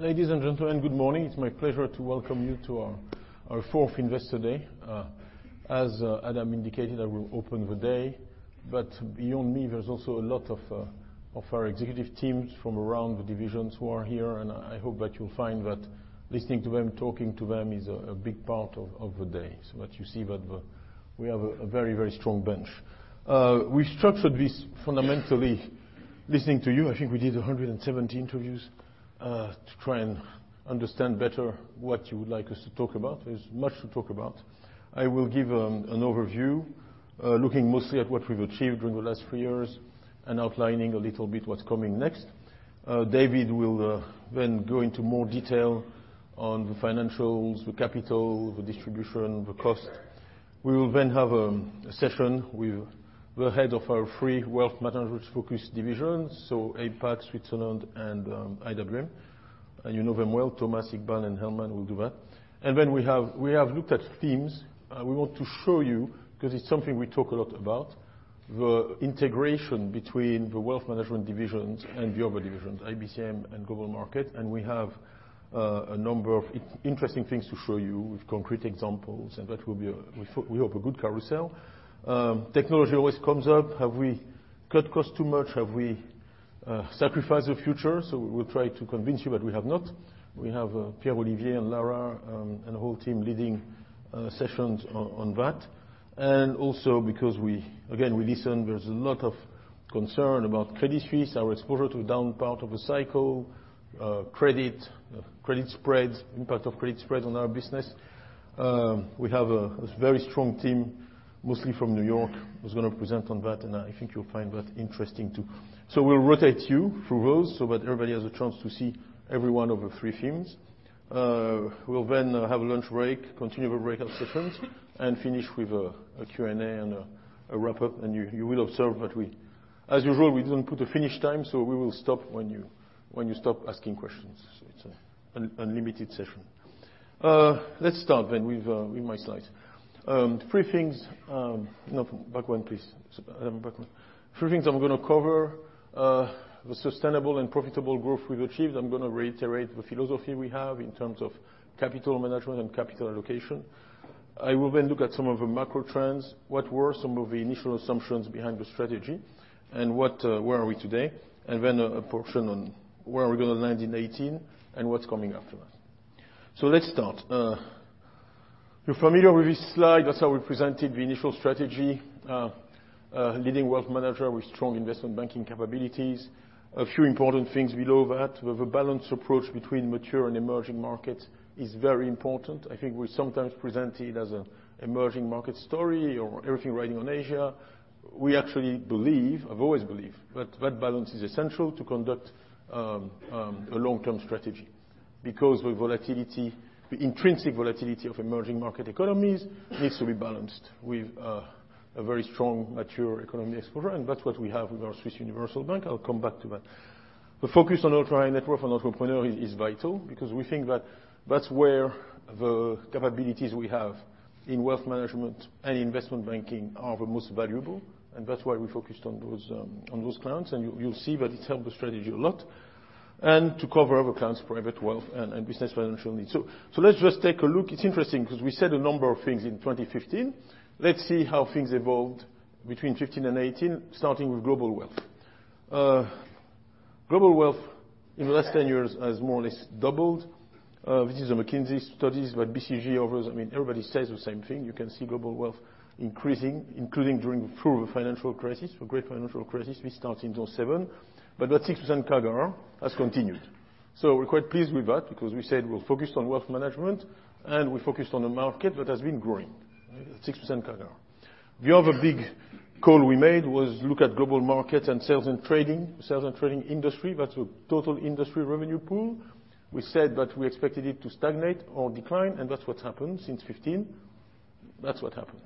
Ladies and gentlemen, good morning. It's my pleasure to welcome you to our fourth Investor Day. As Adam indicated, I will open the day, but beyond me, there's also a lot of our executive teams from around the divisions who are here, and I hope that you'll find that listening to them, talking to them, is a big part of the day. That you see that we have a very strong bench. We structured this fundamentally listening to you. I think we did 117 interviews, to try and understand better what you would like us to talk about. There's much to talk about. I will give an overview, looking mostly at what we've achieved during the last few years and outlining a little bit what's coming next. David will go into more detail on the financials, the capital, the distribution, the cost. We will have a session with the head of our three wealth management focused divisions, so APAC, Switzerland, and IWM. You know them well, Thomas, Iqbal, and Helman will do that. We have looked at themes we want to show you, because it's something we talk a lot about, the integration between the wealth management divisions and the other divisions, IBCM and Global Markets. We have a number of interesting things to show you with concrete examples, and we hope a good carousel. Technology always comes up. Have we cut costs too much? Have we sacrificed the future? We will try to convince you that we have not. We have Pierre, Olivier, and Lara, and the whole team leading sessions on that. Also because again, we listen, there's a lot of concern about Credit Suisse, our exposure to the down part of the cycle, credit spreads, impact of credit spreads on our business. We have a very strong team, mostly from N.Y., who's going to present on that, and I think you'll find that interesting, too. We'll rotate you through those so that everybody has a chance to see every one of the three themes. We'll have a lunch break, continual breakout sessions, and finish with a Q&A and a wrap-up. You will observe that as usual, we don't put a finish time, we will stop when you stop asking questions. It's an unlimited session. Let's start with my slides. No, back one, please. Adam, back one. Three things I'm going to cover. The sustainable and profitable growth we've achieved, I'm going to reiterate the philosophy we have in terms of capital management and capital allocation. I will look at some of the macro trends. What were some of the initial assumptions behind the strategy, and where are we today? A portion on where are we going to land in 2018, and what's coming after that. Let's start. You're familiar with this slide. That's how we presented the initial strategy. Leading wealth manager with strong investment banking capabilities. A few important things below that. We have a balanced approach between mature and emerging markets is very important. I think we're sometimes presented as an emerging market story or everything riding on Asia. We actually believe, I've always believed, that that balance is essential to conduct a long-term strategy. The volatility, the intrinsic volatility of emerging market economies needs to be balanced with a very strong mature economy exposure, and that's what we have with our Swiss Universal Bank. I'll come back to that. The focus on ultra-high-net-worth and entrepreneur is vital because we think that that's where the capabilities we have in wealth management and investment banking are the most valuable, and that's why we focused on those clients. You'll see that it helped the strategy a lot. To cover other clients' private wealth and business financial needs. Let's just take a look. It's interesting because we said a number of things in 2015. Let's see how things evolved between 2015 and 2018, starting with global wealth. Global wealth in the last 10 years has more or less doubled. This is the McKinsey studies, what BCG offers. Everybody says the same thing. You can see global wealth increasing, including through the financial crisis, the great financial crisis. We start in 2007, but that 6% CAGR has continued. We're quite pleased with that because we said we're focused on wealth management and we're focused on the market that has been growing at 6% CAGR. The other big call we made was look at global market and sales and trading. Sales and trading industry, that's a total industry revenue pool. We said that we expected it to stagnate or decline, and that's what's happened since 2015. That's what happened.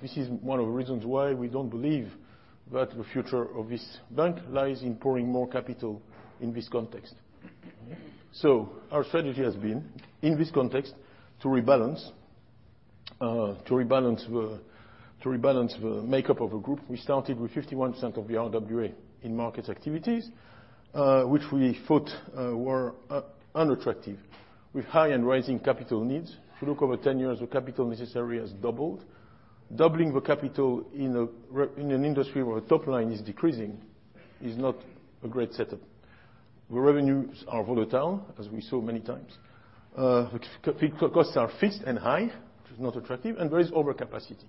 This is one of the reasons why we don't believe that the future of this bank lies in pouring more capital in this context. Our strategy has been, in this context, to rebalance the makeup of a group. We started with 51% of the RWA in markets activities, which we thought were unattractive. With high and rising capital needs. If you look over 10 years, the capital necessary has doubled. Doubling the capital in an industry where the top line is decreasing is not a great setup. The revenues are volatile, as we saw many times. The costs are fixed and high, which is not attractive, and there is overcapacity,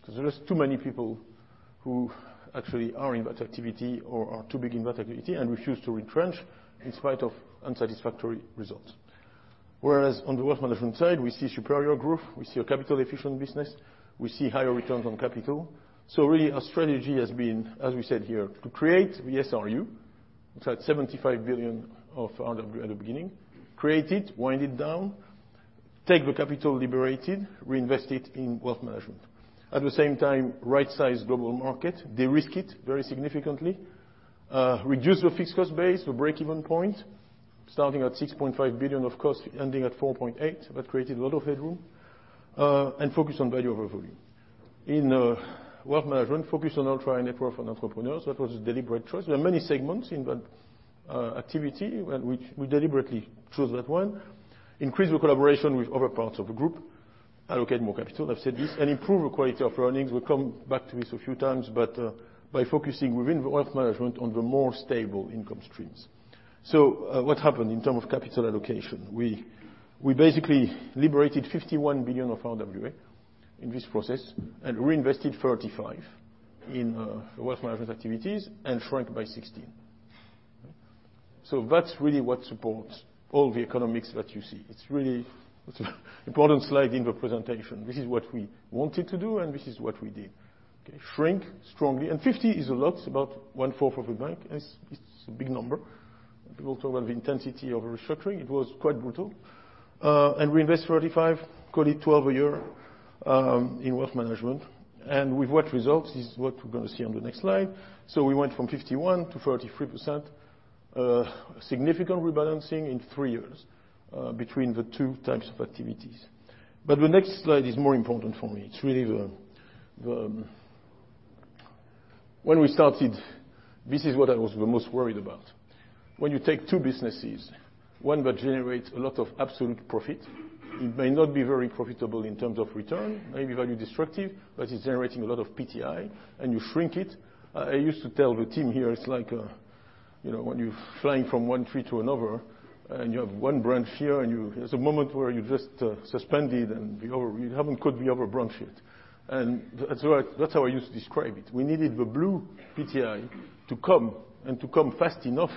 because there is too many people who actually are in that activity or are too big in that activity and refuse to retrench in spite of unsatisfactory results. Whereas on the wealth management side, we see superior growth. We see a capital-efficient business. We see higher returns on capital. Really, our strategy has been, as we said here, to create the SRU. It's at 75 billion at the beginning. Create it, wind it down, take the capital liberated, reinvest it in wealth management. At the same time, rightsize global market, de-risk it very significantly, reduce the fixed cost base, the break-even point, starting at 6.5 billion of cost, ending at 4.8 billion. That created a lot of headroom. Focus on value over volume. In wealth management, focus on ultra-high-net-worth and entrepreneurs. That was a deliberate choice. There are many segments in that activity, we deliberately chose that one. Increase the collaboration with other parts of the group. Allocate more capital, I've said this, improve the quality of earnings. We'll come back to this a few times, but by focusing within the wealth management on the more stable income streams. What happened in terms of capital allocation? We basically liberated 51 billion of RWA in this process and reinvested 35 in the wealth management activities and shrank by 16. That's really what supports all the economics that you see. It's really important slide in the presentation. This is what we wanted to do, and this is what we did. Okay, shrink strongly. 50 is a lot, it's about one-fourth of the bank. It's a big number. People talk about the intensity of a restructuring. It was quite brutal. We invest 35, call it 12 a year, in wealth management. With what results is what we're going to see on the next slide. We went from 51% to 33%, a significant rebalancing in 3 years, between the two types of activities. The next slide is more important for me. When we started, this is what I was the most worried about. When you take two businesses, one that generates a lot of absolute profit, it may not be very profitable in terms of return, may be value destructive, but it's generating a lot of PTI, and you shrink it. I used to tell the team here, it's like when you're flying from one tree to another, and you have one branch here, and there's a moment where you're just suspended, and you haven't caught the other branch yet. That's how I used to describe it. We needed the blue PTI to come, and to come fast enough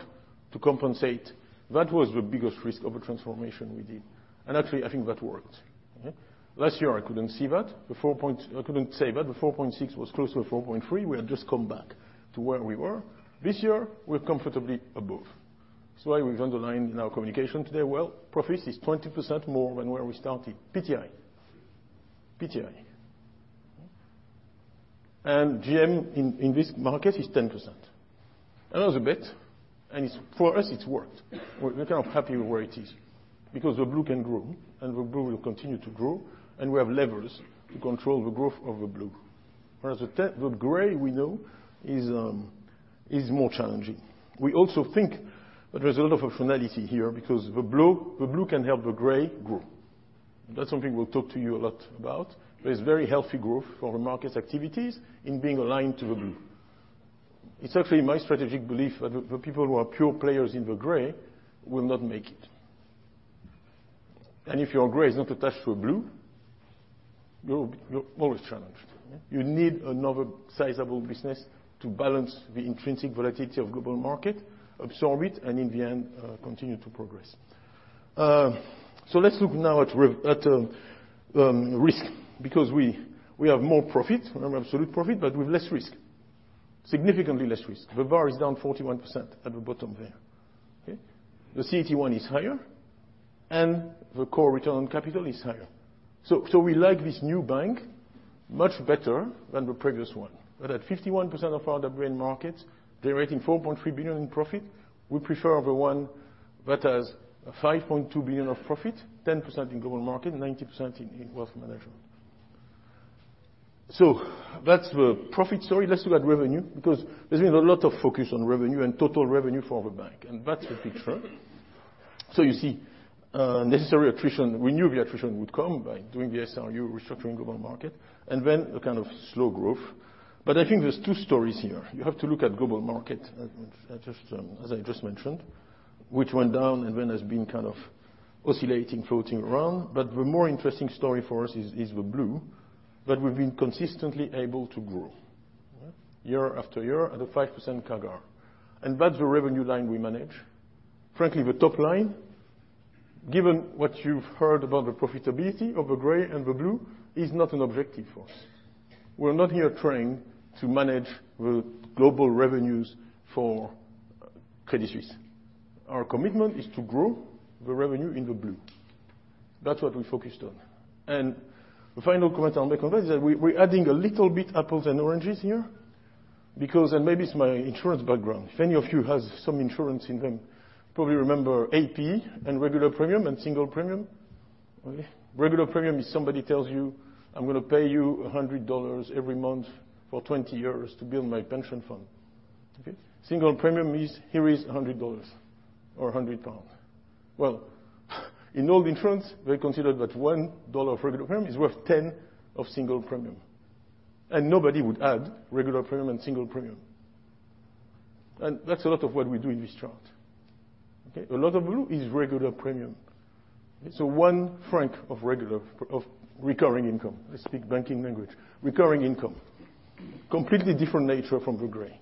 to compensate. That was the biggest risk of a transformation we did. Actually, I think that worked. Last year, I couldn't say that. The 4.6 billion was close to 4.3 billion. We had just come back to where we were. This year, we're comfortably above. That's why we've underlined in our communication today, profits is 20% more than where we started. PTI. Global Markets in this market is 10%. Another bit, for us, it's worked. We're kind of happy where it is because the blue can grow, and the blue will continue to grow, and we have levers to control the growth of the blue. Whereas the gray, we know, is more challenging. We also think that there's a lot of finality here because the blue can help the gray grow. That's something we'll talk to you a lot about. There is very healthy growth for the markets activities in being aligned to the blue. It's actually my strategic belief that the people who are pure players in the gray will not make it. If your gray is not attached to a blue, you're always challenged. You need another sizable business to balance the intrinsic volatility of Global Markets, absorb it, and in the end, continue to progress. Let's look now at risk, because we have more absolute profit, but with less risk. Significantly less risk. The bar is down 41% at the bottom there. Okay? The CET1 is higher, and the core return on capital is higher. We like this new bank much better than the previous one. That at 51% of RWA in markets, generating 4.3 billion in profit, we prefer the one that has 5.2 billion of profit, 10% in Global Markets, 90% in Wealth Management. That's the profit story. Let's look at revenue, because there's been a lot of focus on revenue and total revenue for the bank, and that's the picture. You see necessary attrition. We knew the attrition would come by doing the SRU restructuring Global Markets, then a kind of slow growth. I think there's two stories here. You have to look at Global Markets, as I just mentioned, which went down and then has been kind of oscillating, floating around. The more interesting story for us is the blue, that we've been consistently able to grow. Year after year at a 5% CAGR. That's the revenue line we manage. Frankly, the top line, given what you've heard about the profitability of the gray and the blue, is not an objective for us. We're not here trying to manage the global revenues for Credit Suisse. Our commitment is to grow the revenue in the blue. That's what we focused on. The final comment I'll make on that is that we're adding a little bit apples and oranges here because, maybe it's my insurance background. If any of you has some insurance income, probably remember AP and regular premium and single premium. Okay? Regular premium is somebody tells you, "I'm going to pay you $100 every month for 20 years to build my pension fund." Okay? Single premium is, here is $100 or 100 pounds. Well, in all the insurance, they considered that one dollar of regular premium is worth 10 of single premium. Nobody would add regular premium and single premium. That's a lot of what we do in this chart. Okay? A lot of blue is regular premium. So one franc of recurring income. Let's speak banking language. Recurring income. Completely different nature from the gray.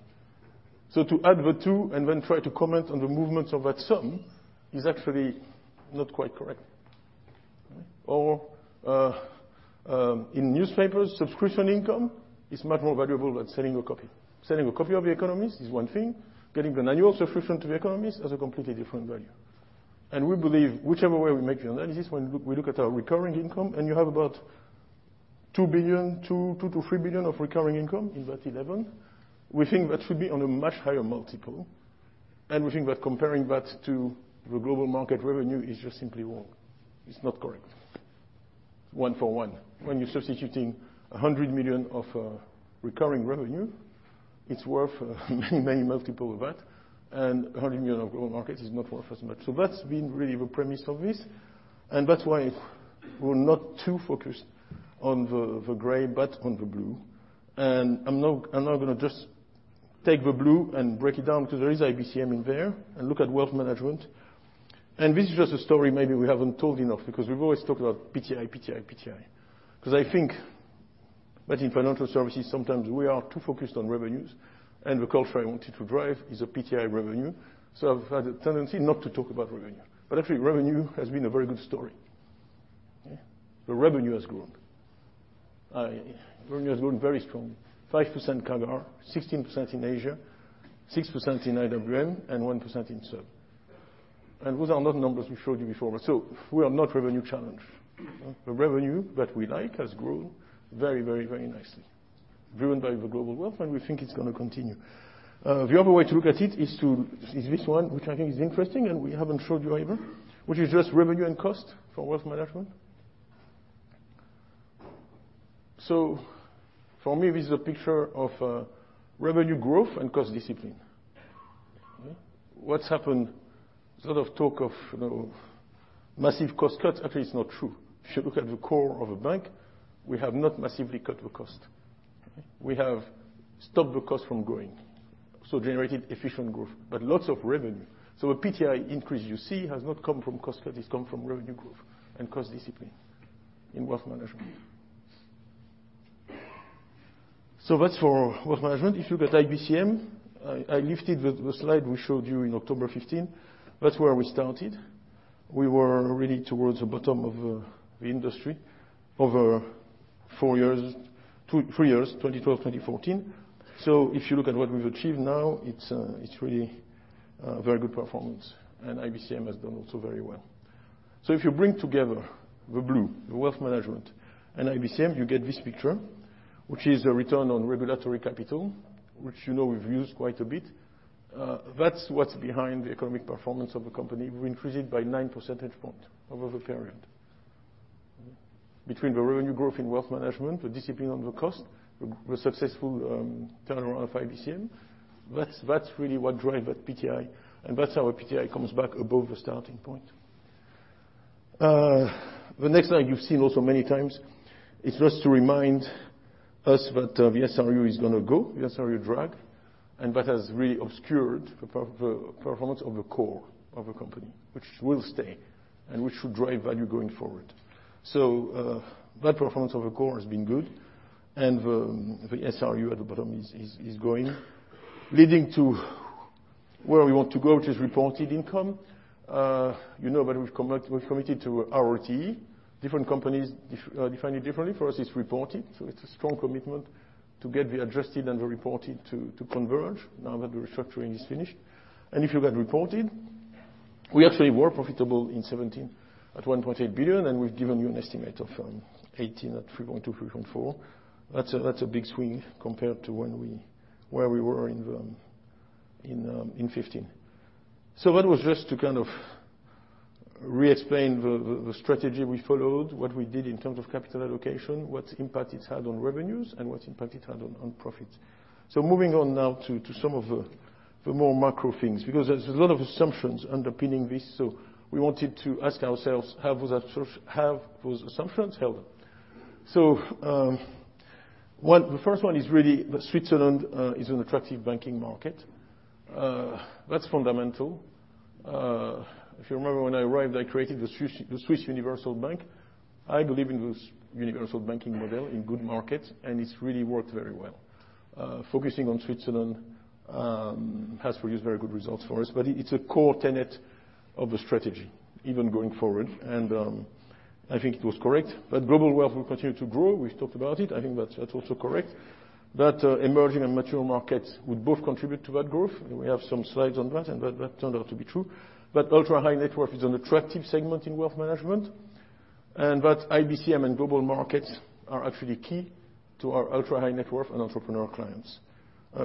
To add the two and then try to comment on the movements of that sum is actually not quite correct. In newspapers, subscription income is much more valuable than selling a copy. Selling a copy of The Economist is one thing. Getting an annual subscription to The Economist has a completely different value. We believe whichever way we make the analysis, when we look at our recurring income, and you have about 2 billion-3 billion of recurring income in that 11, we think that should be on a much higher multiple. We think that comparing that to the Global Markets revenue is just simply wrong. It's not correct. One for one. When you're substituting 100 million of recurring revenue, it's worth many multiple of that, and 100 million of Global Markets is not worth as much. That's been really the premise of this, that's why we're not too focused on the gray, but on the blue. I'm now going to just take the blue and break it down, because there is IBCM in there, and look at wealth management. This is just a story maybe we haven't told enough, because we've always talked about PTI, PTI. I think that in financial services, sometimes we are too focused on revenues, and the culture I wanted to drive is a PTI revenue. I've had a tendency not to talk about revenue. Actually, revenue has been a very good story. Yeah. The revenue has grown. Revenue has grown very strong. 5% CAGR, 16% in Asia, 6% in IWM, and 1% in SUB. Those are not numbers we showed you before. We are not revenue challenged. The revenue that we like has grown very nicely. Driven by the global wealth, and we think it's going to continue. The other way to look at it is this one, which I think is interesting, and we haven't showed you either, which is just revenue and cost for wealth management. For me, this is a picture of revenue growth and cost discipline. What's happened, there's a lot of talk of massive cost cuts. Actually, it's not true. If you look at the core of a bank, we have not massively cut the cost. We have stopped the cost from growing. Generated efficient growth, but lots of revenue. The PTI increase you see has not come from cost cut, it's come from revenue growth and cost discipline in wealth management. That's for wealth management. If you look at IBCM, I lifted the slide we showed you in October 2015. That's where we started. We were really towards the bottom of the industry over four years, three years, 2012, 2014. If you look at what we've achieved now, it's really a very good performance. IBCM has done also very well. If you bring together the blue, the wealth management, and IBCM, you get this picture, which is a return on regulatory capital, which you know we've used quite a bit. That's what's behind the economic performance of the company. We increased it by nine percentage point over the period. Between the revenue growth in wealth management, the discipline on the cost, the successful turnaround of IBCM, that's really what drives that PTI, and that's how our PTI comes back above the starting point. The next slide you've seen also many times. It's just to remind us that the SRU is going to go, the SRU drag. That has really obscured the performance of the core of a company, which will stay, and which should drive value going forward. That performance of the core has been good, and the SRU at the bottom is going, leading to where we want to go, which is reported income. You know that we've committed to RoTE. Different companies define it differently. For us, it's reported, so it's a strong commitment to get the adjusted and the reported to converge now that the restructuring is finished. If you got reported, we actually were profitable in 2017 at 1.8 billion, and we've given you an estimate of 2018 at 3.2 billion-3.4 billion. That's a big swing compared to where we were in 2015. That was just to re-explain the strategy we followed, what we did in terms of capital allocation, what impact it's had on revenues, and what impact it had on profits. Moving on now to some of the more macro things, because there's a lot of assumptions underpinning this, so we wanted to ask ourselves, have those assumptions held? The first one is really that Switzerland is an attractive banking market. That's fundamental. If you remember, when I arrived, I created the Swiss Universal Bank. I believe in the universal banking model in good markets, and it's really worked very well. Focusing on Switzerland has produced very good results for us. It's a core tenet of the strategy, even going forward. I think it was correct. That global wealth will continue to grow. We've talked about it. I think that's also correct. Emerging and mature markets would both contribute to that growth. We have some slides on that. That turned out to be true. Ultra-high net worth is an attractive segment in wealth management. IBCM and Global Markets are actually key to our ultra-high net worth and entrepreneur clients.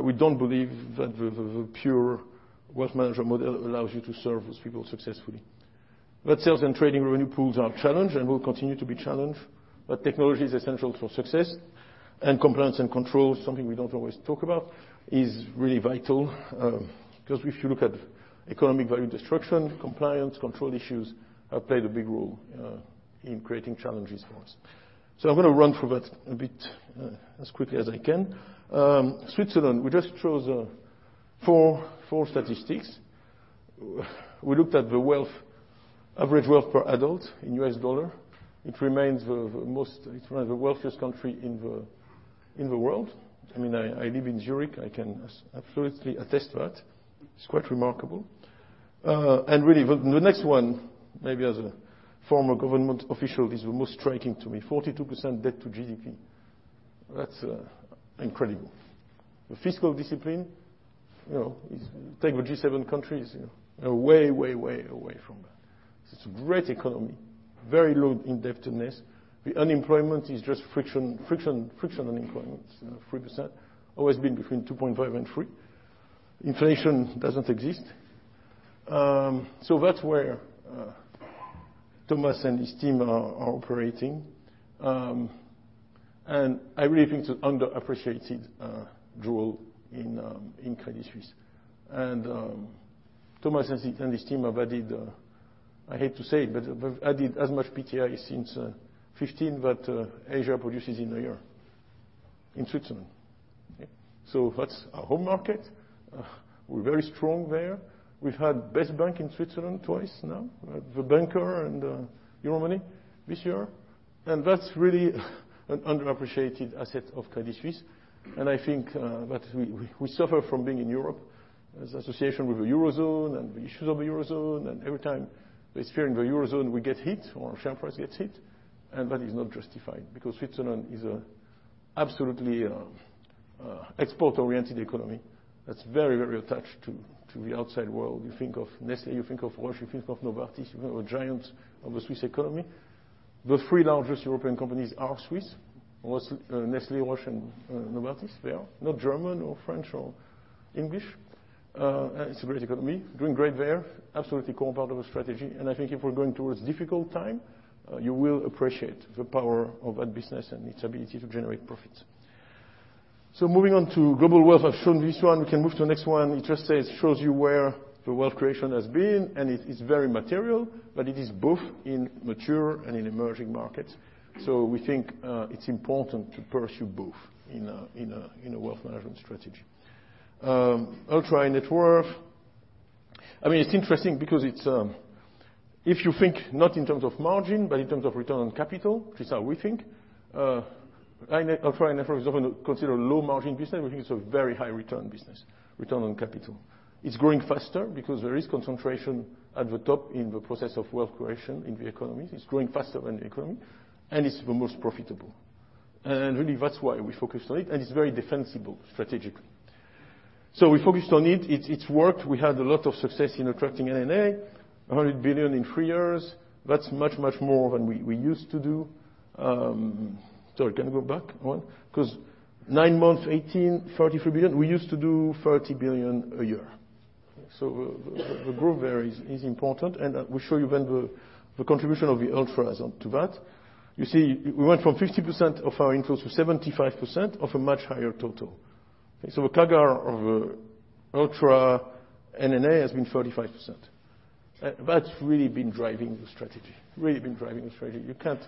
We don't believe that the pure wealth management model allows you to serve those people successfully. Sales and trading revenue pools are challenged and will continue to be challenged. Technology is essential for success. Compliance and control is something we don't always talk about, is really vital. Because if you look at economic value destruction, compliance, control issues have played a big role in creating challenges for us. I'm going to run through that a bit as quickly as I can. Switzerland, we just chose four statistics. We looked at the average wealth per adult in U.S. dollar. It remains the wealthiest country in the world. I live in Zürich. I can absolutely attest to that. It's quite remarkable. The next one, maybe as a former government official, is the most striking to me, 42% debt to GDP. That's incredible. The fiscal discipline is, take the G7 countries, way away from that. It's a great economy, very low indebtedness. The unemployment is just frictional unemployment, it's 3%, always been between 2.5% and 3%. Inflation doesn't exist. That's where Thomas and his team are operating. I really think it's an underappreciated jewel in Credit Suisse. Thomas and his team have added, I hate to say it, but have added as much PTI since 2015 what Asia produces in a year, in Switzerland. That's our home market. We're very strong there. We've had best bank in Switzerland twice now, The Banker and Euromoney this year. That's really an underappreciated asset of Credit Suisse. I think that we suffer from being in Europe, there's association with the Eurozone and the issues of the Eurozone. Every time there's fear in the Eurozone, we get hit, or our share price gets hit. That is not justified, because Switzerland is an absolutely export-oriented economy that's very attached to the outside world. You think of Nestlé, you think of Roche, you think of Novartis, you think of the giants of the Swiss economy. The three largest European companies are Swiss, Nestlé, Roche, and Novartis. They are not German or French or English. It's a great economy, doing great there, absolutely core part of the strategy. I think if we're going towards difficult time, you will appreciate the power of that business and its ability to generate profits. Moving on to global wealth. I've shown this one. We can move to the next one. It just shows you where the wealth creation has been. It is very material, but it is both in mature and in emerging markets. We think it's important to pursue both in a wealth management strategy. Ultra-high net worth. It's interesting because if you think not in terms of margin, but in terms of return on capital, which is how we think, ultra-high net worth is often considered a low margin business. We think it's a very high return business, return on capital. It's growing faster because there is concentration at the top in the process of wealth creation in the economies. It's growing faster than the economy, and it's the most profitable. Really that's why we focused on it, and it's very defensible strategically. We focused on it. It's worked. We had a lot of success in attracting NNA, 100 billion in 3 years. That's much more than we used to do. Sorry, can you go back one? 9 months 2018, 33 billion. We used to do 30 billion a year. The growth there is important. We show you then the contribution of the ultra high net worth to that. You see, we went from 50% of our inflows to 75% of a much higher total. The CAGR of ultra NNA has been 35%. That's really been driving the strategy. You can't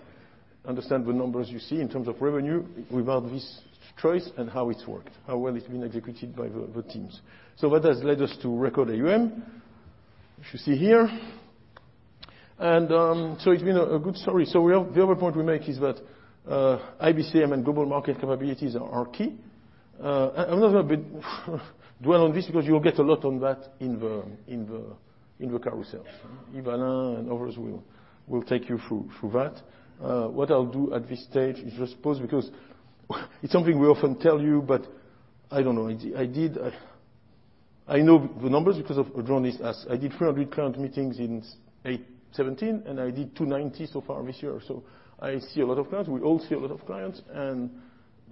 understand the numbers you see in terms of revenue without this choice and how it's worked, how well it's been executed by the teams. That has led us to record AUM, which you see here. It's been a good story. The other point we make is that IBCM and Global Markets capabilities are key. I'm not going to dwell on this because you'll get a lot on that in the carousels. Ivan and others will take you through that. What I'll do at this stage is just pause, because it's something we often tell you, but I don't know. I know the numbers because I've drawn this as I did 300 client meetings in 8/2017, and I did 290 so far this year. I see a lot of clients, we all see a lot of clients, and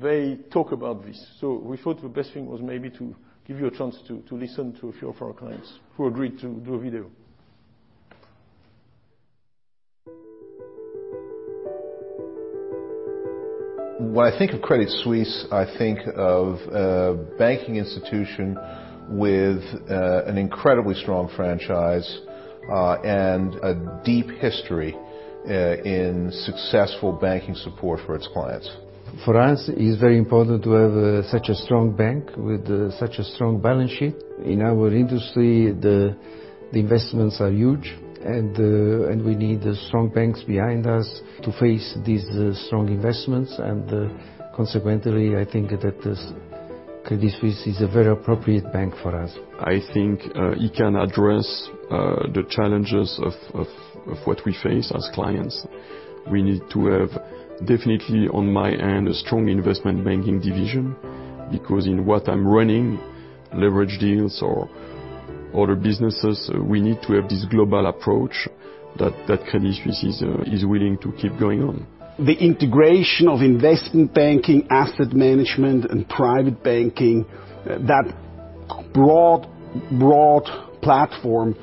they talk about this. We thought the best thing was maybe to give you a chance to listen to a few of our clients who agreed to do a video. When I think of Credit Suisse, I think of a banking institution with an incredibly strong franchise, and a deep history in successful banking support for its clients. For us, it is very important to have such a strong bank with such a strong balance sheet. In our industry, the investments are huge and we need strong banks behind us to face these strong investments. Consequently, I think that Credit Suisse is a very appropriate bank for us. I think it can address the challenges of what we face as clients. We need to have, definitely on my end, a strong investment banking division because in what I'm running, leverage deals or other businesses, we need to have this global approach that Credit Suisse is willing to keep going on. The integration of investment banking, asset management, and private banking, that broad platform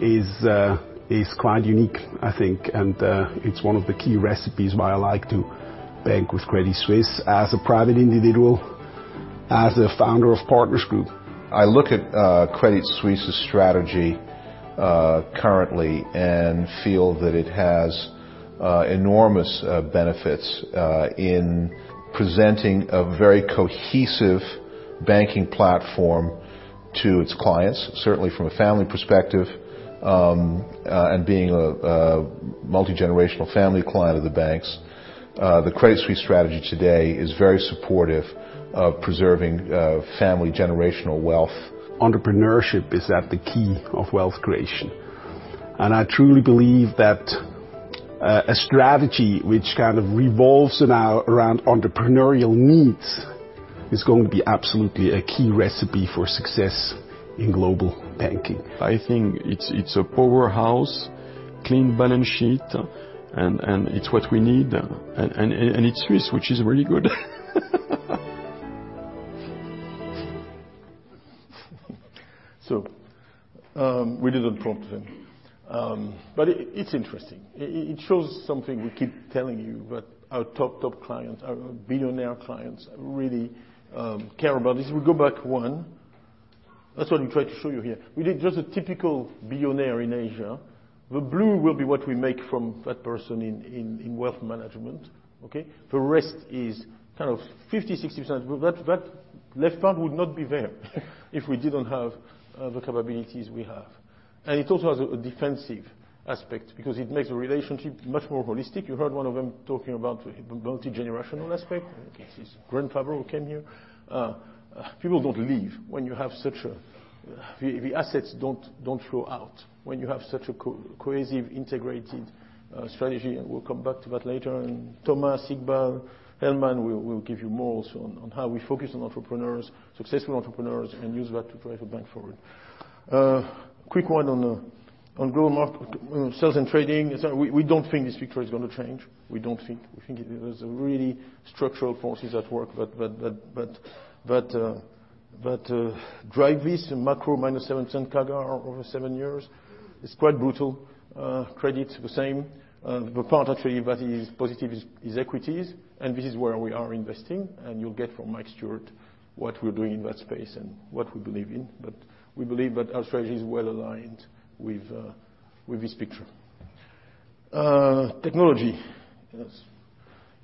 is quite unique, I think, and it's one of the key recipes why I like to bank with Credit Suisse as a private individual, as a founder of Partners Group. I look at Credit Suisse's strategy currently and feel that it has enormous benefits in presenting a very cohesive banking platform to its clients, certainly from a family perspective, and being a multigenerational family client of the banks. The Credit Suisse strategy today is very supportive of preserving family generational wealth. Entrepreneurship is at the key of wealth creation. I truly believe that A strategy which revolves now around entrepreneurial needs is going to be absolutely a key recipe for success in global banking. I think it's a powerhouse, clean balance sheet, it's what we need. It's Swiss, which is really good. We didn't prompt him. It's interesting. It shows something we keep telling you, but our top clients, our billionaire clients, really care about this. We go back one. That's what we try to show you here. We did just a typical billionaire in Asia. The blue will be what we make from that person in Wealth Management. Okay? The rest is 50%-60%, but that left part would not be there if we didn't have the capabilities we have. It also has a defensive aspect because it makes the relationship much more holistic. You heard one of them talking about the multi-generational aspect. The assets don't flow out when you have such a cohesive, integrated strategy, and we'll come back to that later. Thomas, Iqbal, Helman will give you more also on how we focus on entrepreneurs, successful entrepreneurs, and use that to drive a bank forward. A quick one on Global Markets, sales and trading. We don't think this picture is going to change. We think there's really structural forces at work that drive this. Macro, minus 7% CAGR over 7 years. It's quite brutal. Credit, the same. The part, actually, that is positive is equities, and this is where we are investing. You'll get from Mike Stewart what we're doing in that space and what we believe in. We believe that our strategy is well-aligned with this picture. Technology.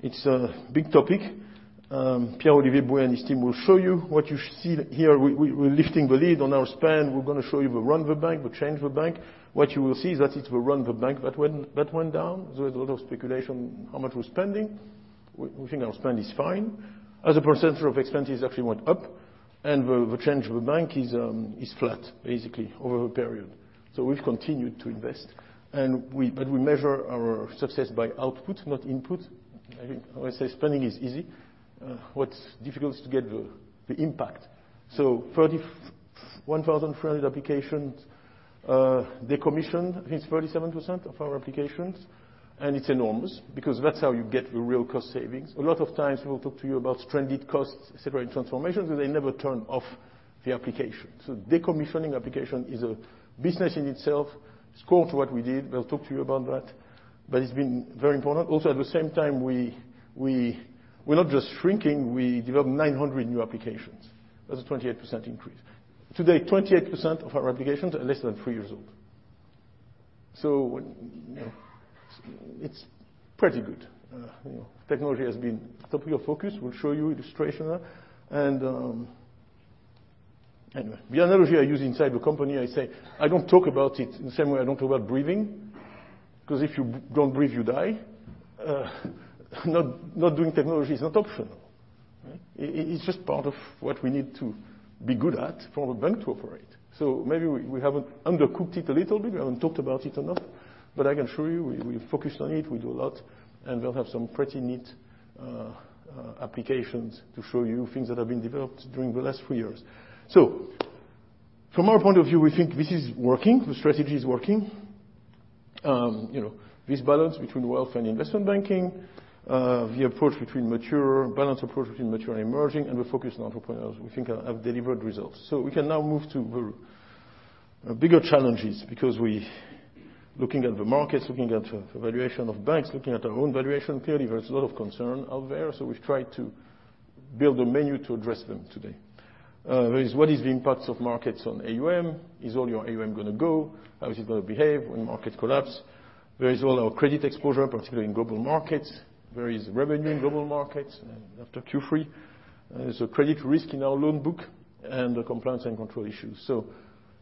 It's a big topic. Pierre-Olivier Bouée and his team will show you. What you see here, we're lifting the lid on our spend. We're going to show you the run the bank, the change the bank. What you will see is that it's the run the bank that went down. There was a lot of speculation how much we're spending. We think our spend is fine. As a percentage of expenses, it actually went up, the change of the bank is flat, basically, over a period. We've continued to invest. We measure our success by output, not input. I always say spending is easy, what's difficult is to get the impact. [3,300] applications decommissioned. I think it's 37% of our applications, it's enormous because that's how you get your real cost savings. A lot of times we will talk to you about stranded costs, et cetera, in transformations, and they never turn off the application. Decommissioning application is a business in itself. It's core to what we did. We'll talk to you about that, but it's been very important. Also, at the same time, we're not just shrinking, we developed 900 new applications. That's a 28% increase. Today, 28% of our applications are less than 3 years old. It's pretty good. Technology has been a topic of focus. We'll show you illustration. Anyway, the analogy I use inside the company, I say, "I don't talk about it in the same way I don't talk about breathing, because if you don't breathe, you die." Not doing technology is not optional. It's just part of what we need to be good at for a bank to operate. Maybe we haven't undercooked it a little bit. We haven't talked about it enough, but I can assure you, we focused on it. We do a lot, and we'll have some pretty neat applications to show you, things that have been developed during the last few years. From our point of view, we think this is working, the strategy is working. This balance between wealth and investment banking, the approach between mature, balance approach between mature and emerging, and the focus on entrepreneurs, we think have delivered results. We can now move to the bigger challenges, because looking at the markets, looking at the valuation of banks, looking at our own valuation, clearly, there's a lot of concern out there. We've tried to build a menu to address them today. There is what is the impacts of markets on AUM. Is all your AUM going to go? How is it going to behave when markets collapse? There is all our credit exposure, particularly in Global Markets. There is revenue in Global Markets after Q3. There's a credit risk in our loan book and the compliance and control issues.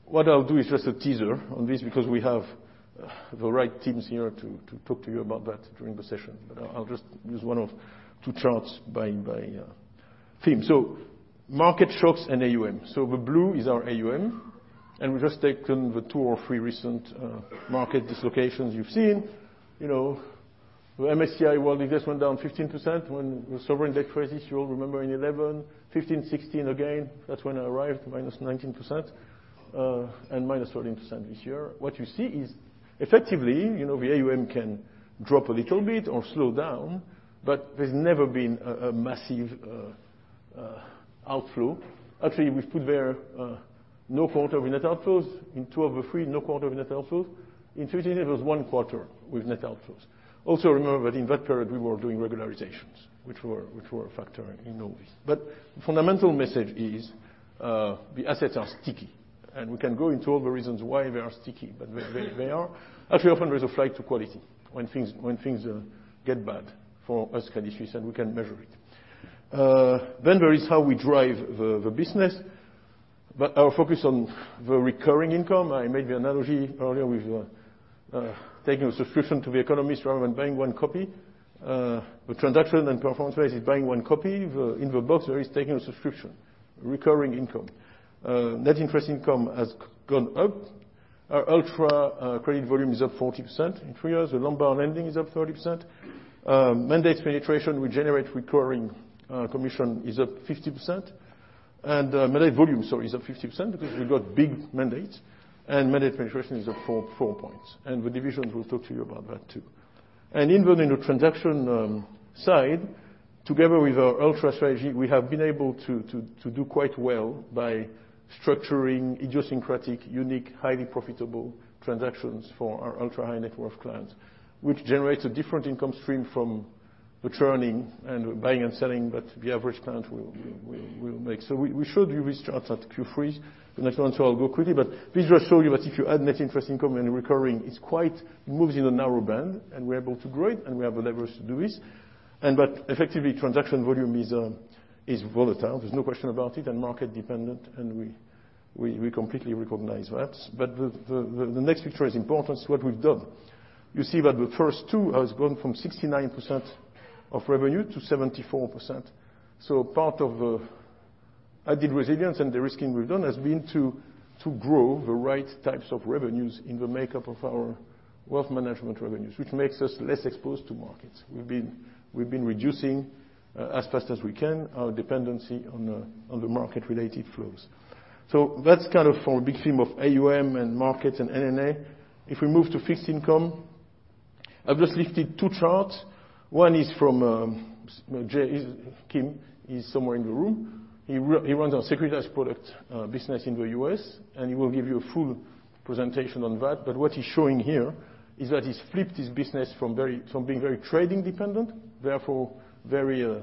What I'll do is just a teaser on this because we have the right teams here to talk to you about that during the session. I'll just use one of two charts by theme. Market shocks and AUM. The blue is our AUM, and we've just taken the two or three recent market dislocations you've seen. The MSCI World Index went down 15% when the sovereign debt crisis, you all remember in 2011, 2015, 2016 again, that's when I arrived, -19%, and -14% this year. What you see is effectively, the AUM can drop a little bit or slow down, but there's never been a massive outflow. Actually, we've put there no quarter of net outflows. In two of the three, no quarter of net outflows. In 2018, there was one quarter with net outflows. Also remember that in that period, we were doing regularizations, which were a factor in all this. The fundamental message is the assets are sticky, and we can go into all the reasons why they are sticky, but they are. Actually, often there's a flight to quality when things get bad for us conditions, and we can measure it. There is how we drive the business. Our focus on the recurring income, I made the analogy earlier with taking a subscription to The Economist rather than buying one copy. The transaction and performance rate is buying one copy. In the box, there is taking a subscription, recurring income. Net interest income has gone up. Our ultra-credit volume is up 40% in three years. The Lombard lending is up 30%. Mandate penetration, we generate recurring commission, is up 50%. Mandate volume, sorry, is up 50%, because we've got big mandates, and mandate penetration is up four points. The divisions will talk to you about that, too. Even in the transaction side, together with our ultra-strategy, we have been able to do quite well by structuring idiosyncratic, unique, highly profitable transactions for our ultra-high-net-worth clients, which generates a different income stream from the churning and buying and selling, but the average client will make. We showed you this chart at Q3. The next one, I'll go quickly, but this will show you that if you add Net interest income and recurring, it's quite, moves in a narrow band, and we're able to grow it, and we have the leverage to do this. Effectively, transaction volume is volatile. There's no question about it, and market dependent, and we completely recognize that. The next picture is important. It's what we've done. You see that the first two has gone from 69% of revenue to 74%. Part of the added resilience and de-risking we've done has been to grow the right types of revenues in the makeup of our wealth management revenues, which makes us less exposed to markets. We've been reducing, as fast as we can, our dependency on the market-related flows. That's kind of our big theme of AUM and market and NNA. If we move to fixed income, I've just listed two charts. One is from Jay Kim. He's somewhere in the room. He runs our Securitized Products business in the U.S., and he will give you a full presentation on that. What he's showing here is that he's flipped his business from being very trading dependent, therefore very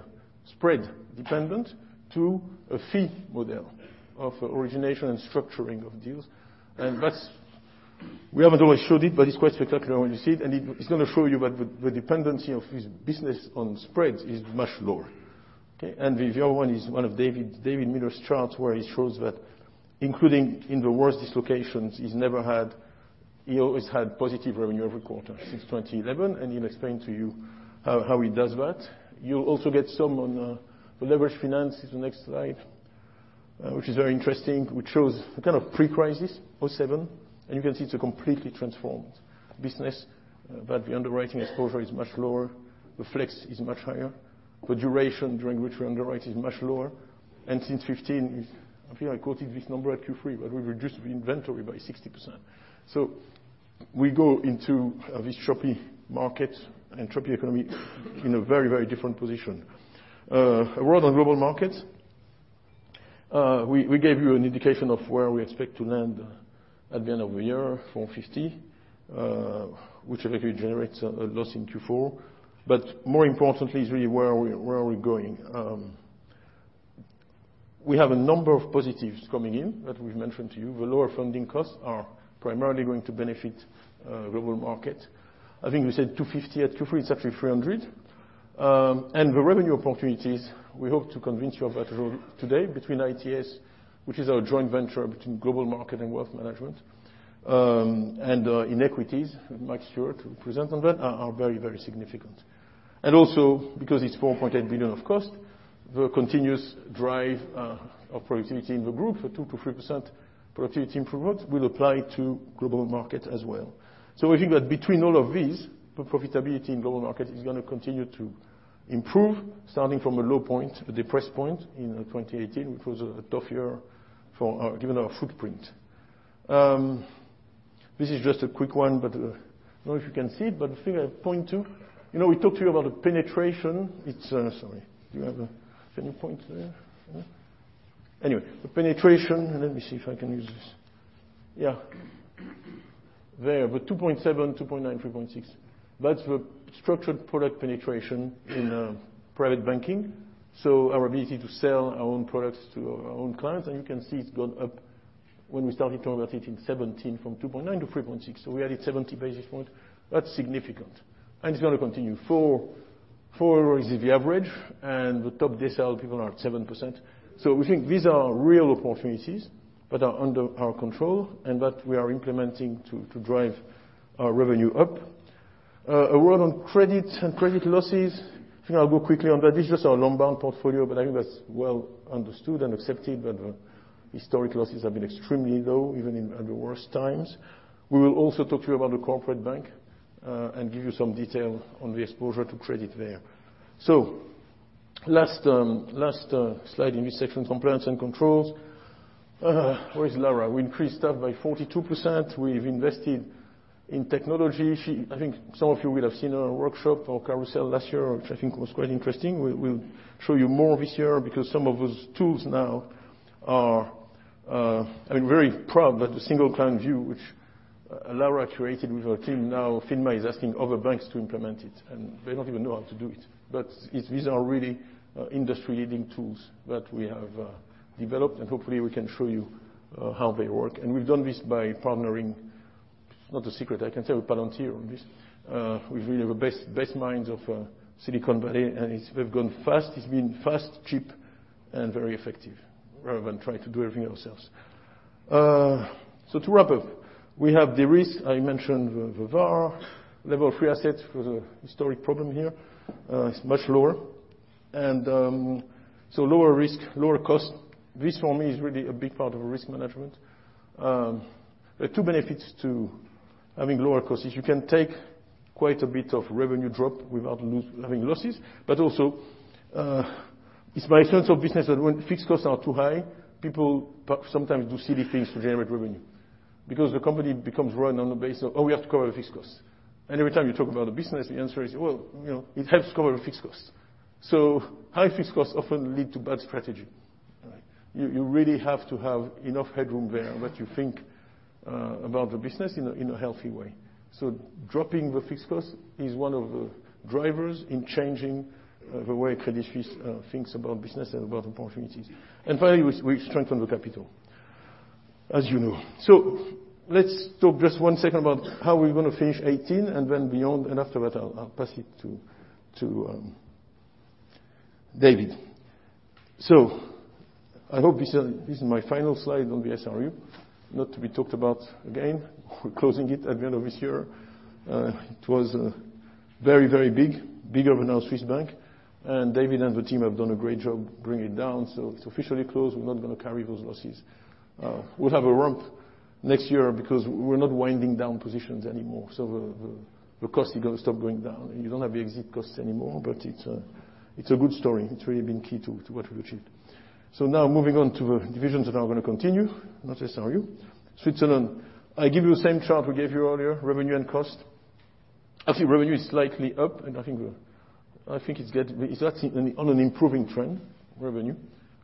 spread dependent, to a fee model of origination and structuring of deals. That's, we haven't always showed it, but it's quite spectacular when you see it. It's going to show you that the dependency of his business on spreads is much lower. Okay. The other one is one of David Miller's charts, where he shows that, including in the worst dislocations, he always had positive revenue every quarter since 2011. He'll explain to you how he does that. You'll also get some on the Leveraged Finance is the next slide, which is very interesting. We chose a kind of pre-crisis, 2007. You can see it's a completely transformed business, that the underwriting exposure is much lower, the flex is much higher. The duration during which we underwrite is much lower. Since 2015, I think I quoted this number at Q3, but we reduced the inventory by 60%. We go into this choppy market and choppy economy in a very different position. A word on Global Markets. We gave you an indication of where we expect to land at the end of the year, 450, which effectively generates a loss in Q4. More importantly is really where are we going? We have a number of positives coming in that we've mentioned to you. The lower funding costs are primarily going to benefit Global Markets. I think we said 250 at Q3, it's actually 300. The revenue opportunities, we hope to convince you of that today, between ITS, which is our joint venture between Global Markets and Wealth Management, and in equities, Mike Stewart will present on that, are very significant. Because it's 4.8 billion of cost, the continuous drive of productivity in the group for 2%-3% productivity improvement will apply to Global Markets as well. We think that between all of these, the profitability in Global Markets is going to continue to improve, starting from a low point, a depressed point in 2018, which was a tough year given our footprint. This is just a quick one, I don't know if you can see it, but the figure 2, we talked to you about the penetration. It's, sorry. Do you have a finger pointer there? No. The penetration, let me see if I can use this. Yeah. There. The 2.7, 2.9, 3.6. That's the structured product penetration in private banking. Our ability to sell our own products to our own clients, and you can see it's gone up, when we started to overtake it in 2017, from 2.9 to 3.6. We added 70 basis points. That's significant. It's going to continue. Four is the average, and the top decile people are at 7%. We think these are real opportunities that are under our control and that we are implementing to drive our revenue up. A word on credit and credit losses. Think I'll go quickly on that. This is just our loan book portfolio, but I think that's well understood and accepted that the historic losses have been extremely low, even in the worst times. We will also talk to you about the Corporate Bank, and give you some detail on the exposure to credit there. Last slide in this section, compliance and controls. Where is Lara? We increased that by 42%. We've invested in technology. I think some of you will have seen our workshop or carousel last year, which I think was quite interesting. We'll show you more this year because some of those tools now are I'm very proud that the single client view, which Lara created with her team, now FINMA is asking other banks to implement it. They don't even know how to do it. These are really industry-leading tools that we have developed, and hopefully, we can show you how they work. We've done this by partnering, it's not a secret, I can tell you, Palantir on this, with really the best minds of Silicon Valley, and we've gone fast. It's been fast, cheap, and very effective rather than trying to do everything ourselves. To wrap up, we have de-risk. I mentioned the VaR, Level 3 assets was a historic problem here. It's much lower. Lower risk, lower cost. This, for me, is really a big part of risk management. There are two benefits to having lower costs. Is you can take quite a bit of revenue drop without having losses. Also, it's my sense of business that when fixed costs are too high, people sometimes do silly things to generate revenue because the company becomes run on the base of, "Oh, we have to cover the fixed costs." Every time you talk about the business, the answer is, "Well, it helps cover the fixed costs." High fixed costs often lead to bad strategy. You really have to have enough headroom there that you think about the business in a healthy way. Dropping the fixed cost is one of the drivers in changing the way Credit Suisse thinks about business and about opportunities. Finally, we strengthen the capital, as you know. Let's talk just one second about how we're going to finish 2018 and then beyond, and after that, I'll pass it to David. I hope this is my final slide on the SRU, not to be talked about again. We're closing it at the end of this year. It was very, very big, bigger than our Swiss bank, and David and the team have done a great job bringing it down. It's officially closed. We're not going to carry those losses. We'll have a rump next year because we're not winding down positions anymore. The cost is going to stop going down. You don't have the exit costs anymore, but it's a good story. It's really been key to what we've achieved. Now moving on to the divisions that are going to continue, not SRU. Switzerland, I give you the same chart we gave you earlier, revenue and cost. Actually, revenue is slightly up, and I think it's actually on an improving trend, revenue,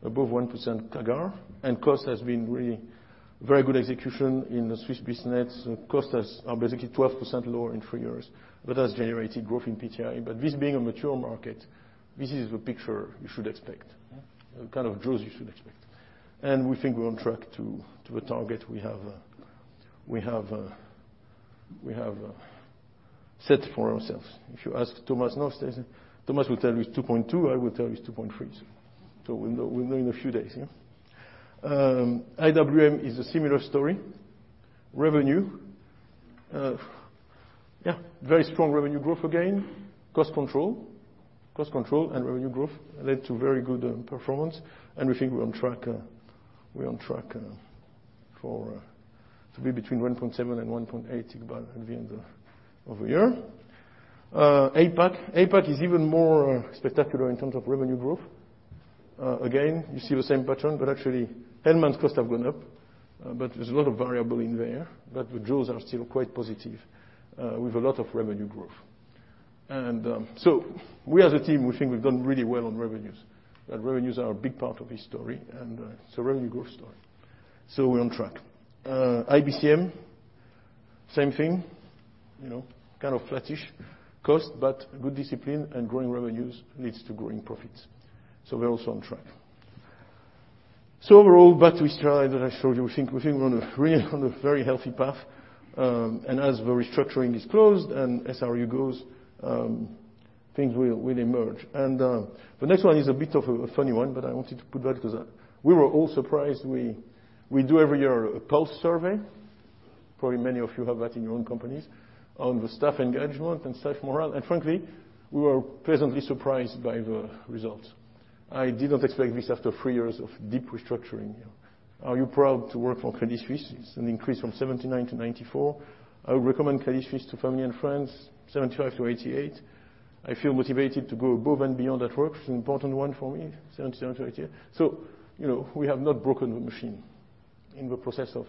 above 1% CAGR. Cost has been really very good execution in the Swiss business. Costs are basically 12% lower in three years. That has generated growth in PTI. This being a mature market, this is the picture you should expect, the kind of draws you should expect. We think we're on track to a target we have set for ourselves. If you ask Thomas now, Thomas will tell you it's 2.2, I will tell you it's 2.3. We'll know in a few days. IWM is a similar story. Revenue. Very strong revenue growth again. Cost control and revenue growth led to very good performance. We think we're on track to be between 1.7 billion and 1.8 billion at the end of the year. APAC. APAC is even more spectacular in terms of revenue growth. Again, you see the same pattern, but actually, Helman's costs have gone up. There's a lot of variable in there. The draws are still quite positive. We've a lot of revenue growth. We, as a team, we think we've done really well on revenues. Revenues are a big part of this story. It's a revenue growth story. We're on track. IBCM, same thing. Kind of flattish cost, good discipline and growing revenues leads to growing profits. We're also on track. Overall, back to the slide that I showed you. We think we're on a very healthy path. As the restructuring is closed and SRU goes, things will emerge. The next one is a bit of a funny one, but I wanted to put that because we were all surprised. We do, every year, a pulse survey, probably many of you have that in your own companies, on the staff engagement and staff morale. Frankly, we were pleasantly surprised by the results. I did not expect this after three years of deep restructuring. Are you proud to work for Credit Suisse? It's an increase from 79 to 94. I would recommend Credit Suisse to family and friends, 75 to 88. I feel motivated to go above and beyond at work, which is an important one for me, 77 to 88. We have not broken the machine in the process of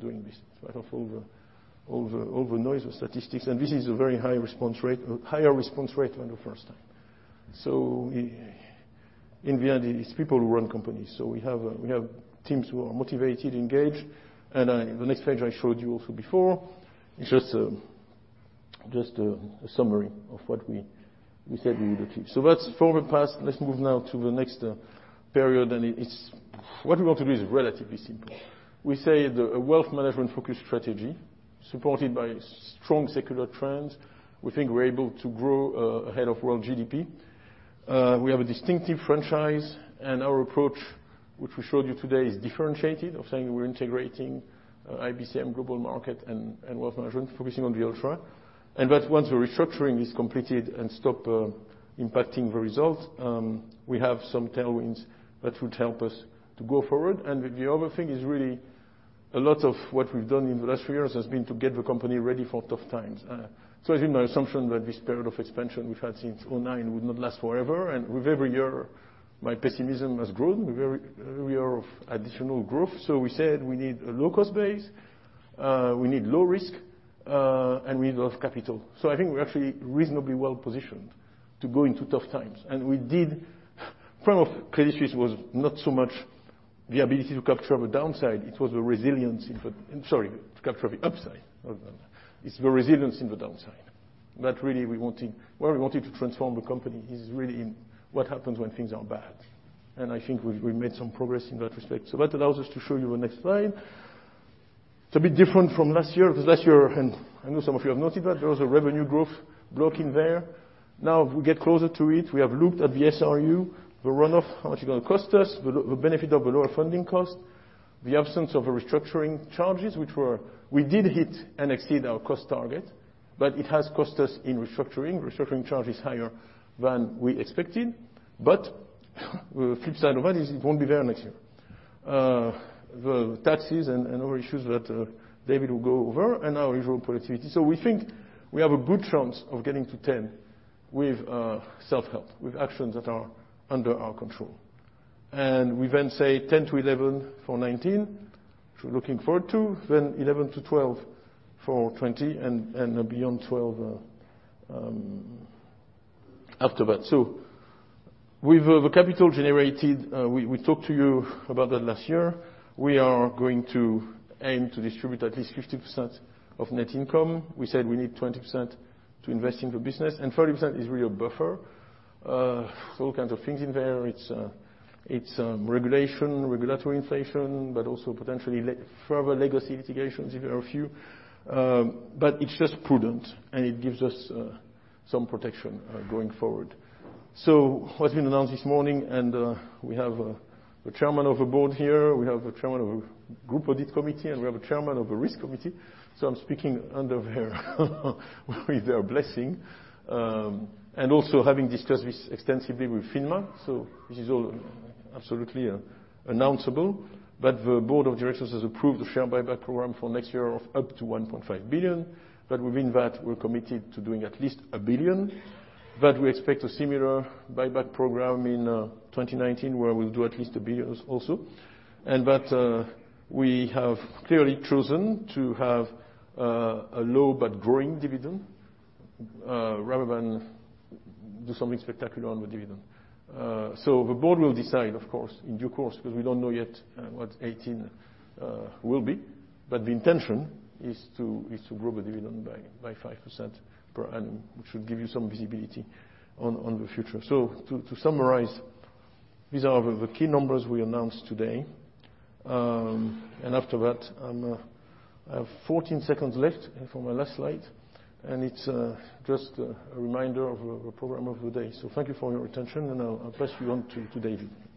doing this, despite of all the noise, the statistics. This is a very high response rate, higher response rate than the first time. In the end, it is people who run companies. We have teams who are motivated, engaged. The next page I showed you also before, just a summary of what we said we would achieve. That's forward past. Let's move now to the next period. What we want to do is relatively simple. We say, the Wealth Management-focused strategy, supported by strong secular trends, we think we're able to grow ahead of world GDP. We have a distinctive franchise, and our approach, which we showed you today, is differentiated of saying we're integrating IBCM Global Markets and Wealth Management, focusing on the ultra. That once the restructuring is completed and stop impacting the results, we have some tailwinds that would help us to go forward. The other thing is really, a lot of what we've done in the last few years has been to get the company ready for tough times. I think my assumption that this period of expansion we've had since 2009 would not last forever. With every year, my pessimism has grown. We are of additional growth. We said we need a low cost base, we need low risk, and we need a lot of capital. I think we're actually reasonably well positioned to go into tough times. We did. Part of Credit Suisse was not so much the ability to capture the downside, it was the resilience in the. I'm sorry, to capture the upside. It's the resilience in the downside. Really, where we wanted to transform the company is really in what happens when things are bad. I think we've made some progress in that respect. That allows us to show you the next slide. It's a bit different from last year, because last year, and I know some of you have noted that, there was a revenue growth block in there. Now, if we get closer to it, we have looked at the SRU, the runoff, how much is it going to cost us? The benefit of the lower funding cost. The absence of restructuring charges, we did hit and exceed our cost target, but it has cost us in restructuring. Restructuring charge is higher than we expected. The flip side of that is it won't be there next year. The taxes and other issues that David will go over and our usual productivity. We think we have a good chance of getting to 10 with self-help, with actions that are under our control. We then say 10-11 for 2019, which we're looking forward to, then 11-12 for 2020 and beyond 12 after that. With the capital generated, we talked to you about that last year. We are going to aim to distribute at least 50% of net income. We said we need 20% to invest in the business, and 30% is really a buffer. All kinds of things in there. It's regulation, regulatory inflation, but also potentially further legacy litigations if there are a few. It's just prudent, and it gives us some protection going forward. What's been announced this morning, and we have the Chairman of the Board here, we have a Chairman of a Group Audit Committee, and we have a Chairman of the Risk Committee. I'm speaking under their blessing. Also having discussed this extensively with FINMA. This is all absolutely announceable. The Board of Directors has approved the share buyback program for next year of up to 1.5 billion. Within that, we're committed to doing at least 1 billion. We expect a similar buyback program in 2019, where we'll do at least 1 billion also. That we have clearly chosen to have a low but growing dividend, rather than do something spectacular on the dividend. The Board will decide, of course, in due course, because we don't know yet what 2018 will be. The intention is to grow the dividend by 5% per annum, which should give you some visibility on the future. To summarize, these are the key numbers we announced today. After that, I have 14 seconds left for my last slide, it's just a reminder of the program of the day. Thank you for your attention. I'll pass you on to David. Thank you,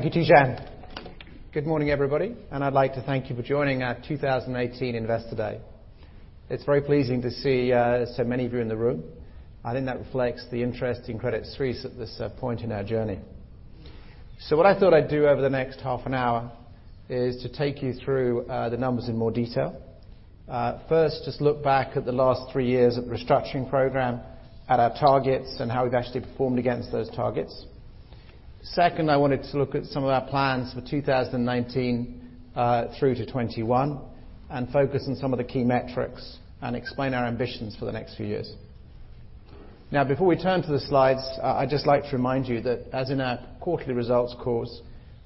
Tidjane. Good morning, everybody. I'd like to thank you for joining our 2018 Investor Day. It's very pleasing to see so many of you in the room. I think that reflects the interest in Credit Suisse at this point in our journey. What I thought I'd do over the next half an hour is to take you through the numbers in more detail. First, just look back at the last three years of the restructuring program, at our targets, and how we've actually performed against those targets. Second, I wanted to look at some of our plans for 2019 through to 2021 and focus on some of the key metrics and explain our ambitions for the next few years. Before we turn to the slides, I'd just like to remind you that as in our quarterly results calls,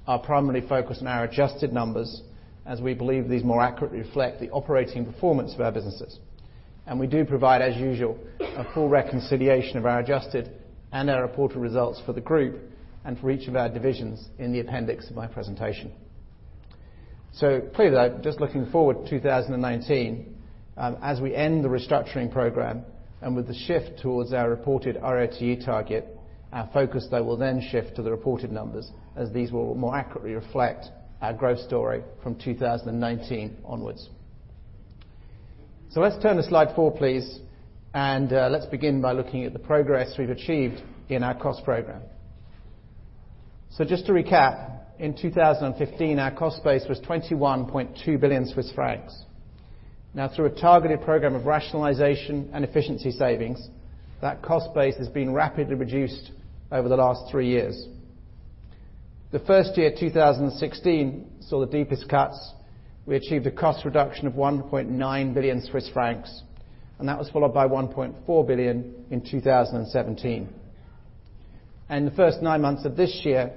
our primary focus on our adjusted numbers, as we believe these more accurately reflect the operating performance of our businesses. We do provide, as usual, a full reconciliation of our adjusted and our reported results for the group and for each of our divisions in the appendix of my presentation. Just looking forward to 2019, as we end the restructuring program and with the shift towards our reported RoTE target, our focus, though, will then shift to the reported numbers as these will more accurately reflect our growth story from 2019 onwards. Let's turn to slide four, please, and let's begin by looking at the progress we've achieved in our cost program. Just to recap, in 2015, our cost base was 21.2 billion Swiss francs. Through a targeted program of rationalization and efficiency savings, that cost base has been rapidly reduced over the last three years. The first year, 2016, saw the deepest cuts. We achieved a cost reduction of 1.9 billion Swiss francs, and that was followed by 1.4 billion in 2017. The first nine months of this year,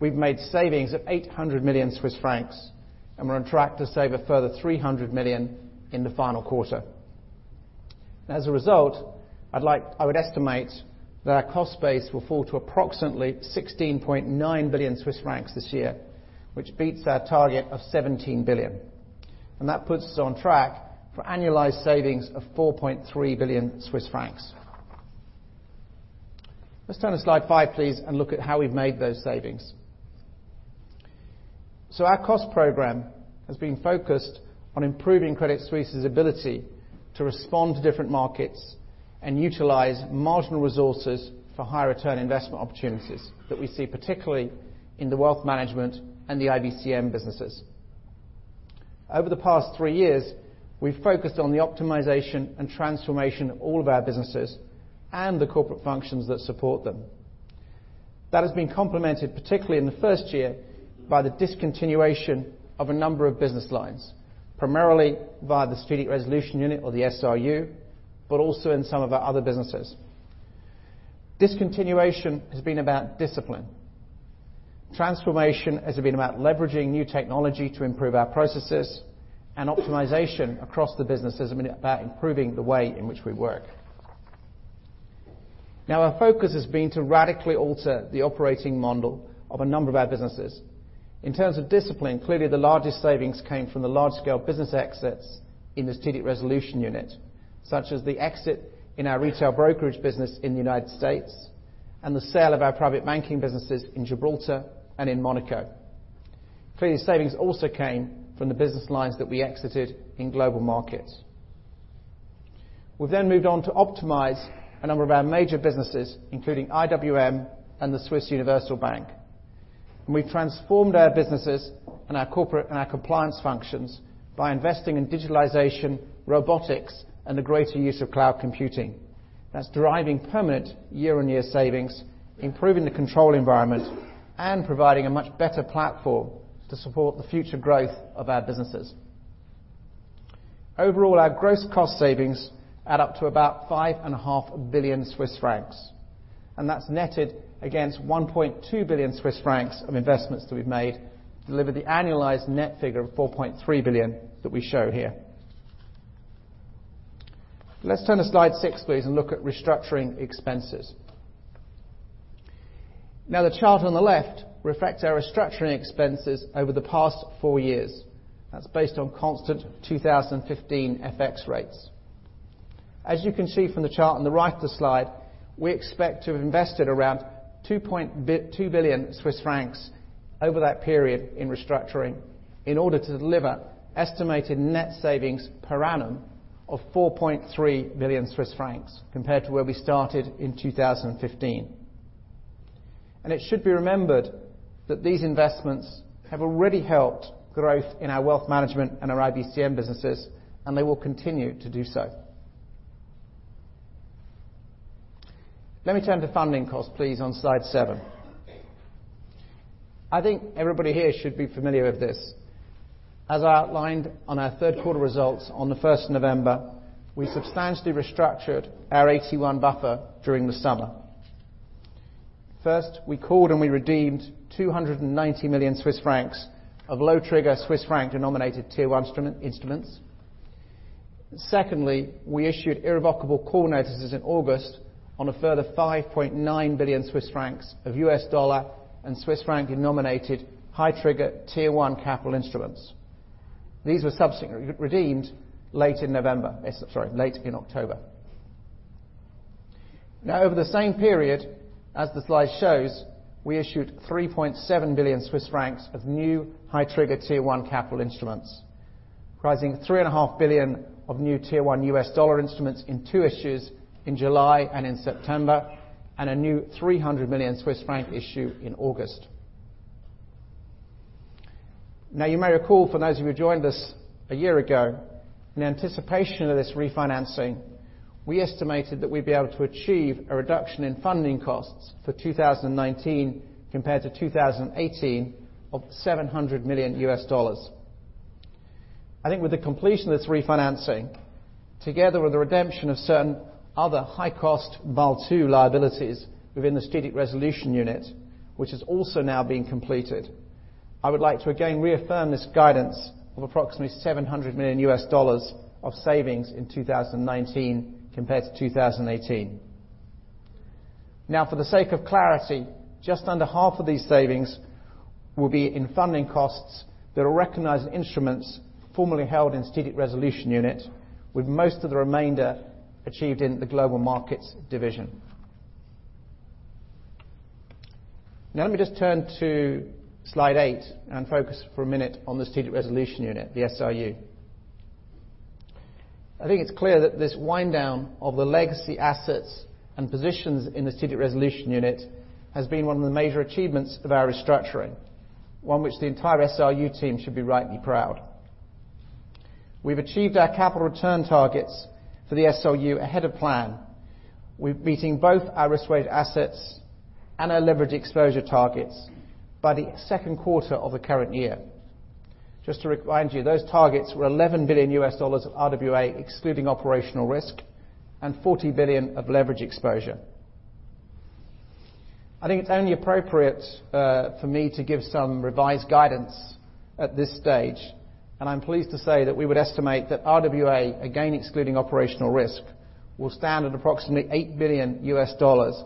we've made savings of 800 million Swiss francs, and we're on track to save a further 300 million in the final quarter. I would estimate that our cost base will fall to approximately 16.9 billion Swiss francs this year, which beats our target of 17 billion. That puts us on track for annualized savings of 4.3 billion Swiss francs. Let's turn to slide five, please, and look at how we've made those savings. Our cost program has been focused on improving Credit Suisse's ability to respond to different markets and utilize marginal resources for higher return investment opportunities that we see, particularly in the Wealth Management and the IBCM businesses. Over the past three years, we've focused on the optimization and transformation of all of our businesses and the corporate functions that support them. That has been complemented, particularly in the first year, by the discontinuation of a number of business lines, primarily via the Strategic Resolution Unit, or the SRU, but also in some of our other businesses. Discontinuation has been about discipline. Transformation has been about leveraging new technology to improve our processes, and optimization across the business has been about improving the way in which we work. Our focus has been to radically alter the operating model of a number of our businesses. In terms of discipline, the largest savings came from the large-scale business exits in the Strategic Resolution Unit, such as the exit in our retail brokerage business in the U.S., and the sale of our private banking businesses in Gibraltar and in Monaco. Savings also came from the business lines that we exited in Global Markets. We then moved on to optimize a number of our major businesses, including IWM and the Swiss Universal Bank. We've transformed our businesses and our corporate and our compliance functions by investing in digitalization, robotics, and the greater use of cloud computing. That's deriving permanent year-on-year savings, improving the control environment, and providing a much better platform to support the future growth of our businesses. Overall, our gross cost savings add up to about 5.5 billion Swiss francs, and that's netted against 1.2 billion Swiss francs of investments that we've made to deliver the annualized net figure of 4.3 billion that we show here. Let's turn to slide six, please, and look at restructuring expenses. The chart on the left reflects our restructuring expenses over the past four years. That's based on constant 2015 FX rates. As you can see from the chart on the right of the slide, we expect to have invested around 2 billion Swiss francs over that period in restructuring in order to deliver estimated net savings per annum of 4.3 billion Swiss francs compared to where we started in 2015. It should be remembered that these investments have already helped growth in our wealth management and our IBCM businesses, and they will continue to do so. Let me turn to funding cost, please, on slide seven. I think everybody here should be familiar with this. As I outlined on our third quarter results on the 1st of November, we substantially restructured our AT1 buffer during the summer. First, we called and we redeemed 290 million Swiss francs of low trigger Swiss franc-denominated Tier 1 instruments. Secondly, we issued irrevocable call notices in August on a further 5.9 billion Swiss francs of U.S. dollar and Swiss franc-denominated high trigger Tier 1 capital instruments. These were redeemed late in October. Over the same period, as the slide shows, we issued 3.7 billion Swiss francs of new high trigger Tier 1 capital instruments, rising $3.5 billion of new Tier 1 U.S. dollar instruments in two issues in July and in September, and a new 300 million Swiss franc issue in August. Now, you may recall for those of you who joined us a year ago, in anticipation of this refinancing, we estimated that we'd be able to achieve a reduction in funding costs for 2019 compared to 2018 of $700 million U.S. I think with the completion of this refinancing, together with the redemption of certain other high-cost Basel II liabilities within the Strategic Resolution Unit, which has also now been completed, I would like to again reaffirm this guidance of approximately $700 million U.S. dollars of savings in 2019 compared to 2018. For the sake of clarity, just under half of these savings will be in funding costs that are recognized instruments formerly held in Strategic Resolution Unit, with most of the remainder achieved in the Global Markets division. Now let me just turn to slide eight and focus for a minute on the Strategic Resolution Unit, the SRU. I think it's clear that this wind down of the legacy assets and positions in the Strategic Resolution Unit has been one of the major achievements of our restructuring, one which the entire SRU team should be rightly proud. We've achieved our capital return targets for the SRU ahead of plan. We're beating both our risk-weighted assets and our leverage exposure targets by the second quarter of the current year. Just to remind you, those targets were $11 billion U.S. of RWA, excluding operational risk, and 40 billion of leverage exposure. I think it's only appropriate for me to give some revised guidance at this stage, and I'm pleased to say that we would estimate that RWA, again excluding operational risk, will stand at approximately $8 billion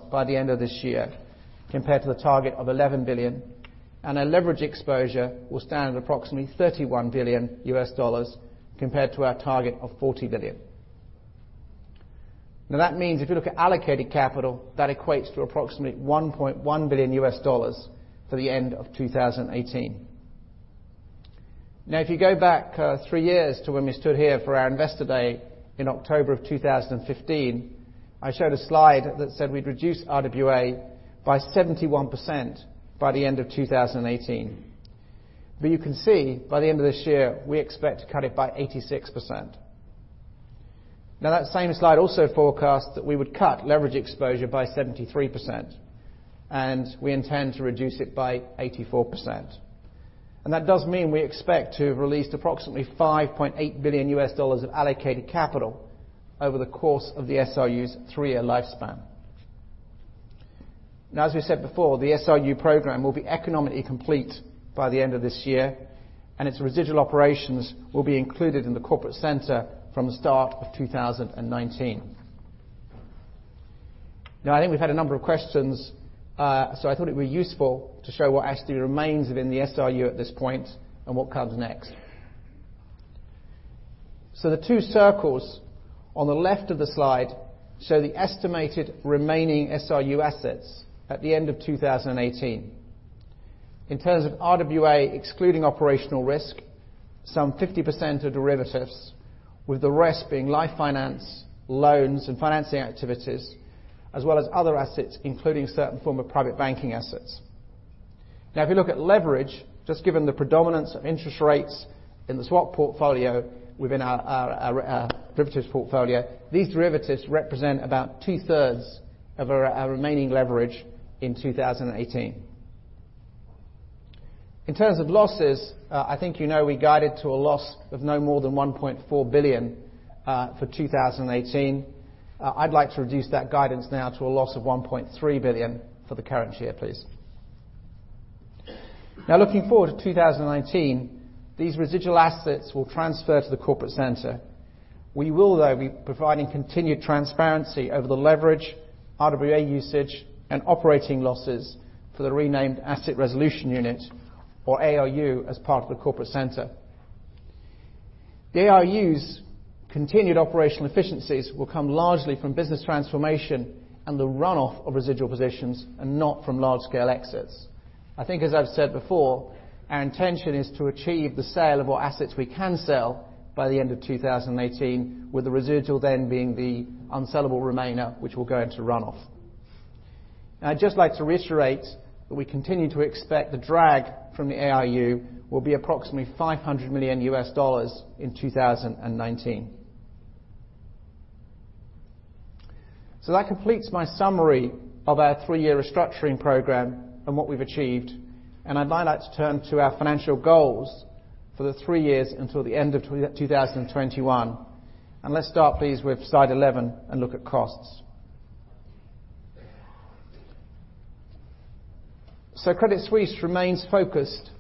by the end of this year, compared to the target of $11 billion, and our leverage exposure will stand at approximately $31 billion compared to our target of 40 billion. That means if you look at allocated capital, that equates to approximately $1.1 billion for the end of 2018. If you go back three years to when we stood here for our investor day in October of 2015, I showed a slide that said we'd reduce RWA by 71% by the end of 2018. You can see by the end of this year, we expect to cut it by 86%. That same slide also forecasts that we would cut leverage exposure by 73%, and we intend to reduce it by 84%. That does mean we expect to have released approximately $5.8 billion of allocated capital over the course of the SRU's three-year lifespan. As we said before, the SRU program will be economically complete by the end of this year, and its residual operations will be included in the corporate center from the start of 2019. I think we've had a number of questions, so I thought it would be useful to show what actually remains within the SRU at this point and what comes next. The two circles on the left of the slide show the estimated remaining SRU assets at the end of 2018. In terms of RWA excluding operational risk, some 50% are derivatives, with the rest being leveraged finance, loans, and financing activities, as well as other assets, including a certain form of private banking assets. If you look at leverage, just given the predominance of interest rates in the swap portfolio within our derivatives portfolio, these derivatives represent about two-thirds of our remaining leverage in 2018. In terms of losses, I think you know we guided to a loss of no more than $1.4 billion for 2018. I'd like to reduce that guidance now to a loss of $1.3 billion for the current year, please. Looking forward to 2019, these residual assets will transfer to the corporate center. We will, though, be providing continued transparency over the leverage, RWA usage, and operating losses for the renamed Asset Resolution Unit, or ARU, as part of the corporate center. The ARU's continued operational efficiencies will come largely from business transformation and the runoff of residual positions and not from large-scale exits. I think as I've said before, our intention is to achieve the sale of what assets we can sell by the end of 2018, with the residual then being the unsellable remainder, which will go into runoff. I'd just like to reiterate that we continue to expect the drag from the ARU will be approximately $500 million in 2019. That completes my summary of our three-year restructuring program and what we've achieved, and I'd now like to turn to our financial goals for the three years until the end of 2021. Let's start, please, with slide 11 and look at costs. Credit Suisse remains focused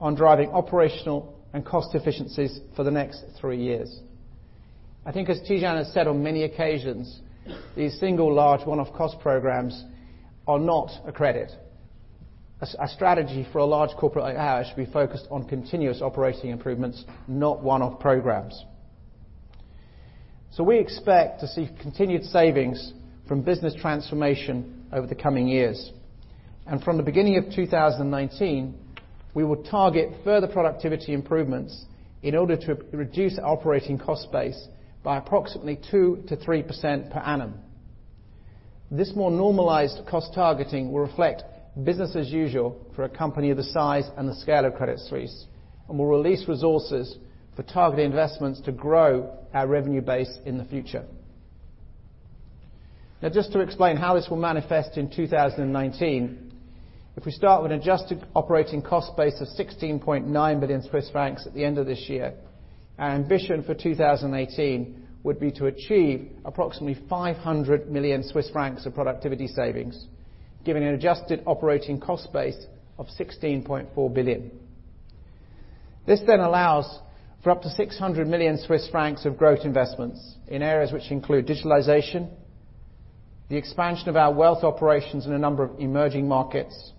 on driving operational and cost efficiencies for the next three years. I think as Tidjane has said on many occasions, these single large one-off cost programs are not a Credit Suisse strategy for a large corporate like ours should be focused on continuous operating improvements, not one-off programs. We expect to see continued savings from business transformation over the coming years. From the beginning of 2019, we will target further productivity improvements in order to reduce our operating cost base by approximately 2%-3% per annum. This more normalized cost targeting will reflect business as usual for a company the size and the scale of Credit Suisse and will release resources for targeted investments to grow our revenue base in the future. Just to explain how this will manifest in 2019, if we start with an adjusted operating cost base of 16.9 billion Swiss francs at the end of this year, our ambition for 2018 would be to achieve approximately 500 million Swiss francs of productivity savings, giving an adjusted operating cost base of 16.4 billion. This then allows for up to 600 million Swiss francs of growth investments in areas which include digitalization, the expansion of our wealth operations in a number of emerging markets,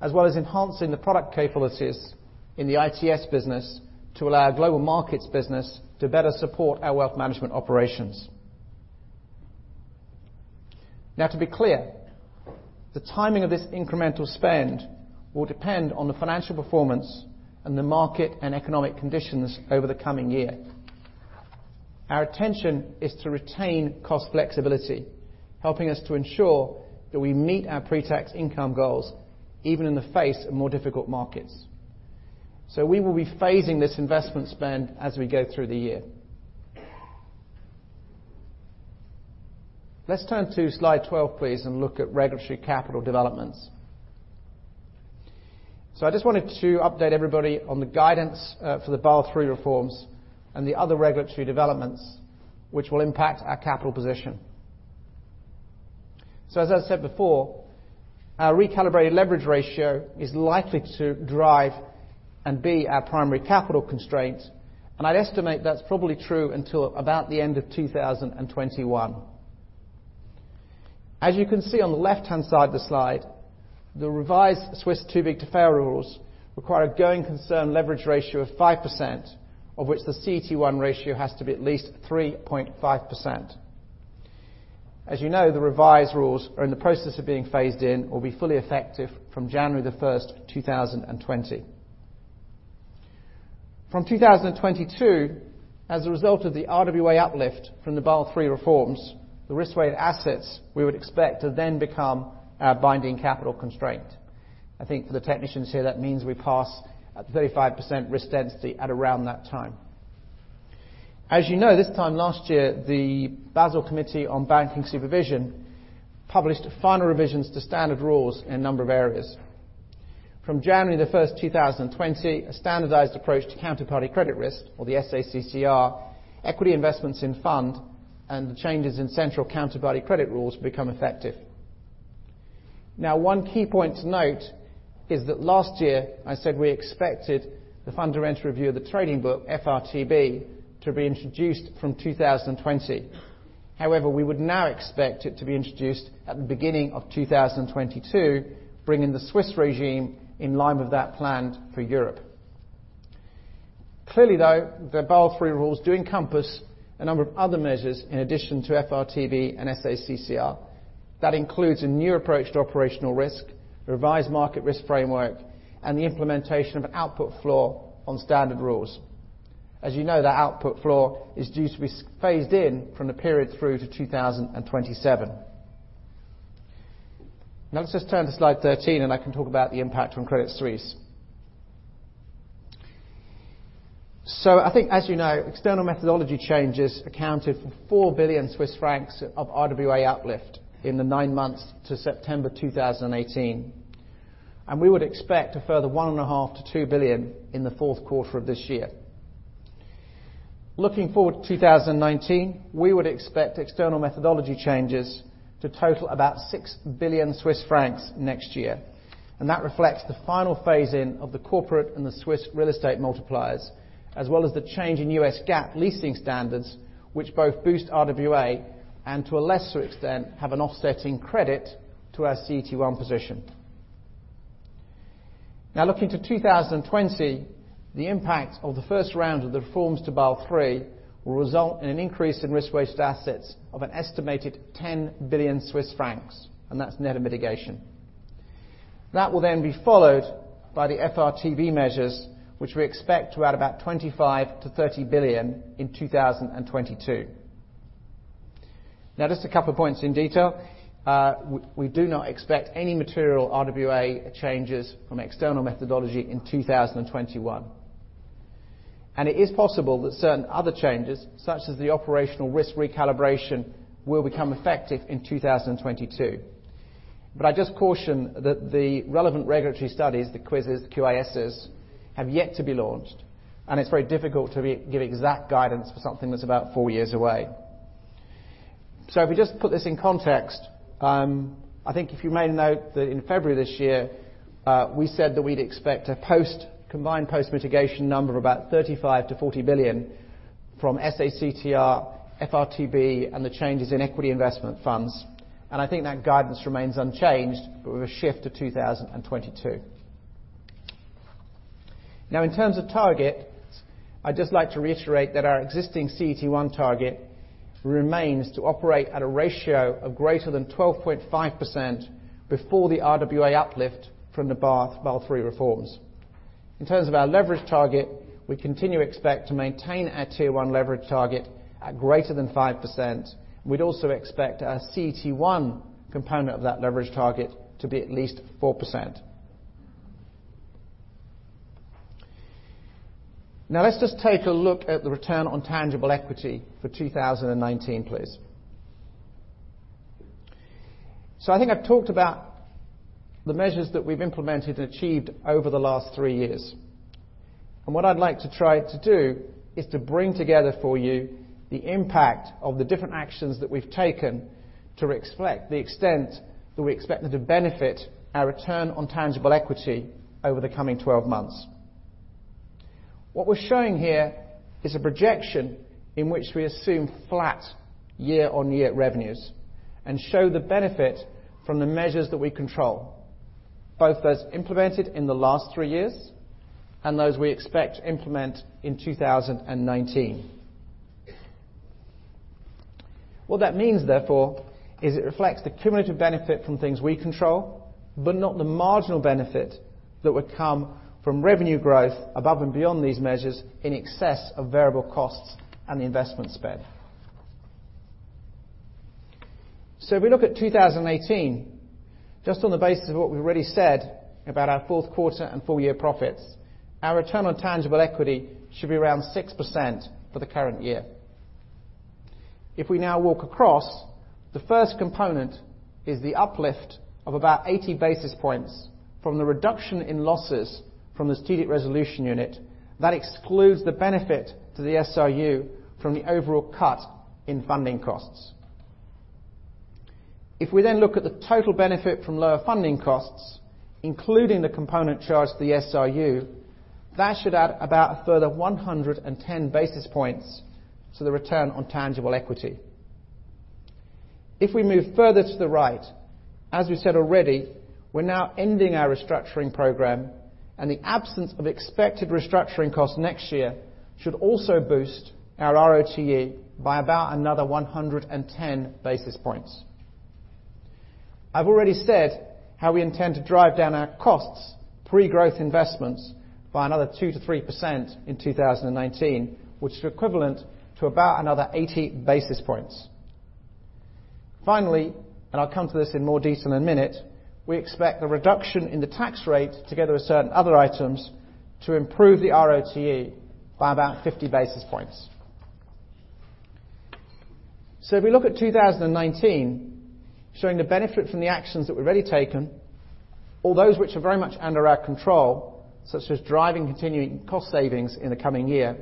as well as enhancing the product capabilities in the ITS business to allow our Global Markets business to better support our wealth management operations. To be clear, the timing of this incremental spend will depend on the financial performance and the market and economic conditions over the coming year. Our intention is to retain cost flexibility, helping us to ensure that we meet our pre-tax income goals, even in the face of more difficult markets. We will be phasing this investment spend as we go through the year. Let's turn to slide 12, please, and look at regulatory capital developments. I just wanted to update everybody on the guidance for the Basel III reforms and the other regulatory developments which will impact our capital position. As I said before, our recalibrated leverage ratio is likely to drive and be our primary capital constraint, and I'd estimate that's probably true until about the end of 2021. As you can see on the left-hand side of the slide, the revised Swiss too-big-to-fail rules require a going concern leverage ratio of 5%, of which the CET1 ratio has to be at least 3.5%. As you know, the revised rules are in the process of being phased in or be fully effective from January 1st, 2020. From 2022, as a result of the RWA uplift from the Basel III reforms, the risk-weighted assets we would expect to then become our binding capital constraint. I think for the technicians here, that means we pass at the 35% risk density at around that time. As you know, this time last year, the Basel Committee on Banking Supervision published final revisions to standard rules in a number of areas. From January 1st, 2020, a Standardised Approach for Counterparty Credit Risk, or the SA-CCR, equity investments in fund, and the changes in central counterparty credit rules become effective. One key point to note is that last year I said we expected the Fundamental Review of the Trading Book, FRTB, to be introduced from 2020. We would now expect it to be introduced at the beginning of 2022, bringing the Swiss regime in line with that planned for Europe. Though, the Basel III rules do encompass a number of other measures in addition to FRTB and SA-CCR. That includes a new approach to operational risk, a revised market risk framework, and the implementation of an output floor on standard rules. As you know, that output floor is due to be phased in from the period through to 2027. Let's just turn to slide 13 and I can talk about the impact on Credit Suisse. I think, as you know, external methodology changes accounted for 4 billion Swiss francs of RWA uplift in the nine months to September 2018. We would expect a further 1.5 billion-2 billion in the fourth quarter of this year. Looking forward to 2019, we would expect external methodology changes to total about 6 billion Swiss francs next year, and that reflects the final phase-in of the corporate and the Swiss real estate multipliers, as well as the change in U.S. GAAP leasing standards, which both boost RWA, and to a lesser extent, have an offsetting credit to our CET1 position. Looking to 2020, the impact of the first round of the reforms to Basel III will result in an increase in risk-weighted assets of an estimated 10 billion Swiss francs, and that's net of mitigation. That will then be followed by the FRTB measures, which we expect to add about 25 billion-30 billion in 2022. Just a couple of points in detail. We do not expect any material RWA changes from external methodology in 2021. It is possible that certain other changes, such as the operational risk recalibration, will become effective in 2022. I just caution that the relevant regulatory studies, the QISs, have yet to be launched, and it's very difficult to give exact guidance for something that's about four years away. If we just put this in context, I think if you may note that in February of this year, we said that we'd expect a combined post-mitigation number of about 35 billion-40 billion from SA-CCR, FRTB, and the changes in equity investment funds. I think that guidance remains unchanged, but with a shift to 2022. In terms of targets, I'd just like to reiterate that our existing CET1 target remains to operate at a ratio of greater than 12.5% before the RWA uplift from the Basel III reforms. In terms of our leverage target, we continue to expect to maintain our Tier 1 leverage target at greater than 5%. We'd also expect our CET1 component of that leverage target to be at least 4%. Let's just take a look at the return on tangible equity for 2019, please. I think I've talked about the measures that we've implemented and achieved over the last three years. What I'd like to try to do is to bring together for you the impact of the different actions that we've taken to reflect the extent that we expect them to benefit our return on tangible equity over the coming 12 months. What we're showing here is a projection in which we assume flat year-on-year revenues and show the benefit from the measures that we control, both those implemented in the last three years and those we expect to implement in 2019. What that means, therefore, is it reflects the cumulative benefit from things we control, but not the marginal benefit that would come from revenue growth above and beyond these measures in excess of variable costs and the investment spend. If we look at 2018, just on the basis of what we've already said about our fourth quarter and full year profits, our return on tangible equity should be around 6% for the current year. If we now walk across, the first component is the uplift of about 80 basis points from the reduction in losses from the Strategic Resolution Unit. That excludes the benefit to the SRU from the overall cut in funding costs. If we then look at the total benefit from lower funding costs, including the component charged to the SRU, that should add about a further 110 basis points to the return on tangible equity. If we move further to the right, as we said already, we're now ending our restructuring program, and the absence of expected restructuring costs next year should also boost our ROTE by about another 110 basis points. I've already said how we intend to drive down our costs, pre-growth investments, by another 2%-3% in 2019, which is equivalent to about another 80 basis points. Finally, I'll come to this in more detail in a minute, we expect the reduction in the tax rate together with certain other items to improve the ROTE by about 50 basis points. If we look at 2019 showing the benefit from the actions that we've already taken, all those which are very much under our control, such as driving continuing cost savings in the coming year,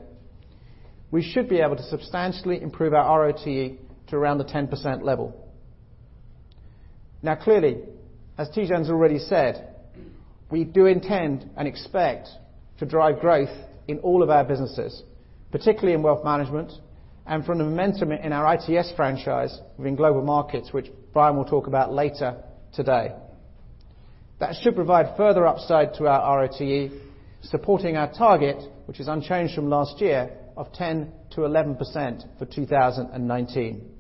we should be able to substantially improve our ROTE to around the 10% level. Now clearly, as Tidjane's already said, we do intend and expect to drive growth in all of our businesses, particularly in wealth management and from the momentum in our ITS franchise within Global Markets, which Brian will talk about later today. That should provide further upside to our ROTE, supporting our target, which is unchanged from last year, of 10%-11% for 2019.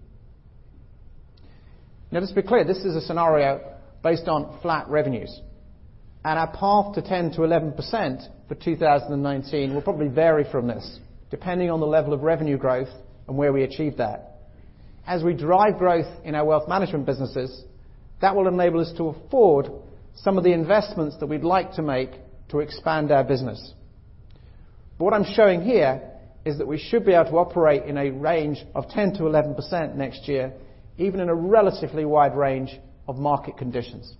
Now, just be clear, this is a scenario based on flat revenues. Our path to 10%-11% for 2019 will probably vary from this, depending on the level of revenue growth and where we achieve that. As we drive growth in our wealth management businesses, that will enable us to afford some of the investments that we'd like to make to expand our business. What I'm showing here is that we should be able to operate in a range of 10%-11% next year, even in a relatively wide range of market conditions.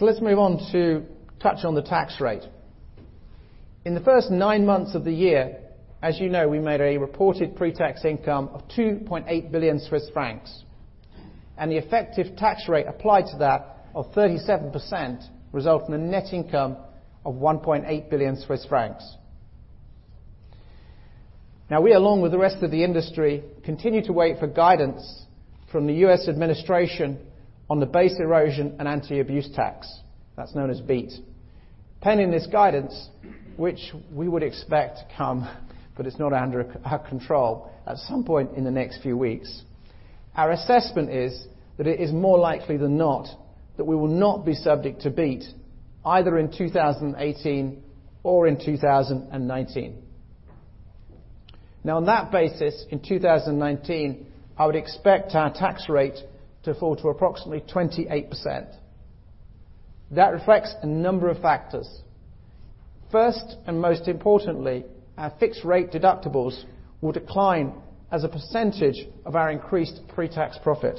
Let's move on to touch on the tax rate. In the first nine months of the year, as you know, we made a reported pre-tax income of 2.8 billion Swiss francs, and the effective tax rate applied to that of 37% result in a net income of 1.8 billion Swiss francs. Now, we, along with the rest of the industry, continue to wait for guidance from the U.S. administration on the Base Erosion and Anti-Abuse Tax that's known as BEAT. Pending this guidance, which we would expect to come, but it's not under our control, at some point in the next few weeks. Our assessment is that it is more likely than not that we will not be subject to BEAT either in 2018 or in 2019. On that basis, in 2019, I would expect our tax rate to fall to approximately 28%. That reflects a number of factors. First, and most importantly, our fixed rate deductibles will decline as a percentage of our increased pre-tax profit.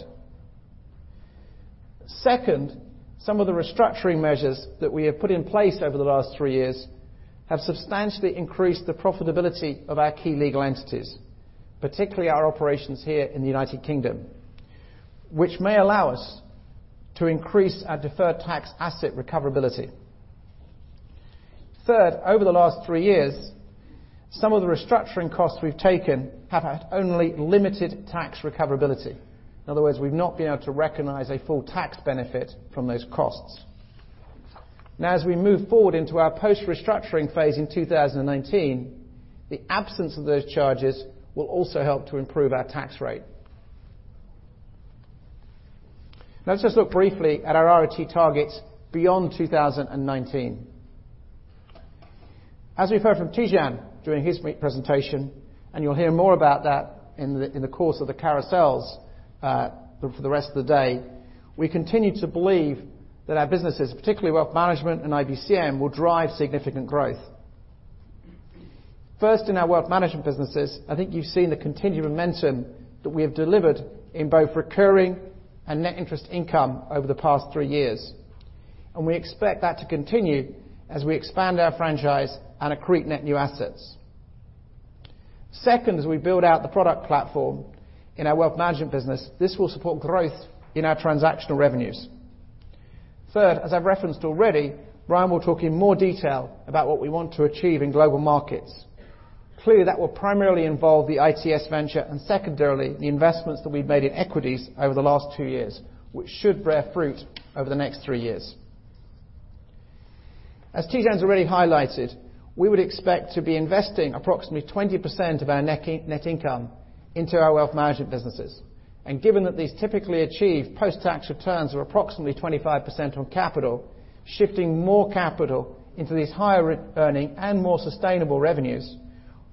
Second, some of the restructuring measures that we have put in place over the last three years have substantially increased the profitability of our key legal entities, particularly our operations here in the U.K., which may allow us to increase our deferred tax asset recoverability. Third, over the last three years, some of the restructuring costs we've taken have had only limited tax recoverability. In other words, we've not been able to recognize a full tax benefit from those costs. As we move forward into our post-restructuring phase in 2019, the absence of those charges will also help to improve our tax rate. Let's just look briefly at our RoTE targets beyond 2019. As we heard from Tidjane during his presentation, and you'll hear more about that in the course of the carousels for the rest of the day, we continue to believe that our businesses, particularly Wealth Management and IBCM, will drive significant growth. First, in our wealth management businesses, I think you've seen the continued momentum that we have delivered in both recurring and net interest income over the past three years. And we expect that to continue as we expand our franchise and accrete net new assets. Second, as we build out the product platform in our wealth management business, this will support growth in our transactional revenues. Third, as I've referenced already, Brian will talk in more detail about what we want to achieve in Global Markets. Clearly, that will primarily involve the ITS venture and secondarily, the investments that we've made in equities over the last two years, which should bear fruit over the next three years. As Tidjane has already highlighted, we would expect to be investing approximately 20% of our net income into our wealth management businesses. And given that these typically achieve post-tax returns of approximately 25% on capital, shifting more capital into these higher earning and more sustainable revenues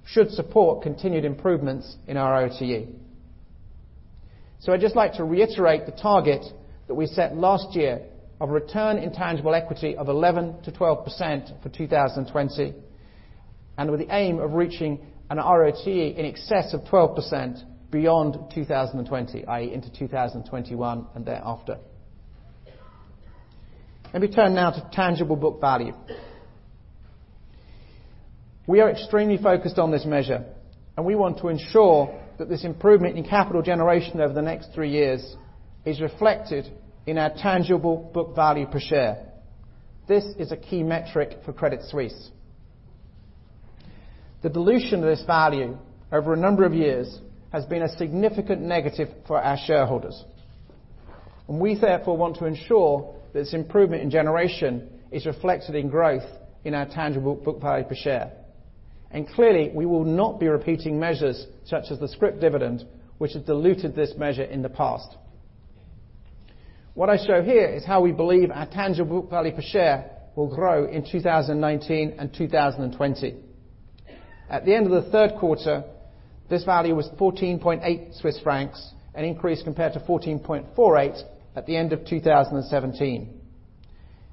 should support continued improvements in our RoTE. So I'd just like to reiterate the target that we set last year of return on tangible equity of 11%-12% for 2020, and with the aim of reaching an RoTE in excess of 12% beyond 2020, i.e., into 2021 and thereafter. Let me turn now to tangible book value. We are extremely focused on this measure, and we want to ensure that this improvement in capital generation over the next three years is reflected in our tangible book value per share. This is a key metric for Credit Suisse. The dilution of this value over a number of years has been a significant negative for our shareholders. We, therefore, want to ensure that this improvement in generation is reflected in growth in our tangible book value per share. Clearly, we will not be repeating measures such as the scrip dividend, which has diluted this measure in the past. What I show here is how we believe our tangible book value per share will grow in 2019 and 2020. At the end of the third quarter, this value was 14.8 Swiss francs, an increase compared to 14.48 at the end of 2017.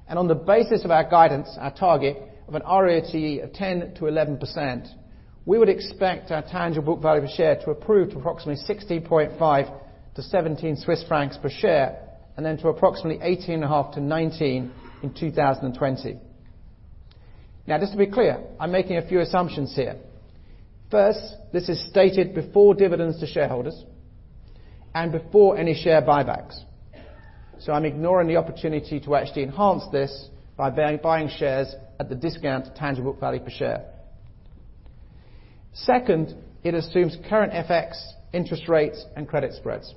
On the basis of our guidance, our target of an ROTE of 10%-11%, we would expect our tangible book value per share to improve to approximately 60.5-17 Swiss francs per share, and then to approximately 18.5-19 in 2020. Just to be clear, I'm making a few assumptions here. First, this is stated before dividends to shareholders and before any share buybacks. I'm ignoring the opportunity to actually enhance this by buying shares at the discount to tangible value per share. Second, it assumes current FX interest rates and credit spreads.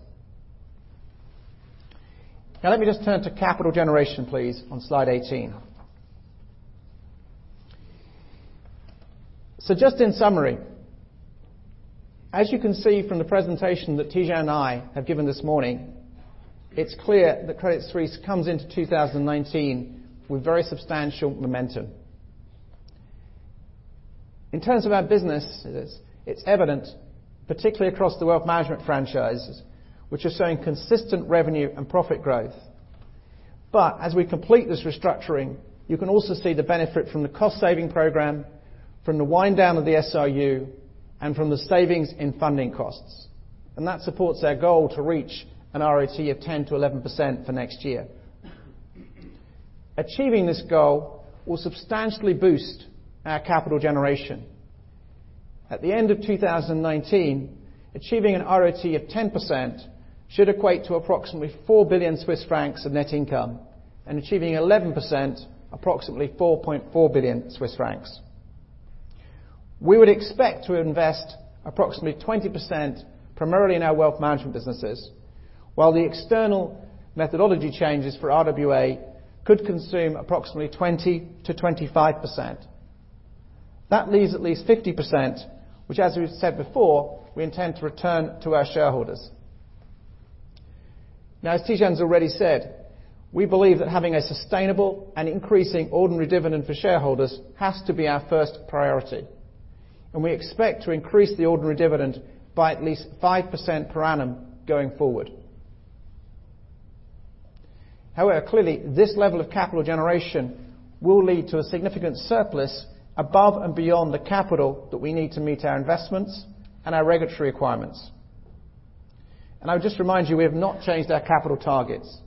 Let me just turn to capital generation, please, on slide 18. Just in summary, as you can see from the presentation that Tidjane and I have given this morning, it's clear that Credit Suisse comes into 2019 with very substantial momentum. In terms of our business, it's evident, particularly across the wealth management franchises, which are showing consistent revenue and profit growth. As we complete this restructuring, you can also see the benefit from the cost-saving program, from the wind down of the SRU, and from the savings in funding costs. That supports our goal to reach an ROTE of 10%-11% for next year. Achieving this goal will substantially boost our capital generation. At the end of 2019, achieving an ROTE of 10% should equate to approximately 4 billion Swiss francs of net income, and achieving 11%, approximately 4.4 billion Swiss francs. We would expect to invest approximately 20% primarily in our wealth management businesses. While the external methodology changes for RWA could consume approximately 20%-25%. That leaves at least 50%, which as we've said before, we intend to return to our shareholders. As Tidjane's already said, we believe that having a sustainable and increasing ordinary dividend for shareholders has to be our first priority. We expect to increase the ordinary dividend by at least 5% per annum going forward. However, clearly, this level of capital generation will lead to a significant surplus above and beyond the capital that we need to meet our investments and our regulatory requirements. I would just remind you, we have not changed our capital targets.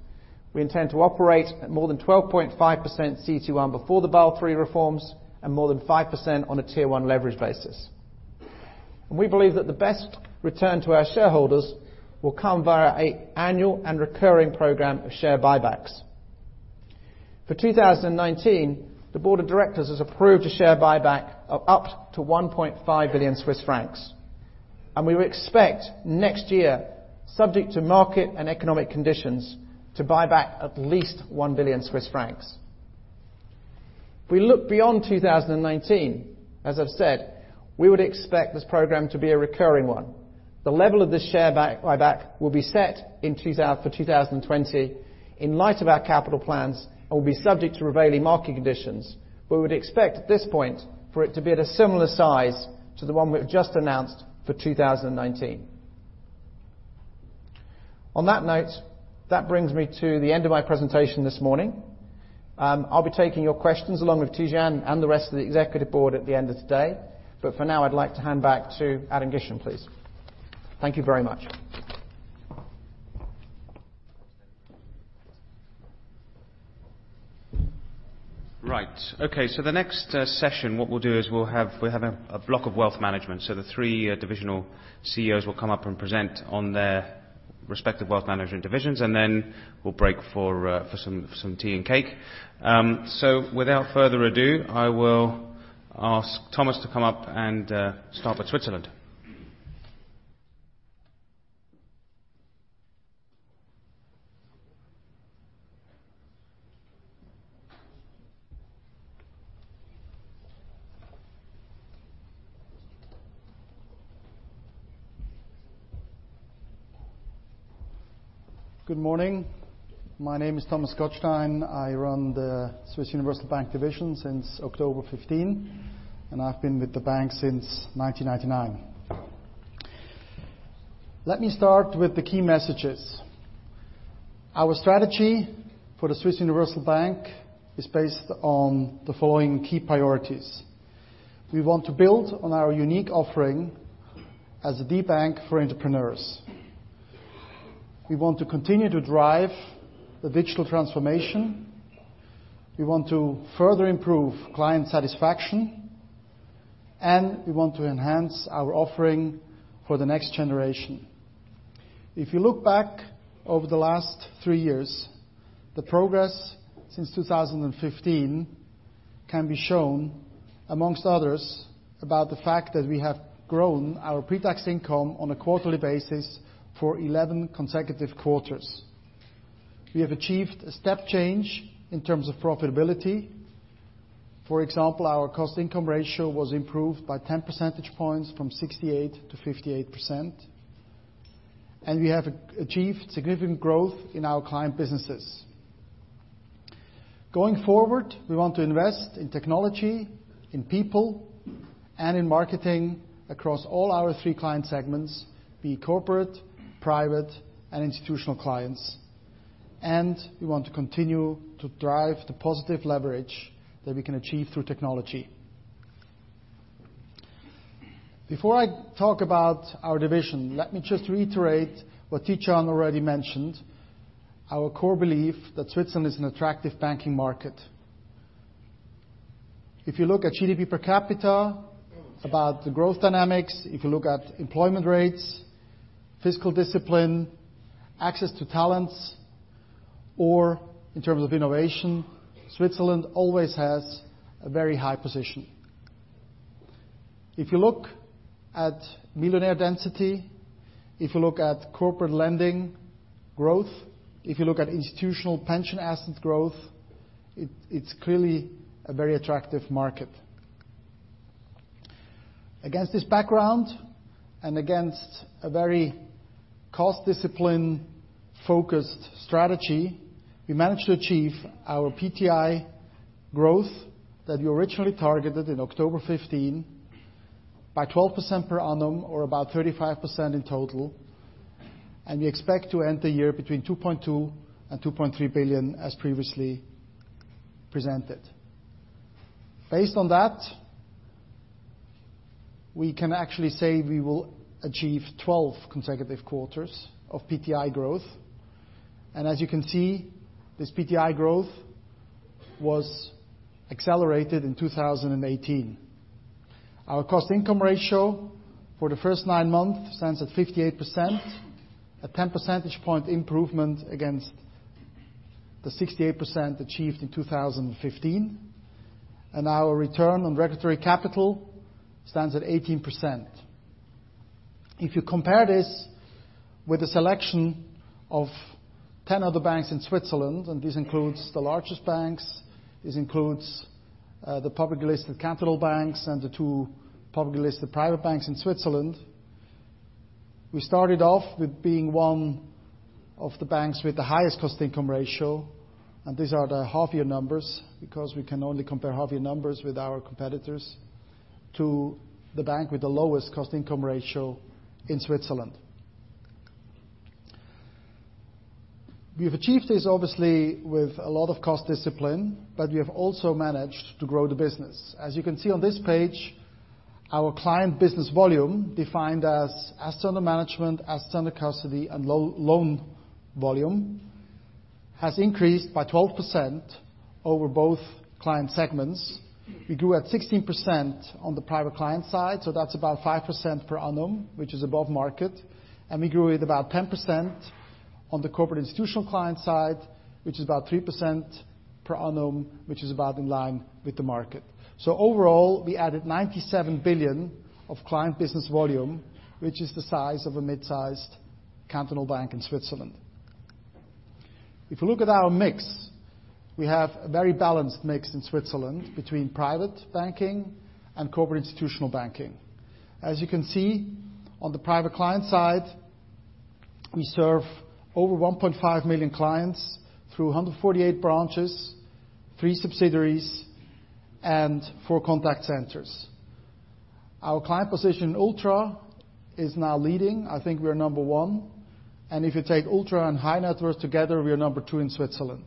We intend to operate at more than 12.5% CET1 before the Basel III reforms and more than 5% on a Tier 1 leverage basis. We believe that the best return to our shareholders will come via an annual and recurring program of share buybacks. For 2019, the board of directors has approved a share buyback of up to 1.5 billion Swiss francs. We would expect next year, subject to market and economic conditions, to buy back at least 1 billion Swiss francs. If we look beyond 2019, as I've said, we would expect this program to be a recurring one. The level of this share buyback will be set for 2020 in light of our capital plans and will be subject to prevailing market conditions. We would expect at this point for it to be at a similar size to the one we've just announced for 2019. On that note, that brings me to the end of my presentation this morning. I'll be taking your questions along with Tidjane and the rest of the executive board at the end of today. For now, I'd like to hand back to Adam Gishen, please. Thank you very much. The next session, what we'll do is we'll have a block of wealth management. The three divisional CEOs will come up and present on their respective wealth management divisions, we'll break for some tea and cake. Without further ado, I will ask Thomas to come up and start for Switzerland. Good morning. My name is Thomas Gottstein. I run the Swiss Universal Bank division since October 15, I've been with the bank since 1999. Let me start with the key messages. Our strategy for the Swiss Universal Bank is based on the following key priorities. We want to build on our unique offering as a deep bank for entrepreneurs. We want to continue to drive the digital transformation. We want to further improve client satisfaction, we want to enhance our offering for the next generation. If you look back over the last three years, the progress since 2015 can be shown amongst others about the fact that we have grown our pre-tax income on a quarterly basis for 11 consecutive quarters. We have achieved a step change in terms of profitability. For example, our cost-to-income ratio was improved by 10 percentage points from 68% to 58%, and we have achieved significant growth in our client businesses. Going forward, we want to invest in technology, in people and in marketing across all our three client segments, be it corporate, private, and institutional clients. We want to continue to drive the positive leverage that we can achieve through technology. Before I talk about our division, let me just reiterate what Tidjane already mentioned, our core belief that Switzerland is an attractive banking market. If you look at GDP per capita, about the growth dynamics, if you look at employment rates, fiscal discipline, access to talents, or in terms of innovation, Switzerland always has a very high position. If you look at millionaire density, if you look at corporate lending growth, if you look at institutional pension asset growth, it's clearly a very attractive market. Against this background, and against a very cost discipline-focused strategy, we managed to achieve our PTI growth that we originally targeted in October 2015, by 12% per annum or about 35% in total, and we expect to end the year between 2.2 billion and 2.3 billion as previously presented. Based on that, we can actually say we will achieve 12 consecutive quarters of PTI growth. As you can see, this PTI growth was accelerated in 2018. Our cost-to-income ratio for the first nine months stands at 58%, a 10 percentage point improvement against the 68% achieved in 2015. Our return on regulatory capital stands at 18%. If you compare this with a selection of 10 other banks in Switzerland, and this includes the largest banks, this includes, the publicly listed cantonal banks and the two publicly listed private banks in Switzerland. We started off with being one of the banks with the highest cost-to-income ratio, and these are the half-year numbers because we can only compare half-year numbers with our competitors to the bank with the lowest cost-to-income ratio in Switzerland. We have achieved this obviously with a lot of cost discipline. We have also managed to grow the business. As you can see on this page, our client business volume defined as assets under management, assets under custody, and loan volume, has increased by 12% over both client segments. We grew at 16% on the private client side, so that's about 5% per annum, which is above market. We grew at about 10% on the corporate institutional client side, which is about 3% per annum, which is about in line with the market. Overall, we added 97 billion of client business volume, which is the size of a mid-sized cantonal bank in Switzerland. If you look at our mix, we have a very balanced mix in Switzerland between private banking and corporate institutional banking. As you can see, on the private client side, we serve over 1.5 million clients through 148 branches, three subsidiaries, and four contact centers. Our client position Ultra is now leading. I think we're number one. If you take Ultra and high net worth together, we are number two in Switzerland.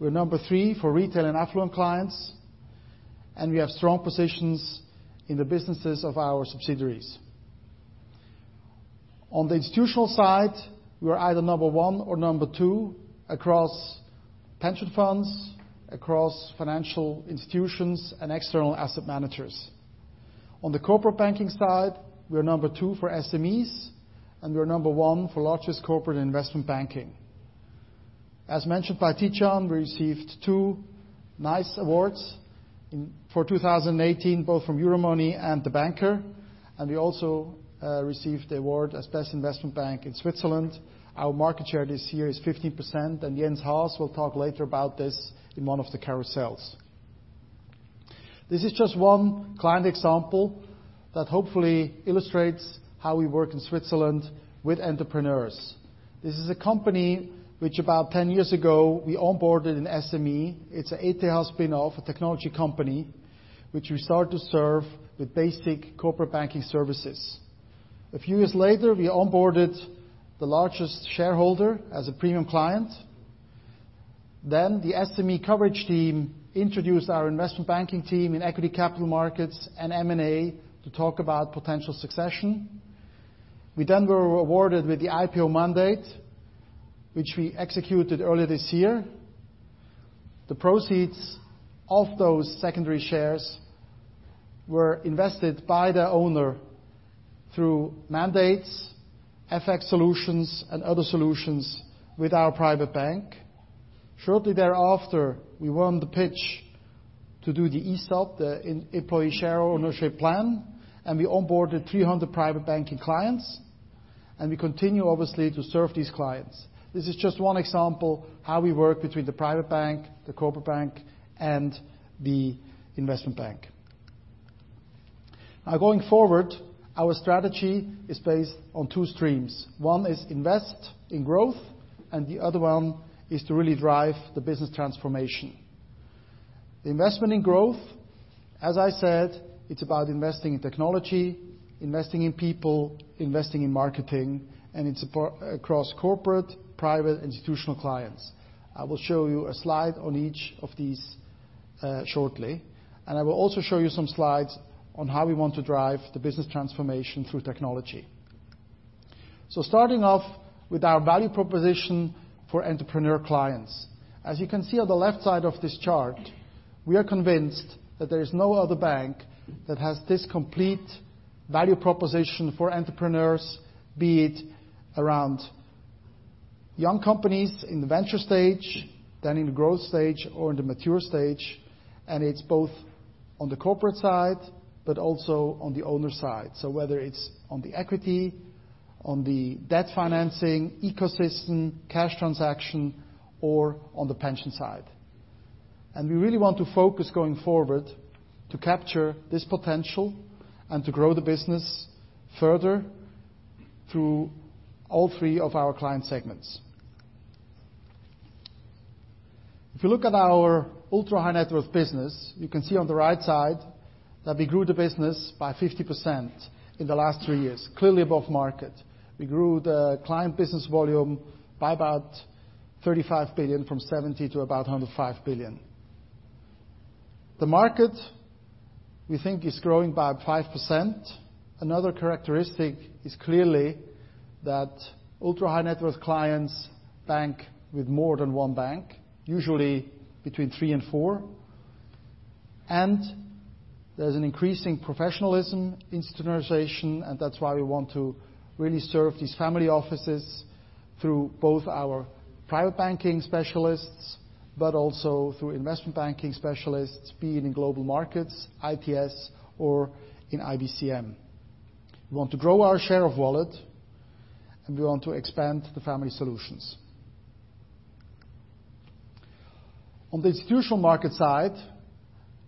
We're number three for retail and affluent clients, and we have strong positions in the businesses of our subsidiaries. On the institutional side, we're either number one or number two across pension funds, across financial institutions, and external asset managers. On the corporate banking side, we're number two for SMEs, and we're number one for largest corporate investment banking. As mentioned by Tidjane, we received two nice awards for 2018, both from Euromoney and The Banker, and we also received the award as best investment bank in Switzerland. Our market share this year is 15%, and Jens Haas will talk later about this in one of the carousels. This is just one client example that hopefully illustrates how we work in Switzerland with entrepreneurs. This is a company which about 10 years ago, we onboarded an SME. It's an ETH spin-off, a technology company, which we start to serve with basic corporate banking services. A few years later, we onboarded the largest shareholder as a premium client. The SME coverage team introduced our investment banking team in equity capital markets and M&A to talk about potential succession. We then were awarded with the IPO mandate, which we executed earlier this year. The proceeds of those secondary shares were invested by their owner through mandates, FX solutions, and other solutions with our private bank. Shortly thereafter, we won the pitch to do the ESOP, the employee share ownership plan, and we onboarded 300 private banking clients, and we continue, obviously, to serve these clients. This is just one example how we work between the private bank, the corporate bank, and the investment bank. Going forward, our strategy is based on two streams. One is invest in growth, and the other one is to really drive the business transformation. The investment in growth, as I said, it's about investing in technology, investing in people, investing in marketing, and it's across corporate, private, institutional clients. I will show you a slide on each of these shortly, and I will also show you some slides on how we want to drive the business transformation through technology. Starting off with our value proposition for entrepreneur clients. As you can see on the left side of this chart, we are convinced that there is no other bank that has this complete value proposition for entrepreneurs, be it around young companies in the venture stage, then in the growth stage, or in the mature stage. It's both on the corporate side, but also on the owner side. Whether it's on the equity, on the debt financing, ecosystem, cash transaction, or on the pension side. We really want to focus going forward to capture this potential and to grow the business further through all three of our client segments. If you look at our ultra-high-net-worth business, you can see on the right side that we grew the business by 50% in the last three years, clearly above market. We grew the client business volume by about 35 billion, from 70 to about 105 billion. The market we think is growing by 5%. Another characteristic is clearly that ultra-high-net-worth clients bank with more than one bank, usually between three and four. There's an increasing professionalism in standardization, and that's why we want to really serve these family offices through both our private banking specialists, but also through investment banking specialists, be it in Global Markets, IPS, or in IBCM. We want to grow our share of wallet, and we want to expand the family solutions. On the institutional market side,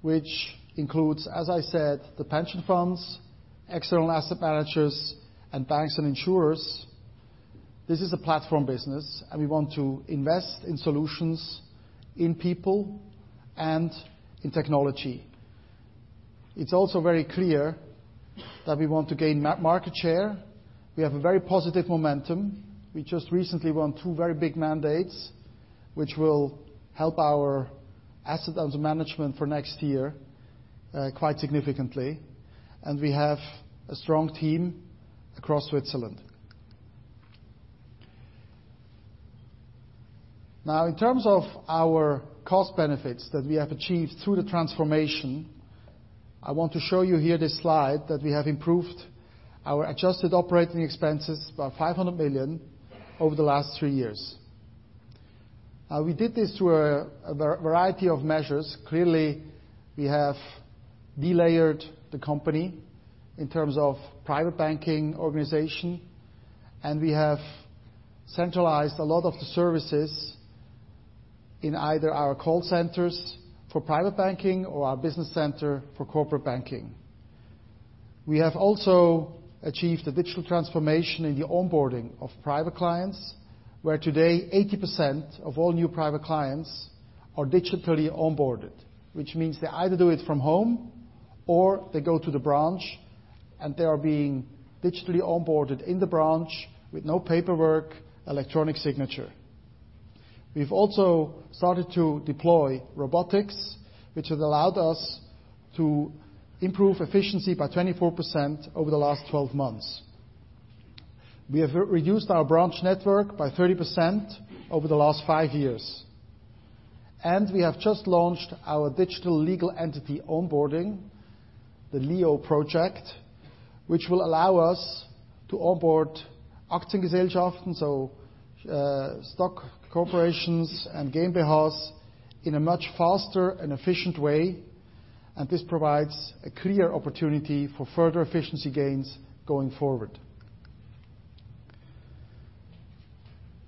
which includes, as I said, the pension funds, external asset managers, and banks and insurers. This is a platform business. We want to invest in solutions, in people, and in technology. It's also very clear that we want to gain market share. We have a very positive momentum. We just recently won two very big mandates, which will help our assets under management for next year, quite significantly. We have a strong team across Switzerland. Now, in terms of our cost benefits that we have achieved through the transformation, I want to show you here this slide that we have improved our adjusted operating expenses by 500 million over the last three years. We did this through a variety of measures. Clearly, we have de-layered the company in terms of private banking organization. We have centralized a lot of the services in either our call centers for private banking or our business center for corporate banking. We have also achieved the digital transformation in the onboarding of private clients, where today 80% of all new private clients are digitally onboarded. They either do it from home or they go to the branch, and they are being digitally onboarded in the branch with no paperwork, electronic signature. We've also started to deploy robotics, which has allowed us to improve efficiency by 24% over the last 12 months. We have reduced our branch network by 30% over the last five years. We have just launched our digital legal entity onboarding, the LEO project, which will allow us to onboard stock corporations and in a much faster and efficient way, and this provides a clear opportunity for further efficiency gains going forward.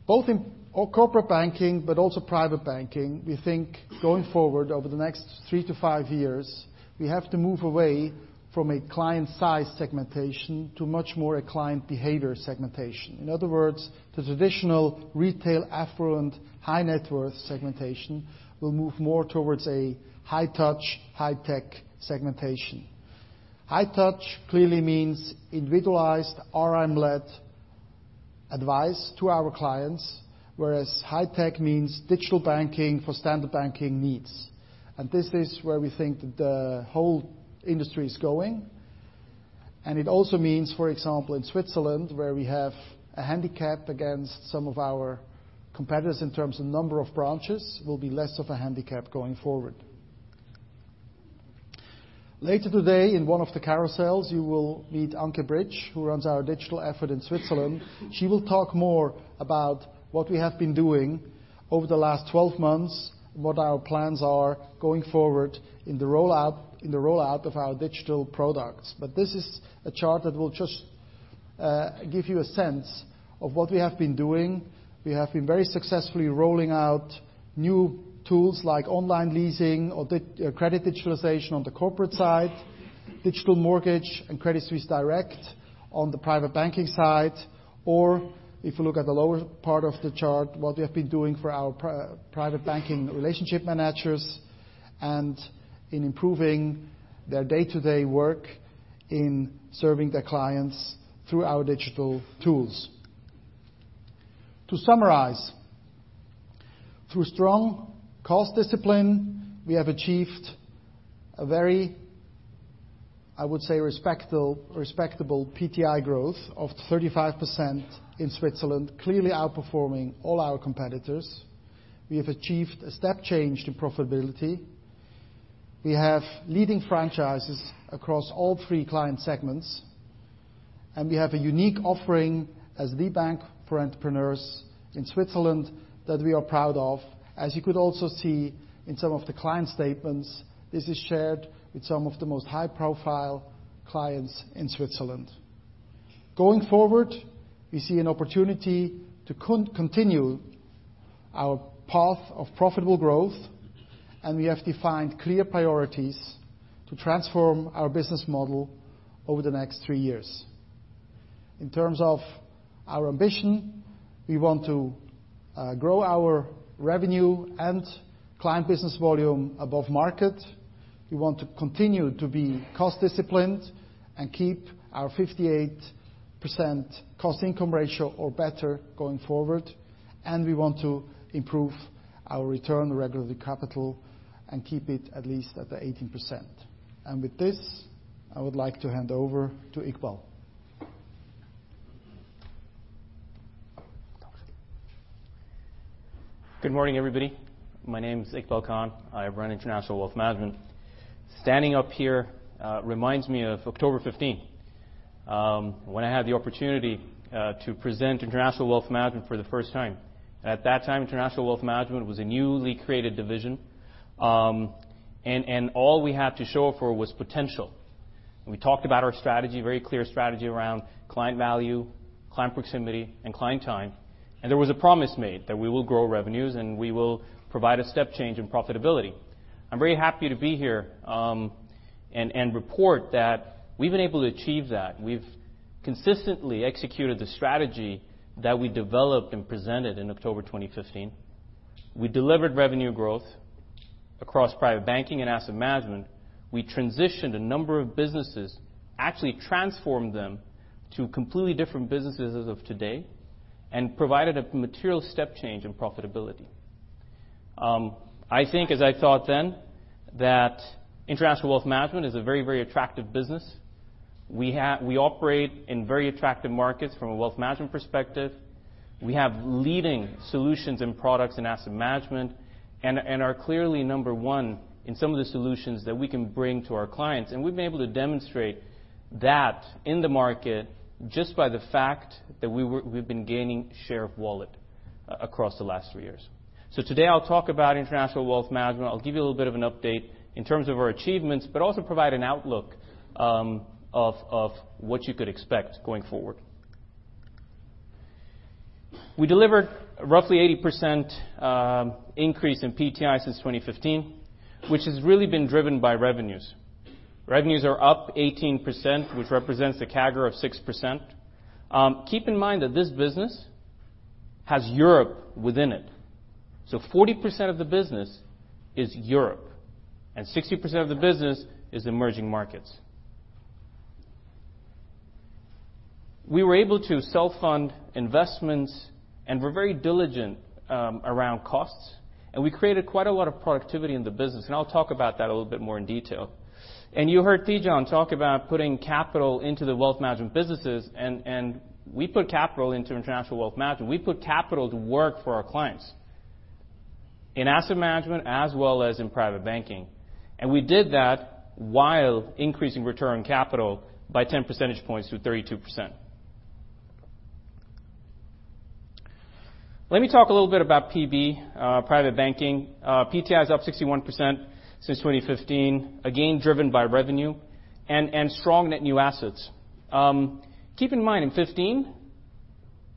Both in corporate banking, but also private banking, we think going forward over the next three to five years, we have to move away from a client size segmentation to much more a client behavior segmentation. In other words, the traditional retail affluent high-net-worth segmentation will move more towards a high touch, high tech segmentation. High touch clearly means individualized RM-led advice to our clients, whereas high tech means digital banking for standard banking needs. This is where we think that the whole industry is going. It also means, for example, in Switzerland, where we have a handicap against some of our competitors in terms of number of branches, will be less of a handicap going forward. Later today in one of the carousels, you will meet Anke Britsch, who runs our digital effort in Switzerland. She will talk more about what we have been doing over the last 12 months and what our plans are going forward in the rollout of our digital products. This is a chart that will give you a sense of what we have been doing. We have been very successfully rolling out new tools like online leasing or credit digitalization on the corporate side, digital mortgage and Credit Suisse Direct on the private banking side, or if you look at the lower part of the chart, what we have been doing for our private banking relationship managers and in improving their day-to-day work in serving their clients through our digital tools. To summarize, through strong cost discipline, we have achieved a very, I would say, respectable PTI growth of 35% in Switzerland, clearly outperforming all our competitors. We have achieved a step change to profitability. We have leading franchises across all three client segments, and we have a unique offering as the bank for entrepreneurs in Switzerland that we are proud of. As you could also see in some of the client statements, this is shared with some of the most high-profile clients in Switzerland. We see an opportunity to continue our path of profitable growth, and we have defined clear priorities to transform our business model over the next 3 years. In terms of our ambition, we want to grow our revenue and client business volume above market. We want to continue to be cost disciplined and keep our 58% cost-to-income ratio or better going forward, and we want to improve our return regulatory capital and keep it at least at the 18%. With this, I would like to hand over to Iqbal. Good morning, everybody. My name is Iqbal Khan. I run International Wealth Management. Standing up here reminds me of October 15, when I had the opportunity to present International Wealth Management for the first time. At that time, International Wealth Management was a newly created division, and all we had to show for it was potential. We talked about our strategy, very clear strategy around client value, client proximity, and client time. There was a promise made that we will grow revenues and we will provide a step change in profitability. I'm very happy to be here and report that we've been able to achieve that. We've consistently executed the strategy that we developed and presented in October 2015. We delivered revenue growth across private banking and asset management. We transitioned a number of businesses, actually transformed them to completely different businesses as of today, and provided a material step change in profitability. I think as I thought then, that International Wealth Management is a very, very attractive business. We operate in very attractive markets from a wealth management perspective. We have leading solutions and products in asset management and are clearly number one in some of the solutions that we can bring to our clients. And we've been able to demonstrate that in the market just by the fact that we've been gaining share of wallet across the last 3 years. Today, I'll talk about International Wealth Management. I'll give you a little bit of an update in terms of our achievements, but also provide an outlook of what you could expect going forward. We delivered roughly 80% increase in PTI since 2015, which has really been driven by revenues. Revenues are up 18%, which represents a CAGR of 6%. Keep in mind that this business has Europe within it. 40% of the business is Europe and 60% of the business is emerging markets. We were able to self-fund investments, and we're very diligent around costs. We created quite a lot of productivity in the business, and I'll talk about that a little bit more in detail. You heard Tidjane talk about putting capital into the wealth management businesses, and we put capital into International Wealth Management. We put capital to work for our clients in asset management as well as in private banking. And we did that while increasing return capital by 10 percentage points to 32%. Let me talk a little bit about PB, private banking. PTI is up 61% since 2015, again, driven by revenue and strong net new assets. Keep in mind, in 2015,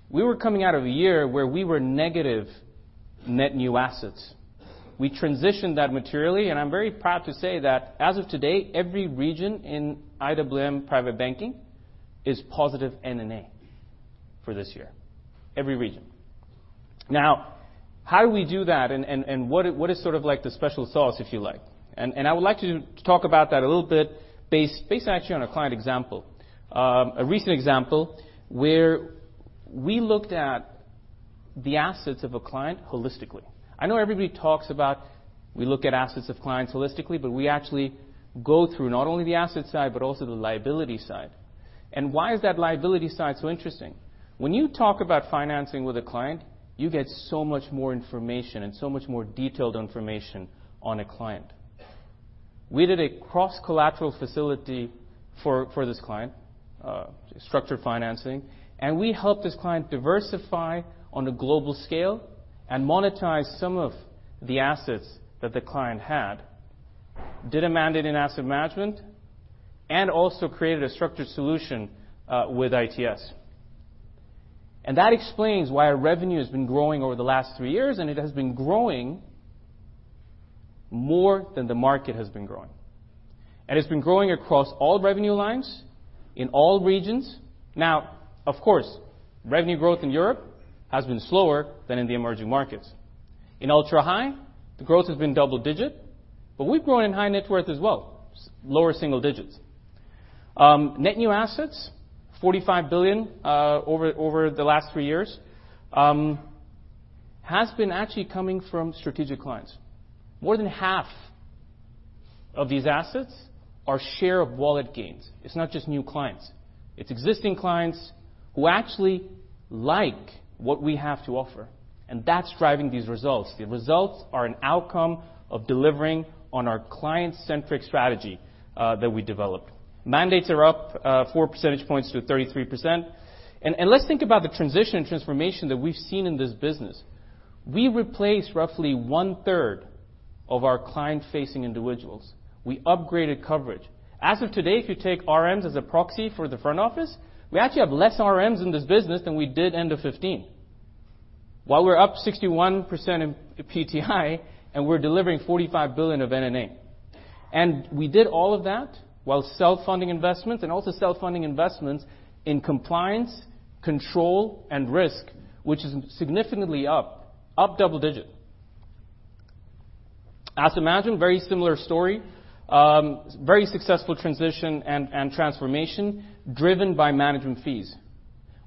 we were coming out of a year where we were negative net new assets. We transitioned that materially, and I'm very proud to say that as of today, every region in IWM private banking is positive NNA for this year. Every region. How do we do that, and what is sort of like the special sauce, if you like? I would like to talk about that a little bit based actually on a client example. A recent example where we looked at the assets of a client holistically. I know everybody talks about we look at assets of clients holistically, but we actually go through not only the asset side, but also the liability side. Why is that liability side so interesting? When you talk about financing with a client, you get so much more information and so much more detailed information on a client. We did a cross-collateral facility for this client, structured financing, and we helped this client diversify on a global scale and monetize some of the assets that the client had. Did a mandate in asset management and also created a structured solution with ITS. That explains why our revenue has been growing over the last three years, and it has been growing more than the market has been growing. It's been growing across all revenue lines, in all regions. Of course, revenue growth in Europe has been slower than in the emerging markets. In ultra high, the growth has been double digit, but we've grown in high net worth as well, lower single digits. Net new assets, 45 billion over the last three years, has been actually coming from strategic clients. More than half of these assets are share of wallet gains. It's not just new clients. It's existing clients who actually like what we have to offer, and that's driving these results. The results are an outcome of delivering on our client-centric strategy that we developed. Mandates are up four percentage points to 33%. Let's think about the transition and transformation that we've seen in this business. We replaced roughly one-third of our client-facing individuals. We upgraded coverage. As of today, if you take RMs as a proxy for the front office, we actually have less RMs in this business than we did end of 2015. While we're up 61% in PTI, and we're delivering 45 billion of NNA. We did all of that while self-funding investments and also self-funding investments in compliance, control, and risk, which is significantly up, double digit. Asset management, very similar story. Very successful transition and transformation driven by management fees.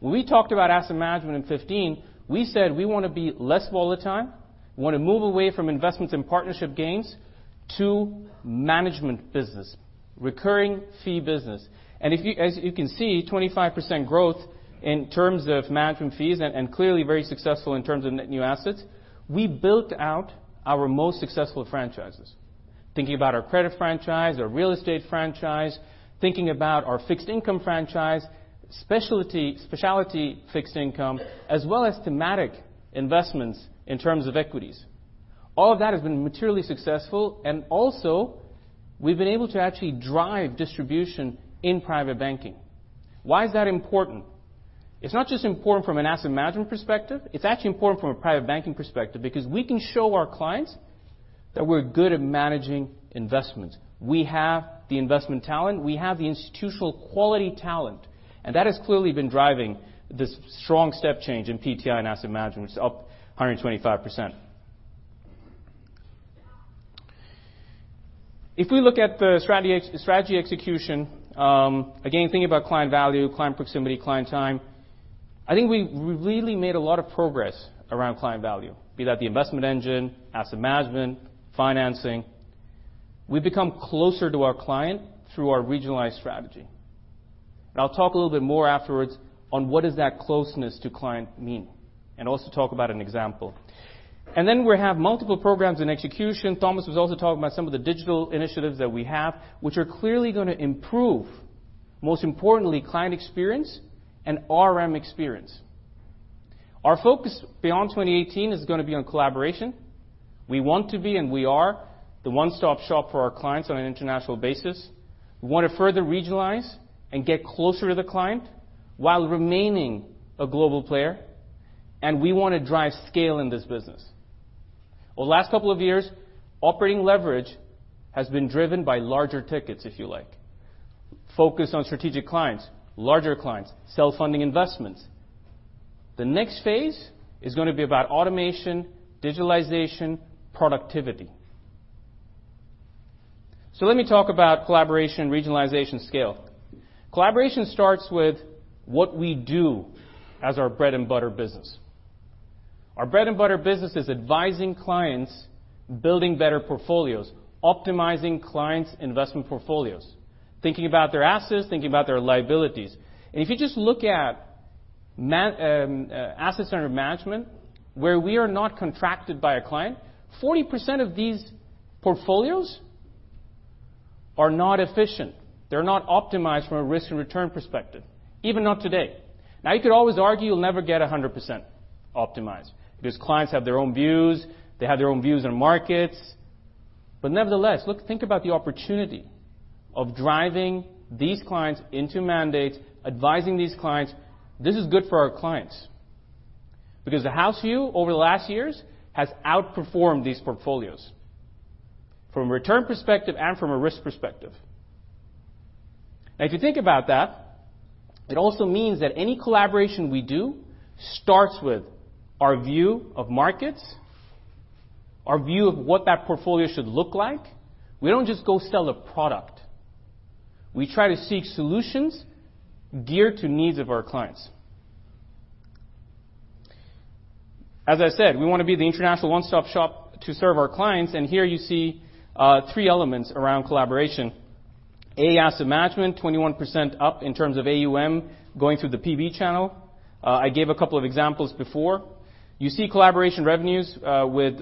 When we talked about asset management in 2015, we said we want to be less volatile, we want to move away from investments in partnership gains to management business, recurring fee business. As you can see, 25% growth in terms of management fees and clearly very successful in terms of net new assets. We built out our most successful franchises. Thinking about our credit franchise, our real estate franchise, thinking about our fixed income franchise, speciality fixed income, as well as thematic investments in terms of equities. All of that has been materially successful, and also we've been able to actually drive distribution in private banking. Why is that important? It's not just important from an asset management perspective. It's actually important from a private banking perspective because we can show our clients that we're good at managing investments. We have the investment talent. We have the institutional quality talent, and that has clearly been driving this strong step change in PTI and asset management, which is up 125%. If we look at the strategy execution, again, think about client value, client proximity, client time. I think we really made a lot of progress around client value, be that the investment engine, asset management, financing. We've become closer to our client through our regionalized strategy. I'll talk a little bit more afterwards on what does that closeness to client mean, and also talk about an example. Then we have multiple programs in execution. Thomas was also talking about some of the digital initiatives that we have, which are clearly going to improve, most importantly, client experience and RM experience. Our focus beyond 2018 is going to be on collaboration. We want to be, and we are, the one-stop shop for our clients on an international basis. We want to further regionalize and get closer to the client while remaining a global player, and we want to drive scale in this business. Over the last couple of years, operating leverage has been driven by larger tickets, if you like. Focus on strategic clients, larger clients, self-funding investments. The next phase is going to be about automation, digitalization, productivity. Let me talk about collaboration, regionalization, scale. Collaboration starts with what we do as our bread and butter business. Our bread and butter business is advising clients, building better portfolios, optimizing clients' investment portfolios, thinking about their assets, thinking about their liabilities. If you just look at assets under management, where we are not contracted by a client, 40% of these portfolios are not efficient. They're not optimized from a risk and return perspective, even not today. Now, you could always argue you'll never get 100% optimized because clients have their own views, they have their own views on markets. Nevertheless, think about the opportunity of driving these clients into mandates, advising these clients. This is good for our clients because the house view over the last years has outperformed these portfolios from a return perspective and from a risk perspective. If you think about that, it also means that any collaboration we do starts with our view of markets, our view of what that portfolio should look like. We don't just go sell a product. We try to seek solutions geared to needs of our clients. As I said, we want to be the international one-stop shop to serve our clients, and here you see three elements around collaboration. A, asset management, 21% up in terms of AUM going through the PB channel. I gave a couple of examples before. You see collaboration revenues, with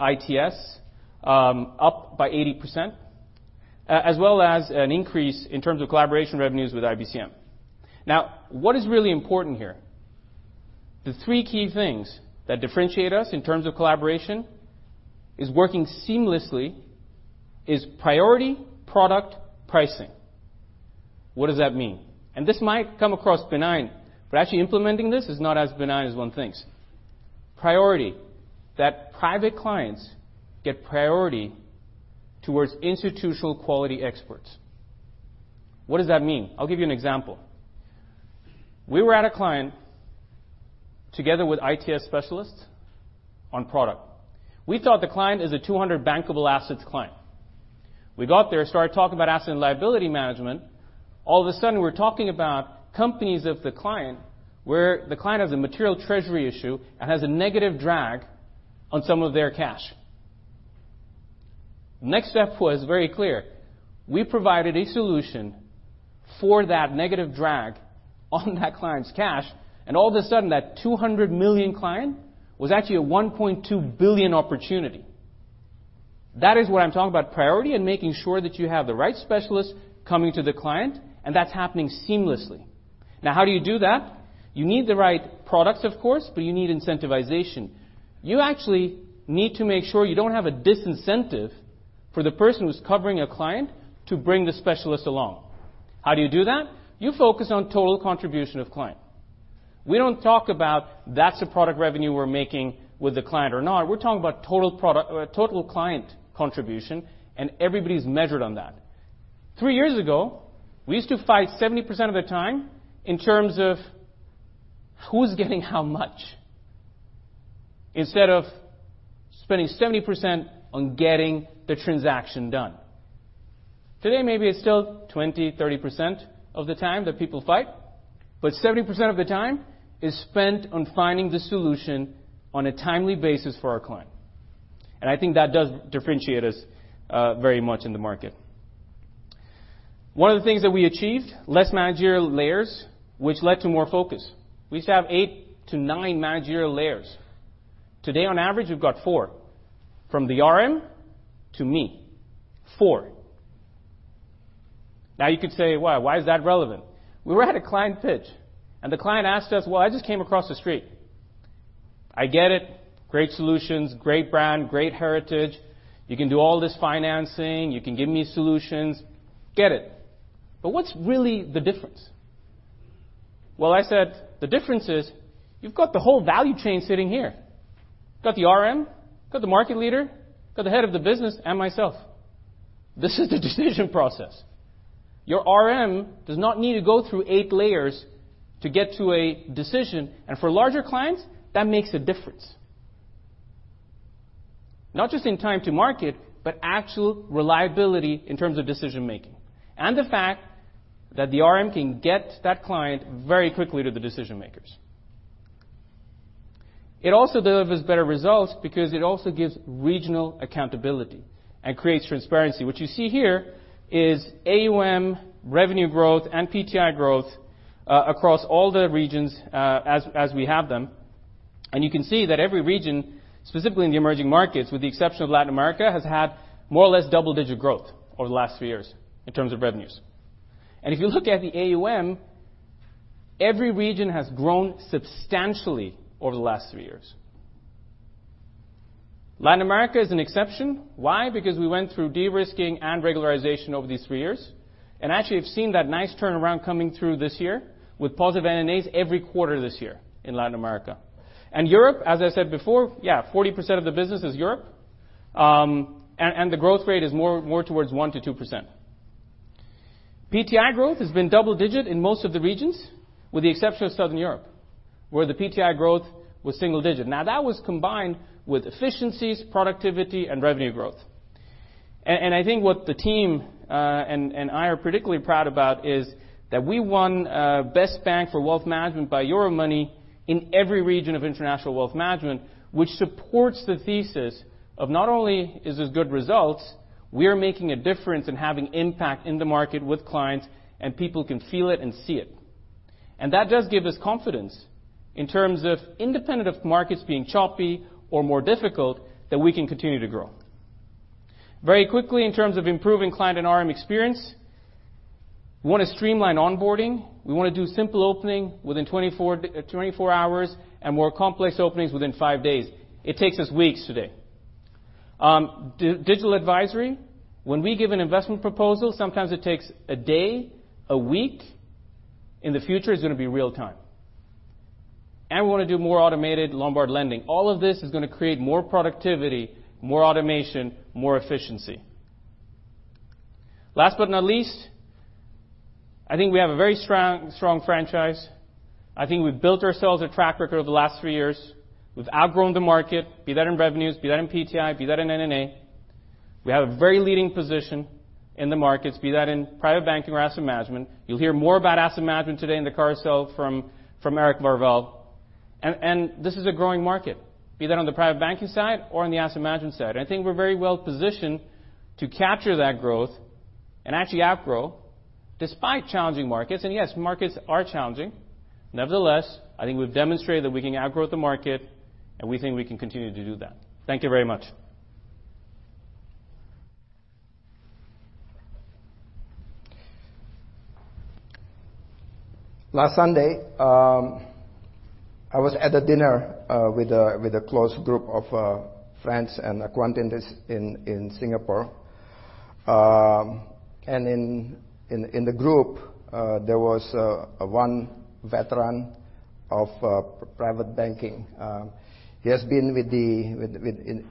ITS, up by 80%, as well as an increase in terms of collaboration revenues with IBCM. What is really important here? The three key things that differentiate us in terms of collaboration is working seamlessly, is priority, product, pricing. What does that mean? This might come across benign, but actually implementing this is not as benign as one thinks. Priority, that private clients get priority towards institutional quality experts. What does that mean? I'll give you an example. We were at a client together with ITS specialists on product. We thought the client is a 200 bankable assets client. We got there, started talking about asset and liability management. All of a sudden, we're talking about companies of the client, where the client has a material treasury issue and has a negative drag on some of their cash. Next step was very clear. We provided a solution for that negative drag on that client's cash, and all of a sudden, that 200 million client was actually a 1.2 billion opportunity. That is what I'm talking about priority and making sure that you have the right specialist coming to the client, and that's happening seamlessly. How do you do that? You need the right products, of course, but you need incentivization. You actually need to make sure you don't have a disincentive for the person who's covering a client to bring the specialist along. How do you do that? You focus on total contribution of client. We don't talk about that's the product revenue we're making with the client or not. We're talking about total client contribution, and everybody's measured on that. Three years ago, we used to fight 70% of the time in terms of who's getting how much, instead of spending 70% on getting the transaction done. Today, maybe it's still 20, 30% of the time that people fight, but 70% of the time is spent on finding the solution on a timely basis for our client. I think that does differentiate us very much in the market. One of the things that we achieved, less managerial layers, which led to more focus. We used to have eight to nine managerial layers. Today, on average, we've got four. From the RM to me. Four. You could say, "Why? Why is that relevant?" We were at a client pitch, and the client asked us, "Well, I just came across the street. I get it, great solutions, great brand, great heritage. You can do all this financing. You can give me solutions. Get it. But what's really the difference?" Well, I said, "The difference is you've got the whole value chain sitting here. Got the RM, got the market leader, got the head of the business, and myself. This is the decision process. Your RM does not need to go through 8 layers to get to a decision. For larger clients, that makes a difference. Not just in time to market, but actual reliability in terms of decision-making. The fact that the RM can get that client very quickly to the decision-makers. It also delivers better results because it also gives regional accountability and creates transparency. What you see here is AUM revenue growth and PTI growth, across all the regions as we have them. You can see that every region, specifically in the emerging markets, with the exception of Latin America, has had more or less double-digit growth over the last 3 years in terms of revenues. If you look at the AUM, every region has grown substantially over the last 3 years. Latin America is an exception. Why? We went through de-risking and regularization over these 3 years. Actually, we've seen that nice turnaround coming through this year with positive NNAs every quarter this year in Latin America. Europe, as I said before, yeah, 40% of the business is Europe. The growth rate is more towards 1%-2%. PTI growth has been double-digit in most of the regions, with the exception of Southern Europe, where the PTI growth was single-digit. That was combined with efficiencies, productivity, and revenue growth. I think what the team and I are particularly proud about is that we won Best Bank for Wealth Management by Euromoney in every region of International Wealth Management, which supports the thesis of not only is this good results, we are making a difference and having impact in the market with clients, and people can feel it and see it. That does give us confidence in terms of independent of markets being choppy or more difficult, that we can continue to grow. Very quickly in terms of improving client and RM experience, we want to streamline onboarding. We want to do simple opening within 24 hours and more complex openings within 5 days. It takes us weeks today. Digital advisory. When we give an investment proposal, sometimes it takes a day, a week. In the future, it's going to be real time. We want to do more automated Lombard lending. All of this is going to create more productivity, more automation, more efficiency. Last but not least, I think we have a very strong franchise. I think we've built ourselves a track record over the last 3 years. We've outgrown the market, be that in revenues, be that in PTI, be that in NNA. We have a very leading position in the markets, be that in Private Banking or Asset Management. You'll hear more about Asset Management today in the carousel from Eric Varvel. This is a growing market, be that on the Private Banking side or on the Asset Management side. I think we're very well positioned to capture that growth and actually outgrow despite challenging markets. Yes, markets are challenging. Nevertheless, I think we've demonstrated that we can outgrow the market, and we think we can continue to do that. Thank you very much. Last Sunday, I was at a dinner with a close group of friends and acquaintances in Singapore. In the group, there was one veteran of private banking. He has been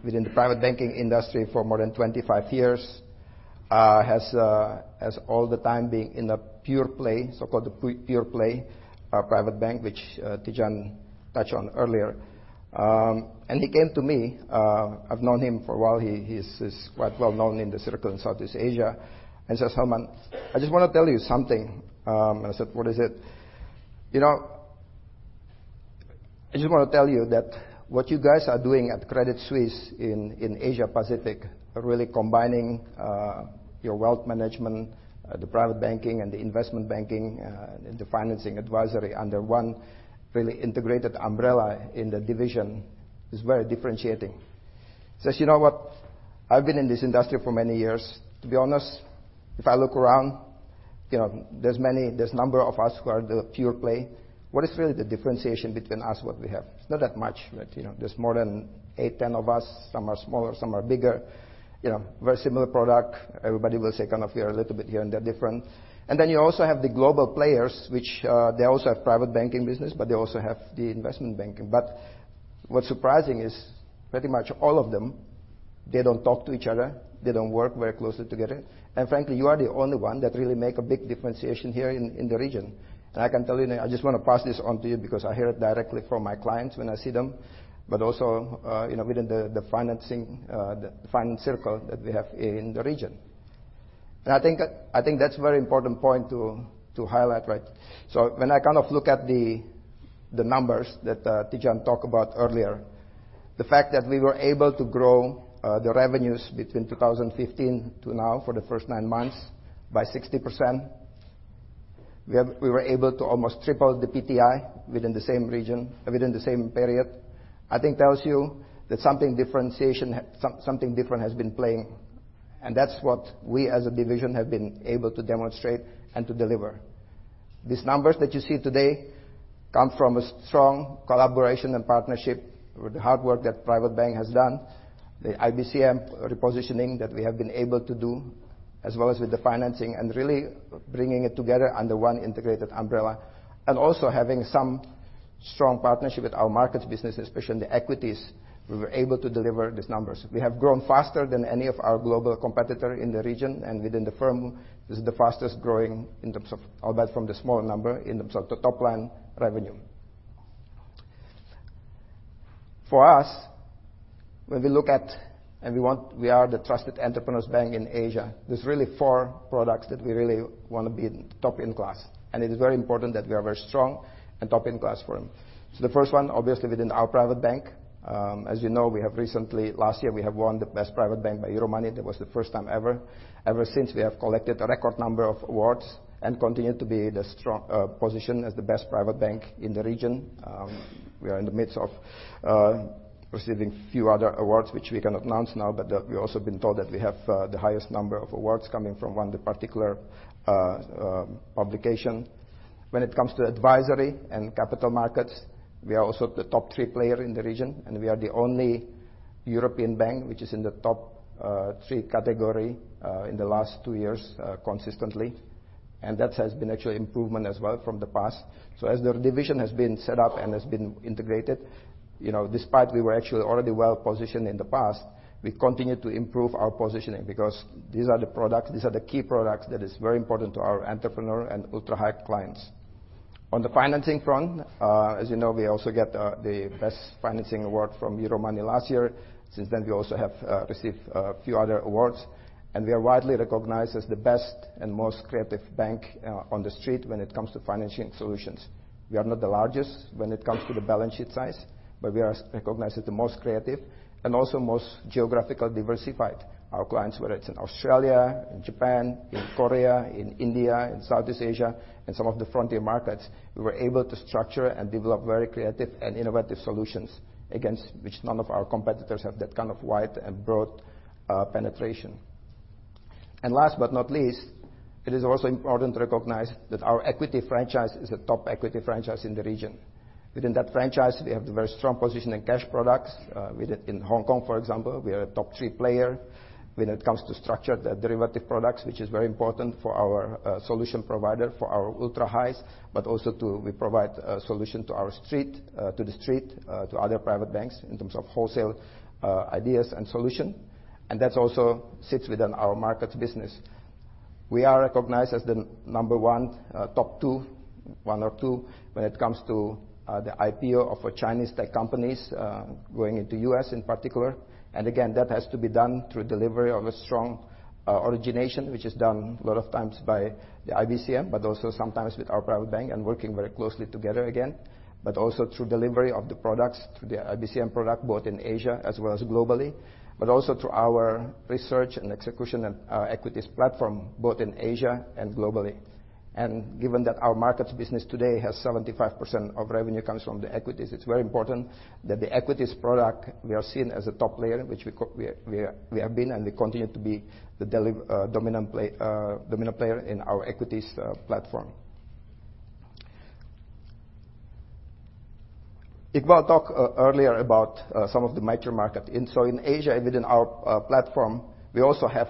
within the private banking industry for more than 25 years, has all the time being in a pure play, so-called pure play, private bank, which Tidjane touched on earlier. He came to me. I've known him for a while. He's quite well-known in the circle in Southeast Asia, and says, "Helman, I just want to tell you something." I said, "What is it?" "I just want to tell you that what you guys are doing at Credit Suisse in Asia Pacific, really combining your wealth management, the private banking, and the investment banking, and the financing advisory under one really integrated umbrella in the division is very differentiating." Says, "You know what. I've been in this industry for many years. To be honest, if I look around, there's number of us who are the pure play. What is really the differentiation between us, what we have? It's not that much, but there's more than eight, 10 of us. Some are smaller, some are bigger. Very similar product. Everybody will say kind of we are a little bit here and there different." Then you also have the global players, which they also have private banking business, but they also have the investment banking. What's surprising is pretty much all of them, they don't talk to each other. They don't work very closely together. Frankly, you are the only one that really make a big differentiation here in the region. I can tell you now, I just want to pass this on to you because I hear it directly from my clients when I see them, but also within the financing circle that we have in the region. I think that's a very important point to highlight, right? When I look at the numbers that Tidjane talk about earlier, the fact that we were able to grow the revenues between 2015 to now for the first nine months by 60%, we were able to almost triple the PTI within the same region, within the same period, I think tells you that something different has been playing. That's what we, as a division, have been able to demonstrate and to deliver. These numbers that you see today come from a strong collaboration and partnership with the hard work that private bank has done, the IBCM repositioning that we have been able to do, as well as with the financing, and really bringing it together under one integrated umbrella, also having some strong partnership with our Global Markets business, especially in the equities. We were able to deliver these numbers. We have grown faster than any of our global competitor in the region, and within the firm, this is the fastest growing in terms of output from the small number in terms of the top line revenue. For us, when we look at, and we are the trusted entrepreneurs bank in Asia, there is really four products that we really want to be top-in-class, and it is very important that we are very strong and top-in-class for them. The first one, obviously, within our private bank. As you know, we have recently, last year, we have won the best private bank by Euromoney. That was the first time ever. Ever since, we have collected a record number of awards and continue to be the strong position as the best private bank in the region. We are in the midst of receiving few other awards, which we cannot announce now, but we also have been told that we have the highest number of awards coming from one particular publication. When it comes to advisory and capital markets, we are also the top 3 player in the region, and we are the only European bank which is in the top 3 category, in the last two years, consistently. That has been actually improvement as well from the past. As the division has been set up and has been integrated, despite we were actually already well-positioned in the past, we continue to improve our positioning because these are the key products that is very important to our entrepreneur and ultra high clients. On the financing front, as you know, we also get the best financing award from Euromoney last year. Since then, we also have received a few other awards, and we are widely recognized as the best and most creative bank on The Street when it comes to financing solutions. We are not the largest when it comes to the balance sheet size, but we are recognized as the most creative and also most geographically diversified. Our clients, whether it is in Australia, in Japan, in Korea, in India, in Southeast Asia, and some of the frontier markets, we were able to structure and develop very creative and innovative solutions against which none of our competitors have that kind of wide and broad penetration. Last but not least, it is also important to recognize that our equity franchise is a top equity franchise in the region. Within that franchise, we have the very strong position in cash products. In Hong Kong, for example, we are a top 3 player when it comes to structured derivative products, which is very important for our solution provider, for our ultra highs, but also we provide a solution to The Street, to other private banks in terms of wholesale ideas and solution. That also sits within our Global Markets business. We are recognized as the number one, top two, one of two, when it comes to the IPO of a Chinese tech companies, going into U.S. in particular. Again, that has to be done through delivery of a strong origination, which is done a lot of times by the IBCM, also sometimes with our private bank and working very closely together again, also through delivery of the products, through the IBCM product, both in Asia as well as globally, also through our research and execution and our equities platform, both in Asia and globally. Given that our markets business today has 75% of revenue comes from the equities, it's very important that the equities product, we are seen as a top player, which we have been, and we continue to be the dominant player in our equities platform. Iqbal talked earlier about some of the major markets. In Asia, within our platform, we also have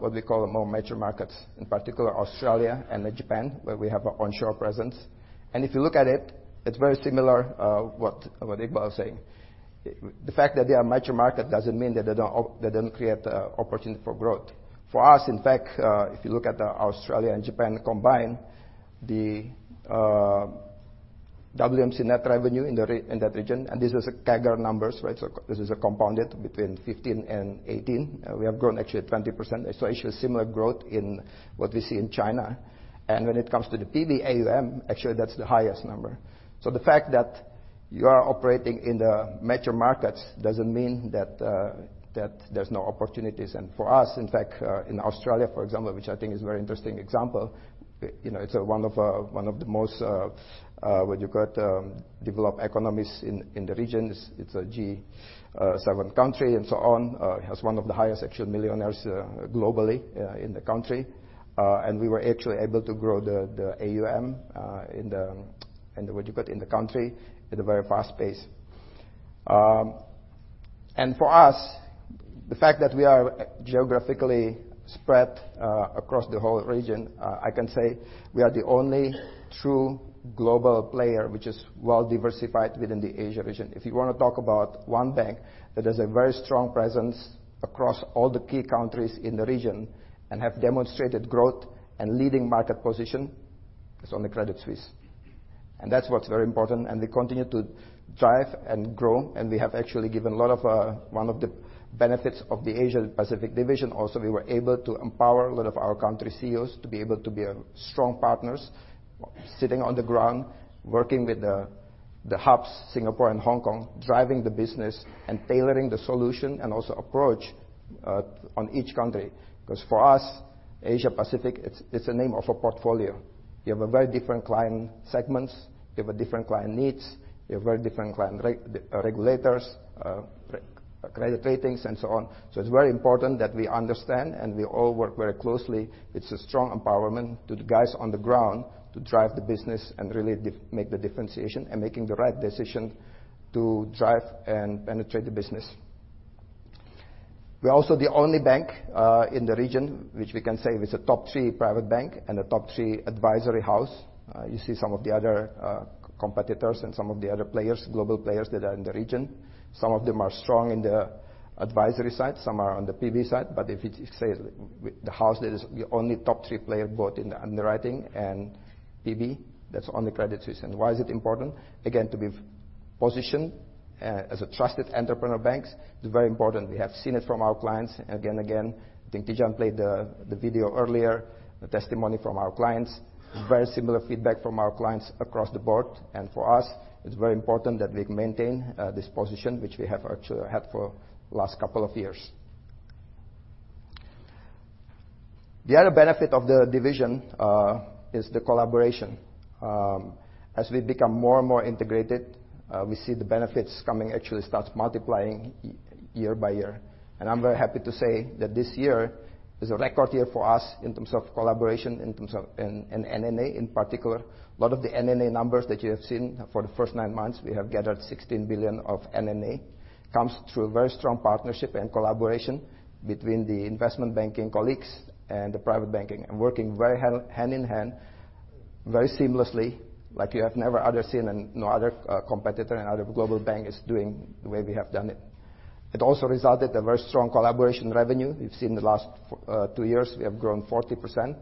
what we call more major markets, in particular Australia and Japan, where we have onshore presence. If you look at it's very similar what Iqbal is saying. The fact that they are major market doesn't mean that they don't create opportunity for growth. For us, in fact, if you look at Australia and Japan combined, the WMC net revenue in that region, this is a CAGR numbers. This is a compounded between 2015 and 2018. We have grown actually 20%, actually a similar growth in what we see in China. When it comes to the PB AUM, actually that's the highest number. The fact that you are operating in the major markets doesn't mean that there's no opportunities. For us, in fact, in Australia, for example, which I think is very interesting example, it's one of the most, where you got developed economies in the regions. It's a G7 country and so on. It has one of the highest actual millionaires globally in the country. We were actually able to grow the AUM in the, what you call it, in the country at a very fast pace. For us, the fact that we are geographically spread across the whole region, I can say we are the only true global player, which is well-diversified within the Asia region. If you want to talk about one bank that has a very strong presence across all the key countries in the region and have demonstrated growth and leading market position, it's only Credit Suisse. That's what's very important, and we continue to drive and grow. We have actually given one of the benefits of the Asia Pacific division also. We were able to empower a lot of our country CEOs to be able to be strong partners, sitting on the ground, working with the hubs, Singapore and Hong Kong, driving the business and tailoring the solution, also approach on each country. For us, Asia Pacific, it's a name of a portfolio. You have a very different client segments, you have a different client needs, you have very different client regulators, credit ratings, and so on. It's very important that we understand. We all work very closely. It's a strong empowerment to the guys on the ground to drive the business and really make the differentiation and making the right decision to drive and penetrate the business. We're also the only bank in the region which we can say is a top three private bank and a top three advisory house. You see some of the other competitors and some of the other players, global players that are in the region. Some of them are strong in the advisory side, some are on the PB side. If it says the house that is the only top three player both in underwriting and PB, that's only Credit Suisse. Why is it important? Again, to be positioned as a trusted entrepreneur bank is very important. We have seen it from our clients again and again. I think Tidjane played the video earlier, a testimony from our clients. Very similar feedback from our clients across the board. For us, it's very important that we maintain this position, which we have actually had for last couple of years. The other benefit of the division is the collaboration. As we become more and more integrated, we see the benefits coming actually starts multiplying year by year. I'm very happy to say that this year is a record year for us in terms of collaboration, in terms of NNA in particular. A lot of the NNA numbers that you have seen for the first nine months, we have gathered 16 billion of NNA, comes through a very strong partnership and collaboration between the investment banking colleagues and the private banking and working very hand in hand, very seamlessly like you have never other seen and no other competitor and other global bank is doing the way we have done it. It also resulted a very strong collaboration revenue. You've seen the last two years, we have grown 40%.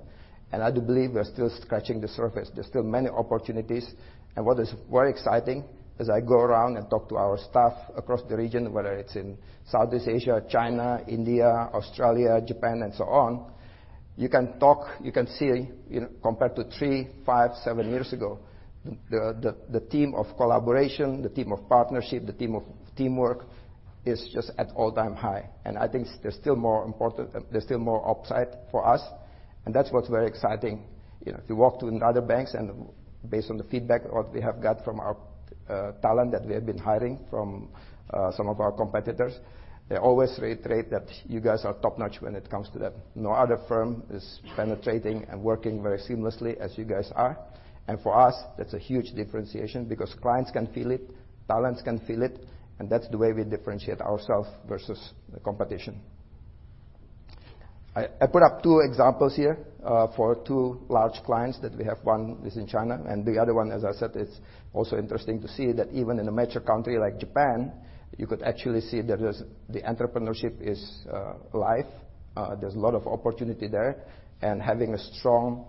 I do believe we are still scratching the surface. There's still many opportunities. What is very exciting as I go around and talk to our staff across the region, whether it's in Southeast Asia, China, India, Australia, Japan, and so on. You can talk, you can see compared to three, five, seven years ago, the team of collaboration, the team of partnership, the team of teamwork is just at all-time high. I think there's still more important, there's still more upside for us, and that's what's very exciting. If you walk to other banks and based on the feedback what we have got from our talent that we have been hiring from some of our competitors, they always reiterate that you guys are top-notch when it comes to that. No other firm is penetrating and working very seamlessly as you guys are. For us, that's a huge differentiation because clients can feel it, talents can feel it, and that's the way we differentiate ourself versus the competition. I put up two examples here for two large clients that we have. One is in China. The other one, as I said, it's also interesting to see that even in a major country like Japan, you could actually see there is the entrepreneurship is alive. There's a lot of opportunity there. Having a strong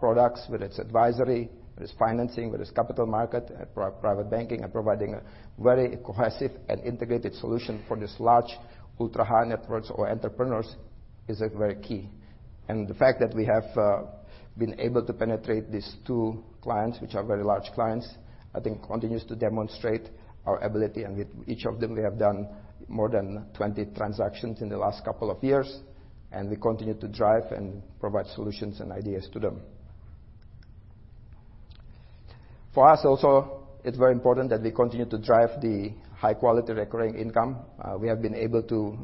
products, whether it's advisory, whether it's financing, whether it's capital market, private banking, and providing a very cohesive and integrated solution for this large ultra-high-net-worth or entrepreneurs is a very key. The fact that we have been able to penetrate these two clients, which are very large clients, I think continues to demonstrate our ability. With each of them, we have done more than 20 transactions in the last couple of years, and we continue to drive and provide solutions and ideas to them. For us also, it's very important that we continue to drive the high-quality recurring income. We have been able to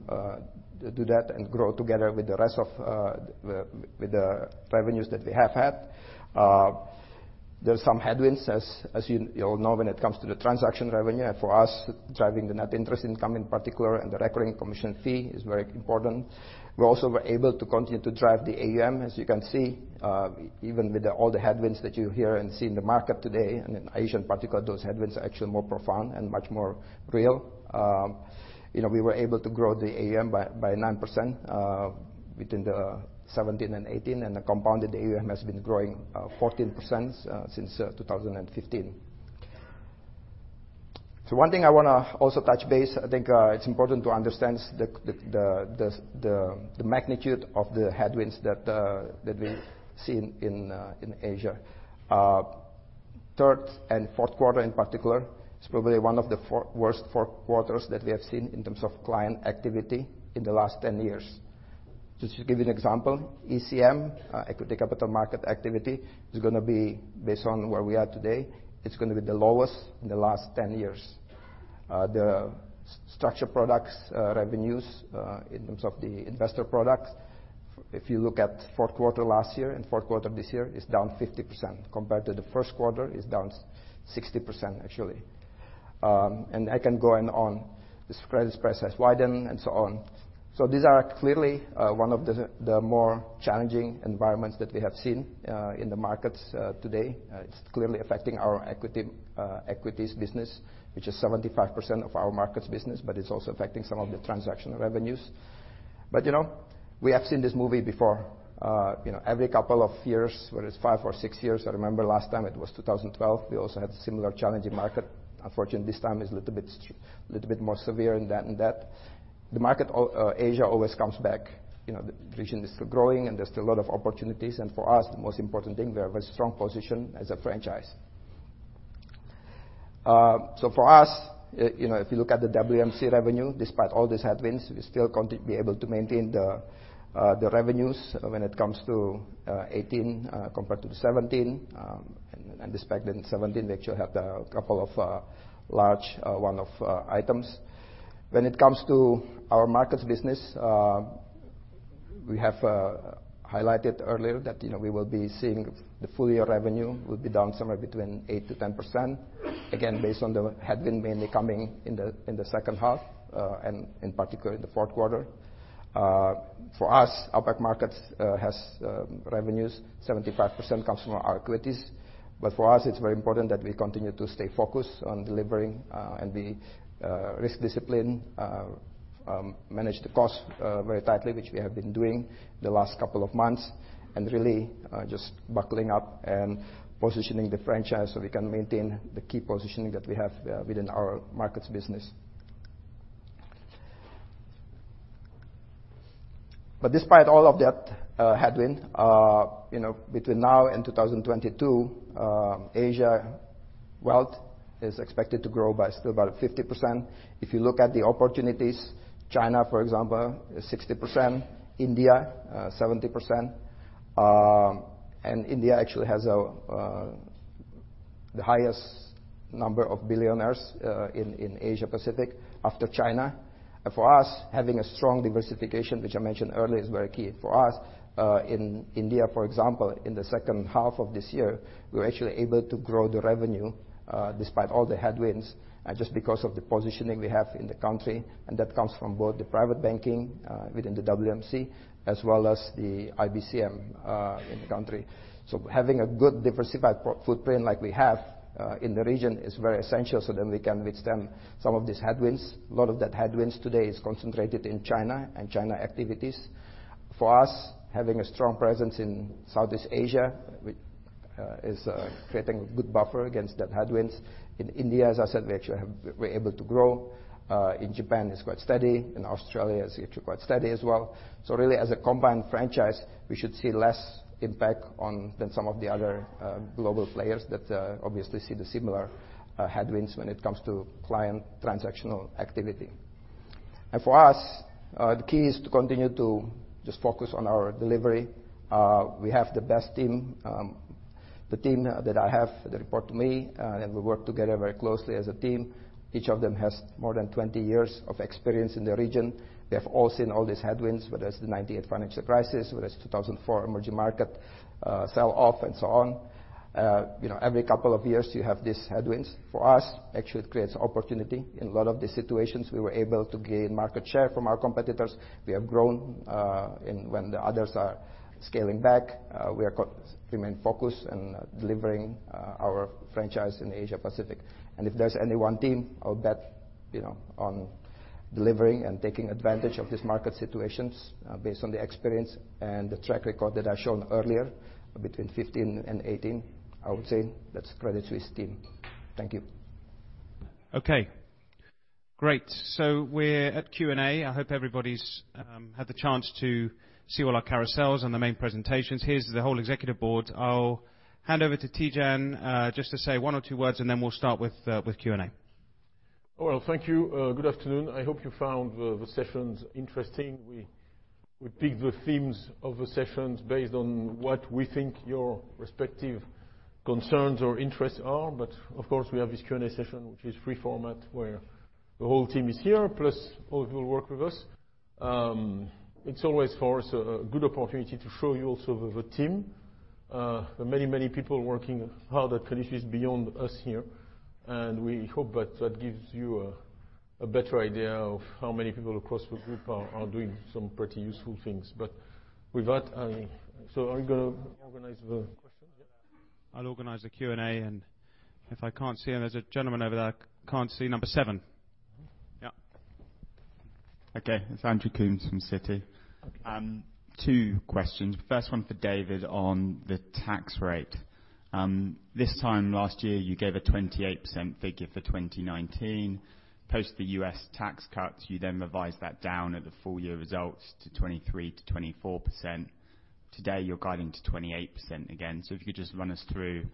do that and grow together with the revenues that we have had. There are some headwinds, as you all know, when it comes to the transaction revenue, and for us, driving the net interest income in particular, and the recurring commission fee is very important. We also were able to continue to drive the AUM, as you can see, even with all the headwinds that you hear and see in the market today, and in Asia in particular, those headwinds are actually more profound and much more real. We were able to grow the AUM by 9% between the 2017 and 2018, and the compounded AUM has been growing 14% since 2015. One thing I want to also touch base, I think it's important to understand the magnitude of the headwinds that we've seen in Asia. Third and fourth quarter, in particular, is probably one of the worst four quarters that we have seen in terms of client activity in the last 10 years. Just to give you an example, ECM, Equity Capital Market activity, based on where we are today, it's going to be the lowest in the last 10 years. The structured products revenues, in terms of the investor products, if you look at fourth quarter last year and fourth quarter this year, is down 50%. Compared to the first quarter, it's down 60%, actually. I can go on and on. The spread has widened, and so on. These are clearly one of the more challenging environments that we have seen in the markets today. It's clearly affecting our equities business, which is 75% of our markets business, but it's also affecting some of the transaction revenues. We have seen this movie before. Every couple of years, whether it's five or six years, I remember last time it was 2012, we also had a similar challenging market. Unfortunately, this time is a little bit more severe in that the market, Asia, always comes back. The region is still growing, and there's still a lot of opportunities. For us, the most important thing, we have a strong position as a franchise. For us, if you look at the WMC revenue, despite all these headwinds, we still continue to be able to maintain the revenues when it comes to 2018 compared to the 2017. Despite that in 2017, we actually had a couple of large one-off items. When it comes to our Global Markets business, we have highlighted earlier that we will be seeing the full-year revenue will be down somewhere between 8%-10%, again, based on the headwind mainly coming in the second half, and in particular, the fourth quarter. For us, Global Markets has revenues, 75% comes from our equities. For us, it's very important that we continue to stay focused on delivering and be risk discipline, manage the cost very tightly, which we have been doing the last couple of months, and really just buckling up and positioning the franchise so we can maintain the key positioning that we have within our markets business. Despite all of that headwind, between now and 2022, Asia wealth is expected to grow by still about 50%. If you look at the opportunities, China, for example, is 60%, India 70%. India actually has the highest number of billionaires in Asia Pacific after China. For us, having a strong diversification, which I mentioned earlier, is very key. For us, in India, for example, in the second half of this year, we were actually able to grow the revenue despite all the headwinds, just because of the positioning we have in the country, and that comes from both the private banking within the WMC as well as the IBCM in the country. Having a good diversified footprint like we have in the region is very essential then we can withstand some of these headwinds. A lot of that headwinds today is concentrated in China and China activities. For us, having a strong presence in Southeast Asia is creating a good buffer against that headwinds. In India, as I said, we actually were able to grow. In Japan, it's quite steady. In Australia, it's actually quite steady as well. Really, as a combined franchise, we should see less impact than some of the other global players that obviously see the similar headwinds when it comes to client transactional activity. For us, the key is to continue to just focus on our delivery. We have the best team. The team that I have that report to me, and we work together very closely as a team. Each of them has more than 20 years of experience in the region. They have all seen all these headwinds, whether it's the 1998 financial crisis, whether it's 2004 emerging market sell-off, and so on. Every couple of years, you have these headwinds. For us, actually, it creates opportunity. In a lot of these situations, we were able to gain market share from our competitors. We have grown when the others are scaling back. We remain focused on delivering our franchise in Asia Pacific. If there's any one team I would bet on delivering and taking advantage of these market situations based on the experience and the track record that I've shown earlier between 2015 and 2018, I would say that's the Credit Suisse team. Thank you. Okay. Great. We're at Q&A. I hope everybody's had the chance to see all our carousels and the main presentations. Here's the whole executive board. I'll hand over to Tidjane just to say one or two words, and then we'll start with Q&A. Well, thank you. Good afternoon. I hope you found the sessions interesting. We picked the themes of the sessions based on what we think your respective concerns or interests are. Of course, we have this Q&A session, which is free format, where the whole team is here, plus all who will work with us. It's always for us a good opportunity to show you also the team. There are many people working hard at Credit Suisse is beyond us here, and we hope that gives you a better idea of how many people across the group are doing some pretty useful things. With that, are we going to organize the questions? Yeah. I'll organize a Q&A, if I can't see, and there's a gentleman over there I can't see, number 7. Yeah. Okay. It's Andrew Coombs from Citi. Two questions. First one for David on the tax rate. This time last year, you gave a 28% figure for 2019. Post the U.S. tax cut, you then revised that down at the full year results to 23%-24%. Today, you're guiding to 28% again. If you could just run us through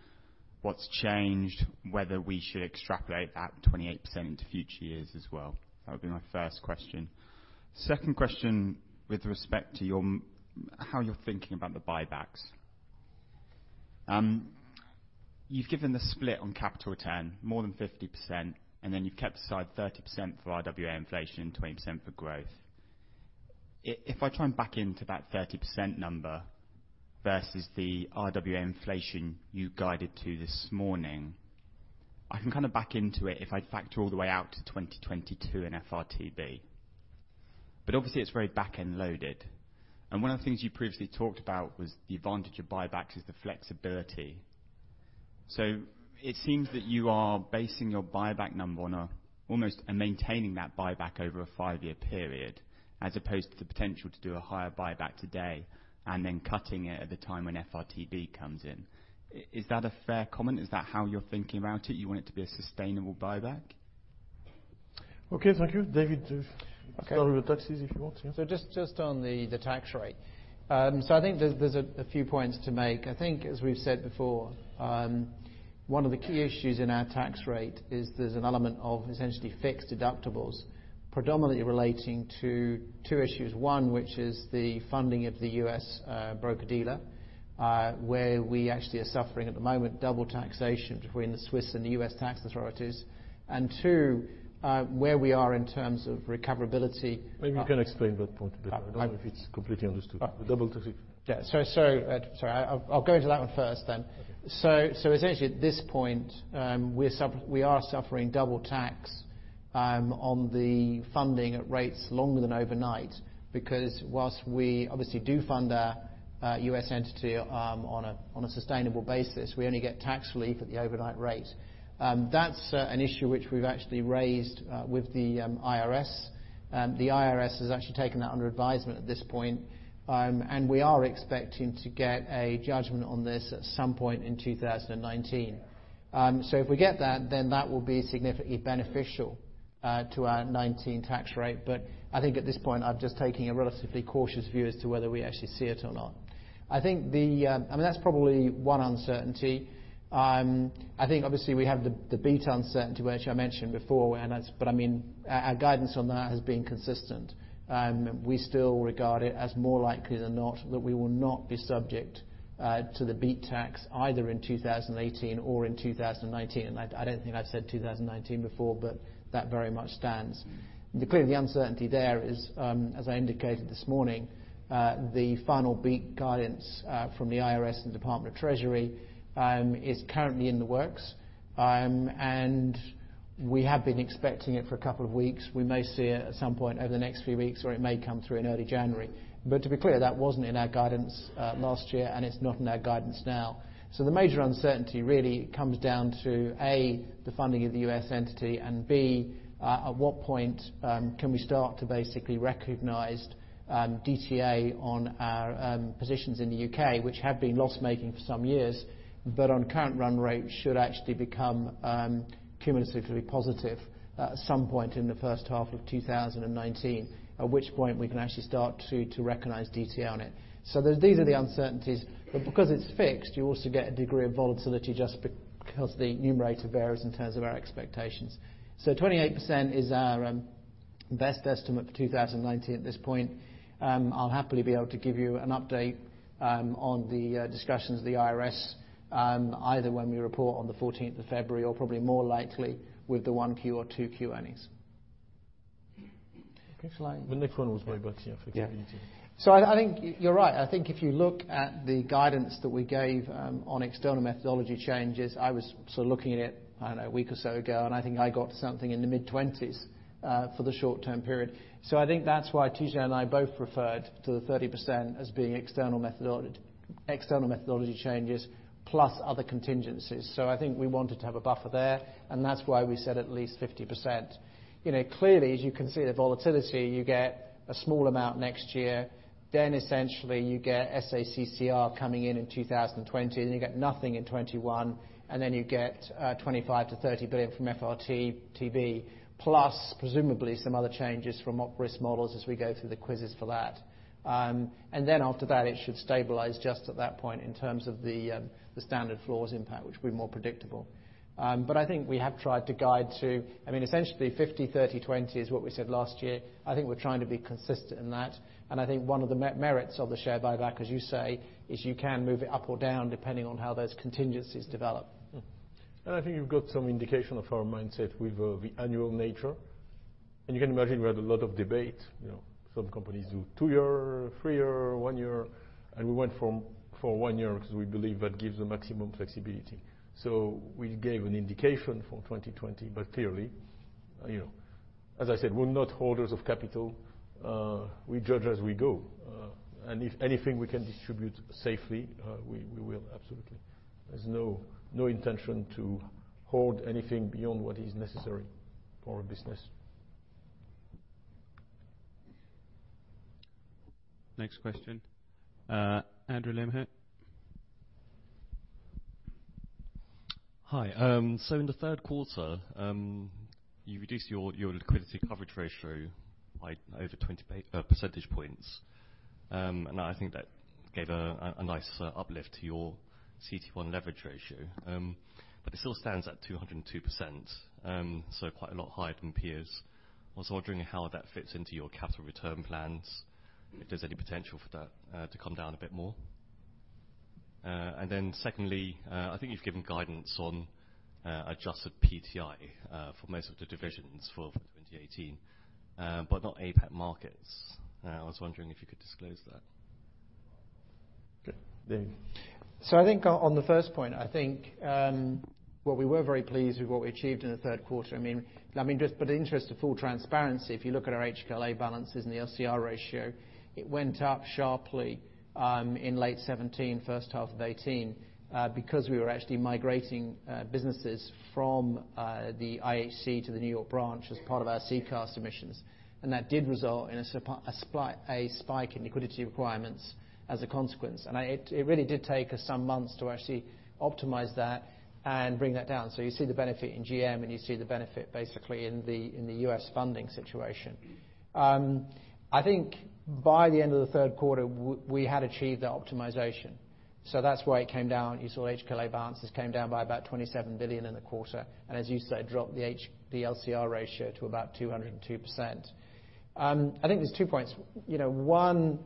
what's changed, whether we should extrapolate that 28% into future years as well. That would be my first question. Second question with respect to how you're thinking about the buybacks. You've given the split on capital return, more than 50%, and then you've kept aside 30% for RWA inflation and 20% for growth. If I try and back into that 30% number versus the RWA inflation you guided to this morning, I can kind of back into it if I factor all the way out to 2022 and FRTB. Obviously, it's very back-end loaded. One of the things you previously talked about was the advantage of buybacks is the flexibility. It seems that you are basing your buyback number on almost maintaining that buyback over a five-year period as opposed to the potential to do a higher buyback today and then cutting it at the time when FRTB comes in. Is that a fair comment? Is that how you're thinking about it? You want it to be a sustainable buyback? Okay, thank you. David, start with taxes if you want. Yeah. Just on the tax rate. I think there's a few points to make. I think as we've said before, one of the key issues in our tax rate is there's an element of essentially fixed deductibles predominantly relating to two issues. One, which is the funding of the U.S. broker-dealer, where we actually are suffering at the moment double taxation between the Swiss and the U.S. tax authorities. Two, where we are in terms of recoverability. Maybe you can explain that point a bit. I don't know if it's completely understood. The double tax. Yeah. Sorry. I'll go into that one first then. Okay. Essentially at this point, we are suffering double tax on the funding at rates longer than overnight because whilst we obviously do fund our U.S. entity on a sustainable basis, we only get tax relief at the overnight rate. That's an issue which we've actually raised with the IRS. The IRS has actually taken that under advisement at this point, and we are expecting to get a judgment on this at some point in 2019. If we get that, then that will be significantly beneficial to our 2019 tax rate. I think at this point, I'm just taking a relatively cautious view as to whether we actually see it or not. I mean, that's probably one uncertainty. I think obviously we have the BEAT uncertainty, which I mentioned before, our guidance on that has been consistent. We still regard it as more likely than not that we will not be subject to the BEAT tax either in 2018 or in 2019. I don't think I've said 2019 before, that very much stands. Clearly, the uncertainty there is, as I indicated this morning, the final BEAT guidance from the IRS and Department of the Treasury is currently in the works. We have been expecting it for a couple of weeks. We may see it at some point over the next few weeks, or it may come through in early January. To be clear, that wasn't in our guidance last year, and it's not in our guidance now. The major uncertainty really comes down to, A, the funding of the U.S. entity, and B, at what point can we start to basically recognize DTA on our positions in the U.K., which have been loss-making for some years. But on current run rate, should actually become cumulatively positive at some point in the first half of 2019, at which point we can actually start to recognize DTA on it. These are the uncertainties. But because it's fixed, you also get a degree of volatility just because the numerator varies in terms of our expectations. 28% is our best estimate for 2019 at this point. I'll happily be able to give you an update on the discussions of the IRS, either when we report on the 14th of February or probably more likely with the 1Q or 2Q earnings. Next one was buyback. Yeah. I think you're right. I think if you look at the guidance that we gave on external methodology changes, I was sort of looking at it, I don't know, a week or so ago, and I think I got something in the mid-20s for the short-term period. I think that's why Tidjane and I both referred to the 30% as being external methodology changes plus other contingencies. I think we wanted to have a buffer there, and that's why we said at least 50%. Clearly, as you can see, the volatility, you get a small amount next year. Then essentially you get SA-CCR coming in in 2020, then you get nothing in 2021, and then you get 25 billion to 30 billion from FRTB, plus presumably some other changes from Op Risk models as we go through the QIS for that. After that, it should stabilize just at that point in terms of the standard floors impact, which will be more predictable. But I think we have tried to guide to, I mean, essentially 50, 30, 20 is what we said last year. I think we're trying to be consistent in that. And I think one of the merits of the share buyback, as you say, is you can move it up or down depending on how those contingencies develop. I think you've got some indication of our mindset with the annual nature. You can imagine, we had a lot of debate. Some companies do two year, three year, one year, and we went for one year because we believe that gives the maximum flexibility. We gave an indication for 2020, but clearly, as I said, we're not holders of capital. We judge as we go. If anything we can distribute safely, we will, absolutely. There's no intention to hoard anything beyond what is necessary for our business. Next question, Andrew Lim here. Hi. In the third quarter, you reduced your liquidity coverage ratio by over 20 percentage points, and I think that gave a nice uplift to your CET1 leverage ratio. It still stands at 202%, so quite a lot higher than peers. I was wondering how that fits into your capital return plans, if there's any potential for that to come down a bit more. Secondly, I think you've given guidance on adjusted PTI for most of the divisions for 2018, but not APAC markets. I was wondering if you could disclose that. Okay. David? I think on the first point, I think, well, we were very pleased with what we achieved in the third quarter. But in the interest of full transparency, if you look at our HQLA balances and the LCR ratio, it went up sharply in late 2017, first half of 2018, because we were actually migrating businesses from the IHC to the New York branch as part of our CECL submissions. That did result in a spike in liquidity requirements as a consequence. It really did take us some months to actually optimize that and bring that down. You see the benefit in GM and you see the benefit basically in the U.S. funding situation. I think by the end of the third quarter, we had achieved that optimization. That's why it came down. You saw HQLA balances came down by about 27 billion in the quarter. As you say, dropped the LCR ratio to about 202%. I think there's two points. One,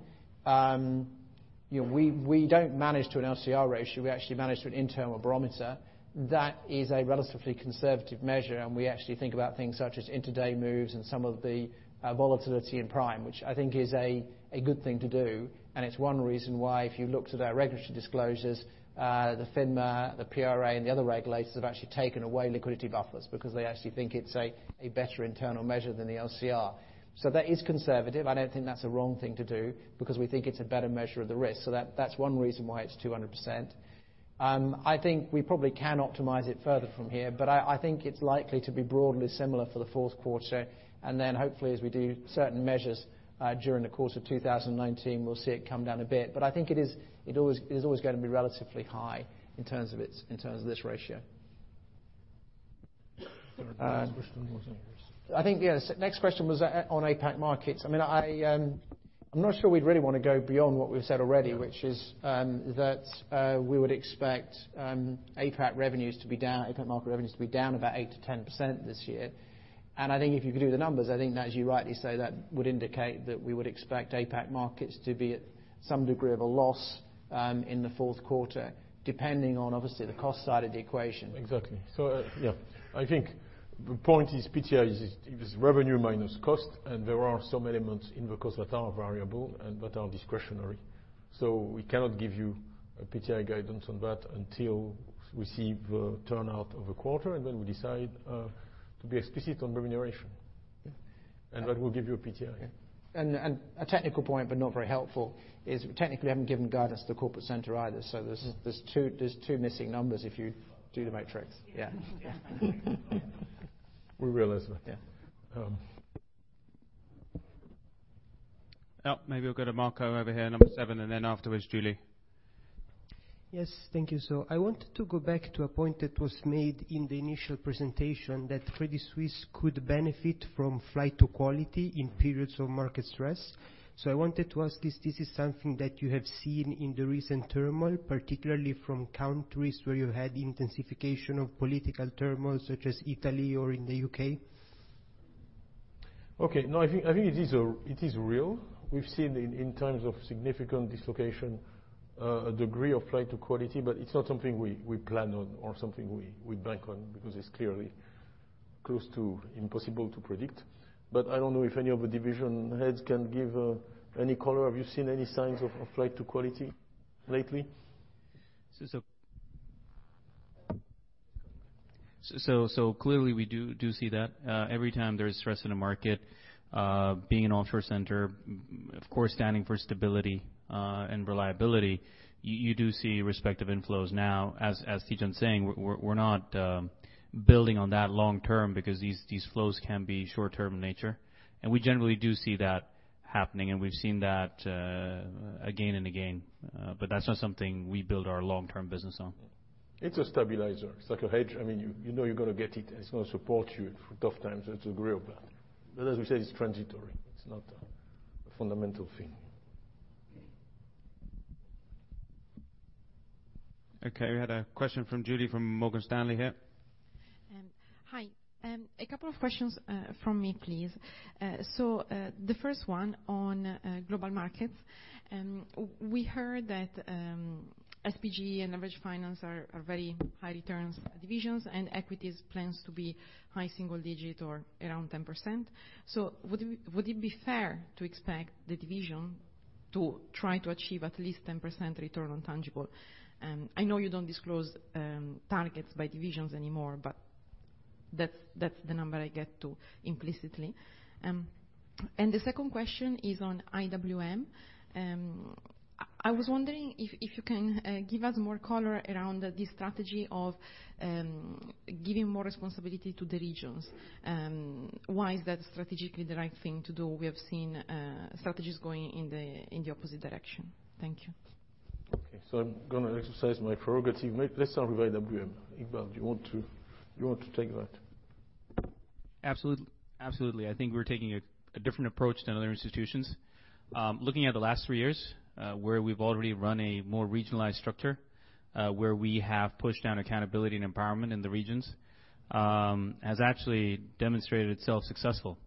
we don't manage to an LCR ratio. We actually manage to an internal barometer. That is a relatively conservative measure, and we actually think about things such as interday moves and some of the volatility in prime, which I think is a good thing to do, and it's one reason why, if you looked at our regulatory disclosures, the FINMA, the PRA, and the other regulators have actually taken away liquidity buffers because they actually think it's a better internal measure than the LCR. That is conservative. I don't think that's a wrong thing to do because we think it's a better measure of the risk. That's one reason why it's 200%. I think we probably can optimize it further from here, I think it's likely to be broadly similar for the fourth quarter. Hopefully, as we do certain measures during the course of 2019, we'll see it come down a bit. I think it is always going to be relatively high in terms of this ratio. Third question was? Next question was on APAC markets. I am not sure we would really want to go beyond what we have said already, which is that we would expect APAC market revenues to be down about 8%-10% this year. If you could do the numbers, as you rightly say, that would indicate that we would expect APAC markets to be at some degree of a loss in the fourth quarter, depending on, obviously, the cost side of the equation. Exactly. The point is, PTI is revenue minus cost, there are some elements in the cost that are variable and that are discretionary. We cannot give you a PTI guidance on that until we see the turnout of the quarter, then we decide to be explicit on remuneration. Yeah. That will give you a PTI. A technical point, not very helpful, is we technically have not given guidance to Corporate Center either. There are two missing numbers if you do the matrix. We realize that. Yeah. Maybe we'll go to Marco over here, number 7, then afterwards, Julie. Yes. Thank you. I wanted to go back to a point that was made in the initial presentation, that Credit Suisse could benefit from flight to quality in periods of market stress. I wanted to ask this is something that you have seen in the recent turmoil, particularly from countries where you had intensification of political turmoil, such as Italy or in the U.K.? Okay. No, I think it is real. We've seen in terms of significant dislocation, a degree of flight to quality, it's not something we plan on or something we bank on because it's clearly close to impossible to predict. I don't know if any of the division heads can give any color. Have you seen any signs of flight to quality lately? Clearly, we do see that every time there is stress in a market. Being an offshore center, of course, standing for stability and reliability, you do see respective inflows. As Tidjane is saying, we're not building on that long term because these flows can be short term in nature. We generally do see that happening, and we've seen that again and again. That's not something we build our long-term business on. It's a stabilizer. It's like a hedge. You know you're going to get it, and it's going to support you through tough times, and it's a group. As we said, it's transitory. It's not a fundamental thing. We had a question from Julie from Morgan Stanley here. Hi. A couple of questions from me, please. The first one on Global Markets. We heard that SPG and leveraged finance are very high return divisions, and equities plans to be high single-digit or around 10%. Would it be fair to expect the division to try to achieve at least 10% return on tangible? I know you don't disclose targets by divisions anymore, but that's the number I get to implicitly. The second question is on IWM. I was wondering if you can give us more color around the strategy of giving more responsibility to the regions. Why is that strategically the right thing to do? We have seen strategies going in the opposite direction. Thank you. Okay. I'm going to exercise my prerogative. Let's start with IWM. Iqbal, do you want to take that? Absolutely. I think we're taking a different approach than other institutions. Looking at the last three years, where we've already run a more regionalized structure, where we have pushed down accountability and empowerment in the regions, has actually demonstrated itself successful.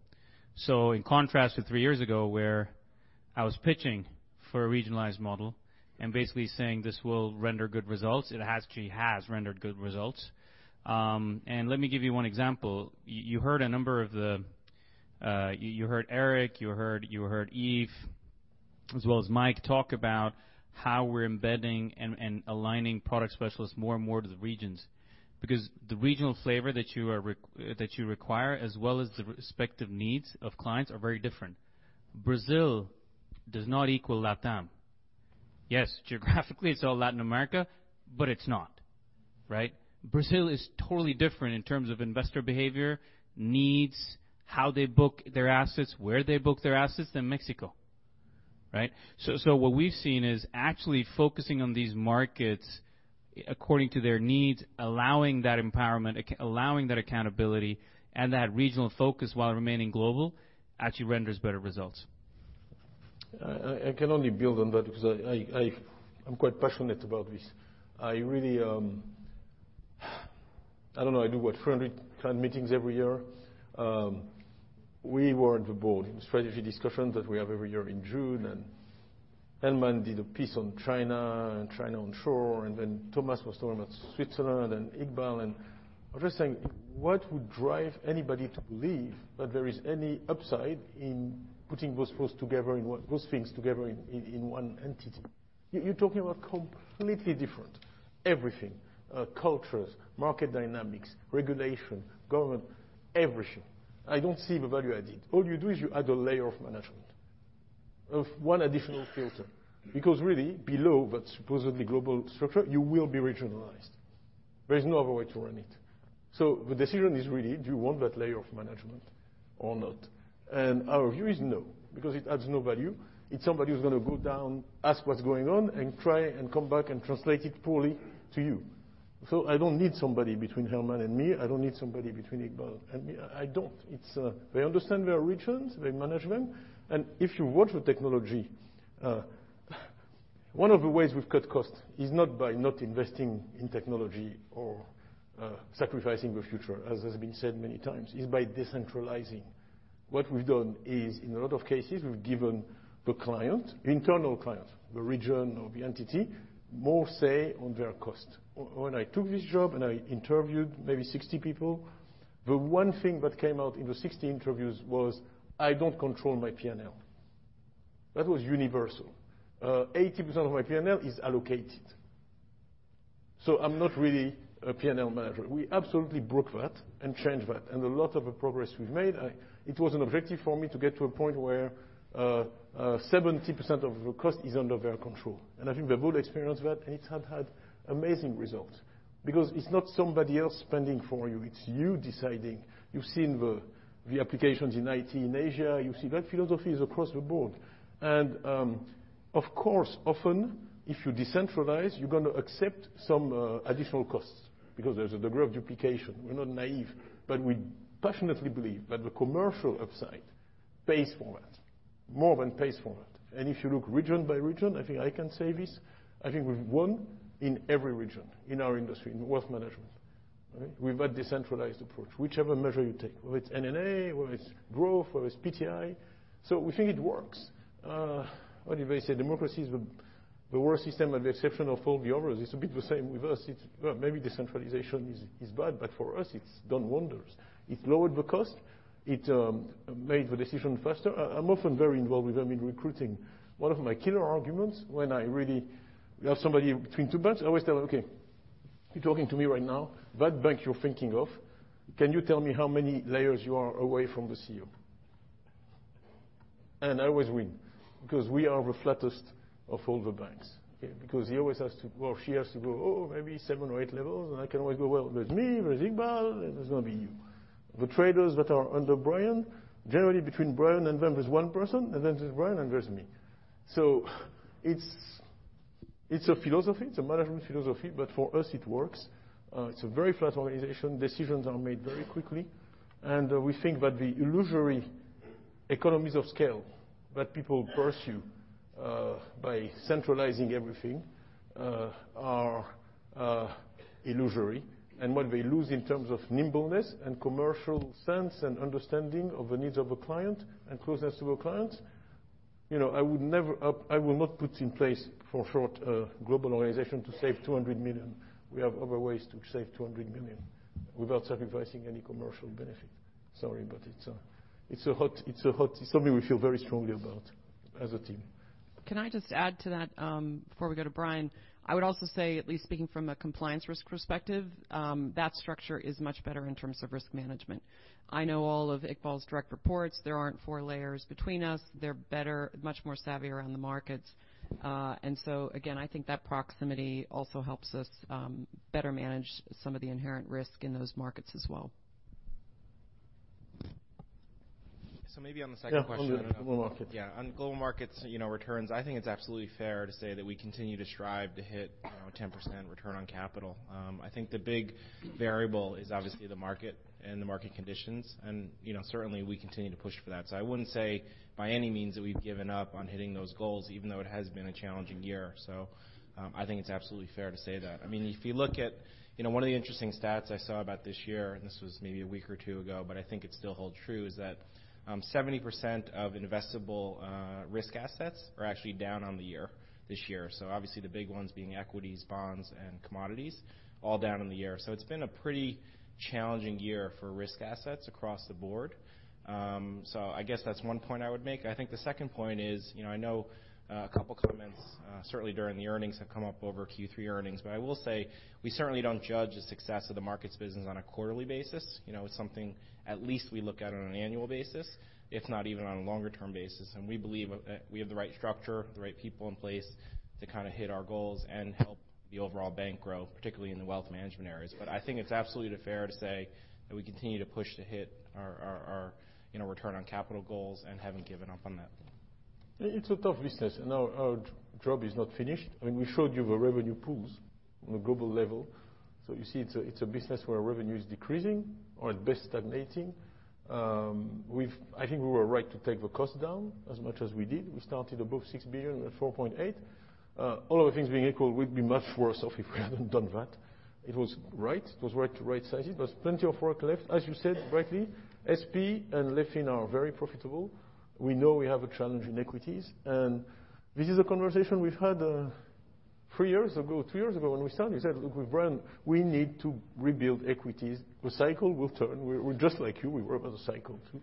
In contrast to three years ago, where I was pitching for a regionalized model and basically saying this will render good results, it actually has rendered good results. Let me give you one example. You heard Eric, you heard Yves, as well as Mike talk about how we're embedding and aligning product specialists more and more to the regions. Because the regional flavor that you require, as well as the respective needs of clients, are very different. Brazil does not equal LATAM. Yes, geographically, it's all Latin America, but it's not. Brazil is totally different in terms of investor behavior, needs, how they book their assets, where they book their assets than Mexico. Right? What we've seen is actually focusing on these markets according to their needs, allowing that empowerment, allowing that accountability, and that regional focus while remaining global, actually renders better results. I can only build on that because I'm quite passionate about this. I don't know, I do what, 400 client meetings every year. We were at the board in the strategy discussions that we have every year in June, Helman did a piece on China onshore, Thomas was talking about Switzerland, Iqbal, I'm just saying, what would drive anybody to believe that there is any upside in putting those things together in one entity? You're talking about completely different everything. Cultures, market dynamics, regulation, government, everything. I don't see the value added. All you do is you add a layer of management, of one additional filter. Because really, below that supposedly global structure, you will be regionalized. There is no other way to run it. The decision is really, do you want that layer of management or not? Our view is no, because it adds no value. It's somebody who's going to go down, ask what's going on, and try and come back and translate it poorly to you. I don't need somebody between Helman and me. I don't need somebody between Iqbal and me. I don't. They understand their regions, they manage them, and if you watch the technology, one of the ways we've cut costs is not by not investing in technology or sacrificing the future, as has been said many times. It's by decentralizing. What we've done is, in a lot of cases, we've given the client, internal client, the region or the entity, more say on their cost. When I took this job and I interviewed maybe 60 people, the one thing that came out in the 60 interviews was, "I don't control my P&L." That was universal. 80% of my P&L is allocated. I'm not really a P&L manager. We absolutely broke that and changed that. A lot of the progress we've made, it was an objective for me to get to a point where 70% of the cost is under their control. I think they both experienced that, and it's had amazing results. Because it's not somebody else spending for you, it's you deciding. You've seen the applications in IT in Asia. You see that philosophy is across the board. Of course, often, if you decentralize, you're going to accept some additional costs because there's a degree of duplication. We're not naive, but we passionately believe that the commercial upside pays for that. More than pays for that. If you look region by region, I think I can say this, I think we've won in every region in our industry, in wealth management. With that decentralized approach, whichever measure you take, whether it's NNA or it's growth or it's PTI. We think it works. What do they say? Democracy is the worst system at the exception of all the others. It's a bit the same with us. Maybe decentralization is bad, but for us, it's done wonders. It lowered the cost. It made the decision faster. I'm often very involved with them in recruiting. One of my killer arguments when I really have somebody between two banks, I always tell them, "Okay. You're talking to me right now. That bank you're thinking of, can you tell me how many layers you are away from the CEO?" I always win, because we are the flattest of all the banks. He always has to, or she has to go, "Oh, maybe seven or eight levels." I can always go, "Well, there's me, there's Iqbal, and there's going to be you." The traders that are under Brian, generally between Brian and them is one person, and then there's Brian and there's me. It's a philosophy, it's a management philosophy, but for us, it works. It's a very flat organization. Decisions are made very quickly. We think that the illusory economies of scale that people pursue by centralizing everything are illusory. What they lose in terms of nimbleness and commercial sense and understanding of the needs of a client, and closeness to a client, I will not put in place, for short, a global organization to save 200 million. We have other ways to save 200 million without sacrificing any commercial benefit. Sorry, but it's something we feel very strongly about as a team. Can I just add to that before we go to Brian? I would also say, at least speaking from a compliance risk perspective, that structure is much better in terms of risk management. I know all of Iqbal's direct reports. There aren't four layers between us. They're better, much more savvy around the markets. Again, I think that proximity also helps us better manage some of the inherent risk in those markets as well. Maybe on the second question. Yeah, on Global Markets. Yeah. On Global Markets returns, I think it's absolutely fair to say that we continue to strive to hit 10% return on capital. I think the big variable is obviously the market and the market conditions, certainly we continue to push for that. I wouldn't say by any means that we've given up on hitting those goals, even though it has been a challenging year. I think it's absolutely fair to say that. One of the interesting stats I saw about this year, and this was maybe a week or two ago, but I think it still holds true, is that 70% of investable risk assets are actually down on the year this year. Obviously the big ones being equities, bonds, and commodities all down on the year. It's been a pretty challenging year for risk assets across the board. I guess that's one point I would make. I think the second point is, I know a couple comments certainly during the earnings have come up over Q3 earnings, I will say we certainly don't judge the success of the markets business on a quarterly basis. It's something at least we look at on an annual basis, if not even on a longer term basis. We believe we have the right structure, the right people in place to hit our goals and help the overall bank grow, particularly in the wealth management areas. I think it's absolutely fair to say that we continue to push to hit our return on capital goals and haven't given up on that. It's a tough business, our job is not finished. We showed you the revenue pools on a global level. You see it's a business where revenue is decreasing or at best stagnating. I think we were right to take the cost down as much as we did. We started above 6 billion at 4.8 billion. All other things being equal, we'd be much worse off if we hadn't done that. It was right. It was right sizes. There was plenty of work left, as you said rightly. SP and LevFin are very profitable. We know we have a challenge in equities, this is a conversation we've had three years ago, two years ago when we started. We said, look, we've run. We need to rebuild equities. The cycle will turn. We're just like you. We work as a cycle too,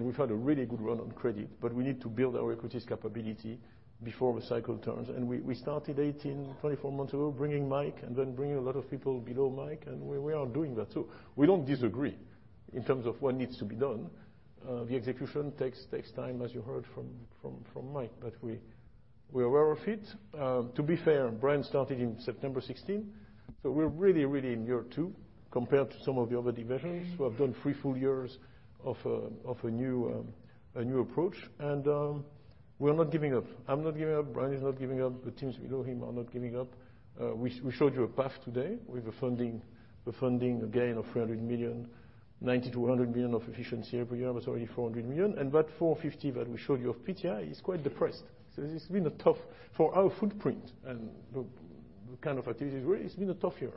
we've had a really good run on credit, but we need to build our equities capability before the cycle turns. We started 18, 24 months ago bringing Mike and then bringing a lot of people below Mike, and we are doing that too. We don't disagree in terms of what needs to be done. The execution takes time, as you heard from Mike. We are aware of it. To be fair, Brian started in September 2016, we're really in year two compared to some of the other divisions who have done three full years of a new approach. We are not giving up. I'm not giving up. Brian is not giving up. The teams below him are not giving up. We showed you a path today with the funding gain of 300 million, 90 million-100 million of efficiency every year, but already 400 million. That 450 that we showed you of PTI is quite depressed. It's been tough for our footprint and the kind of activities, really, it's been a tough year.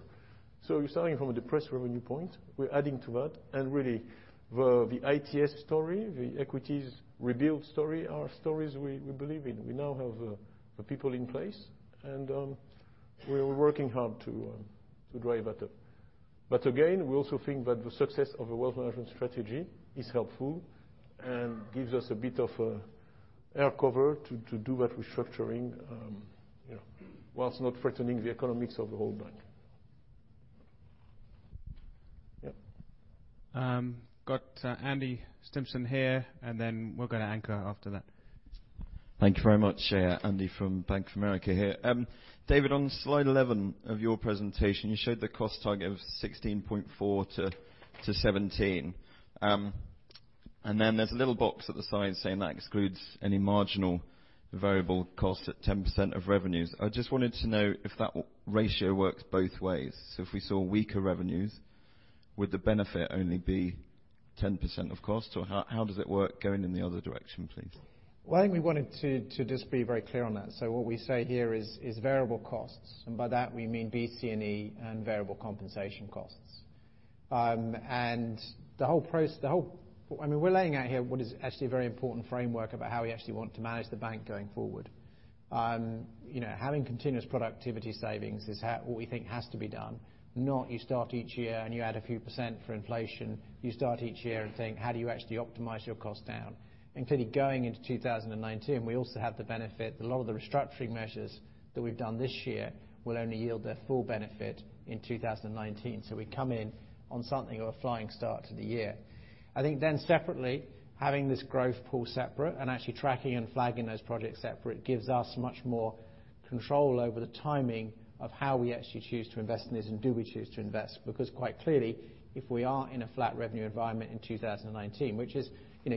You're starting from a depressed revenue point. We're adding to that. Really, the ITS story, the equities rebuild story are stories we believe in. We now have the people in place, and we're working hard to drive that up. Again, we also think that the success of the wealth management strategy is helpful and gives us a bit of air cover to do that restructuring whilst not threatening the economics of the whole bank. Yep. We've got Andrew Stimpson here, then we'll go to Anca after that. Thank you very much. Andy from Bank of America here. David, on slide eleven of your presentation, you showed the cost target of 16.4%-17%. There's a little box at the side saying that excludes any marginal variable cost at 10% of revenues. I just wanted to know if that ratio works both ways. If we saw weaker revenues, would the benefit only be 10% of cost? Or how does it work going in the other direction, please? I think we wanted to just be very clear on that. What we say here is variable costs, and by that we mean BCE and variable compensation costs. We're laying out here what is actually a very important framework about how we actually want to manage the bank going forward. Having continuous productivity savings is what we think has to be done. Not you start each year and you add a few percent for inflation. You start each year and think, how do you actually optimize your cost down? Including going into 2019, we also have the benefit that a lot of the restructuring measures that we've done this year will only yield their full benefit in 2019. We come in on something of a flying start to the year. I think separately, having this growth pool separate and actually tracking and flagging those projects separate gives us much more control over the timing of how we actually choose to invest in this, and do we choose to invest. Because quite clearly, if we are in a flat revenue environment in 2019, which is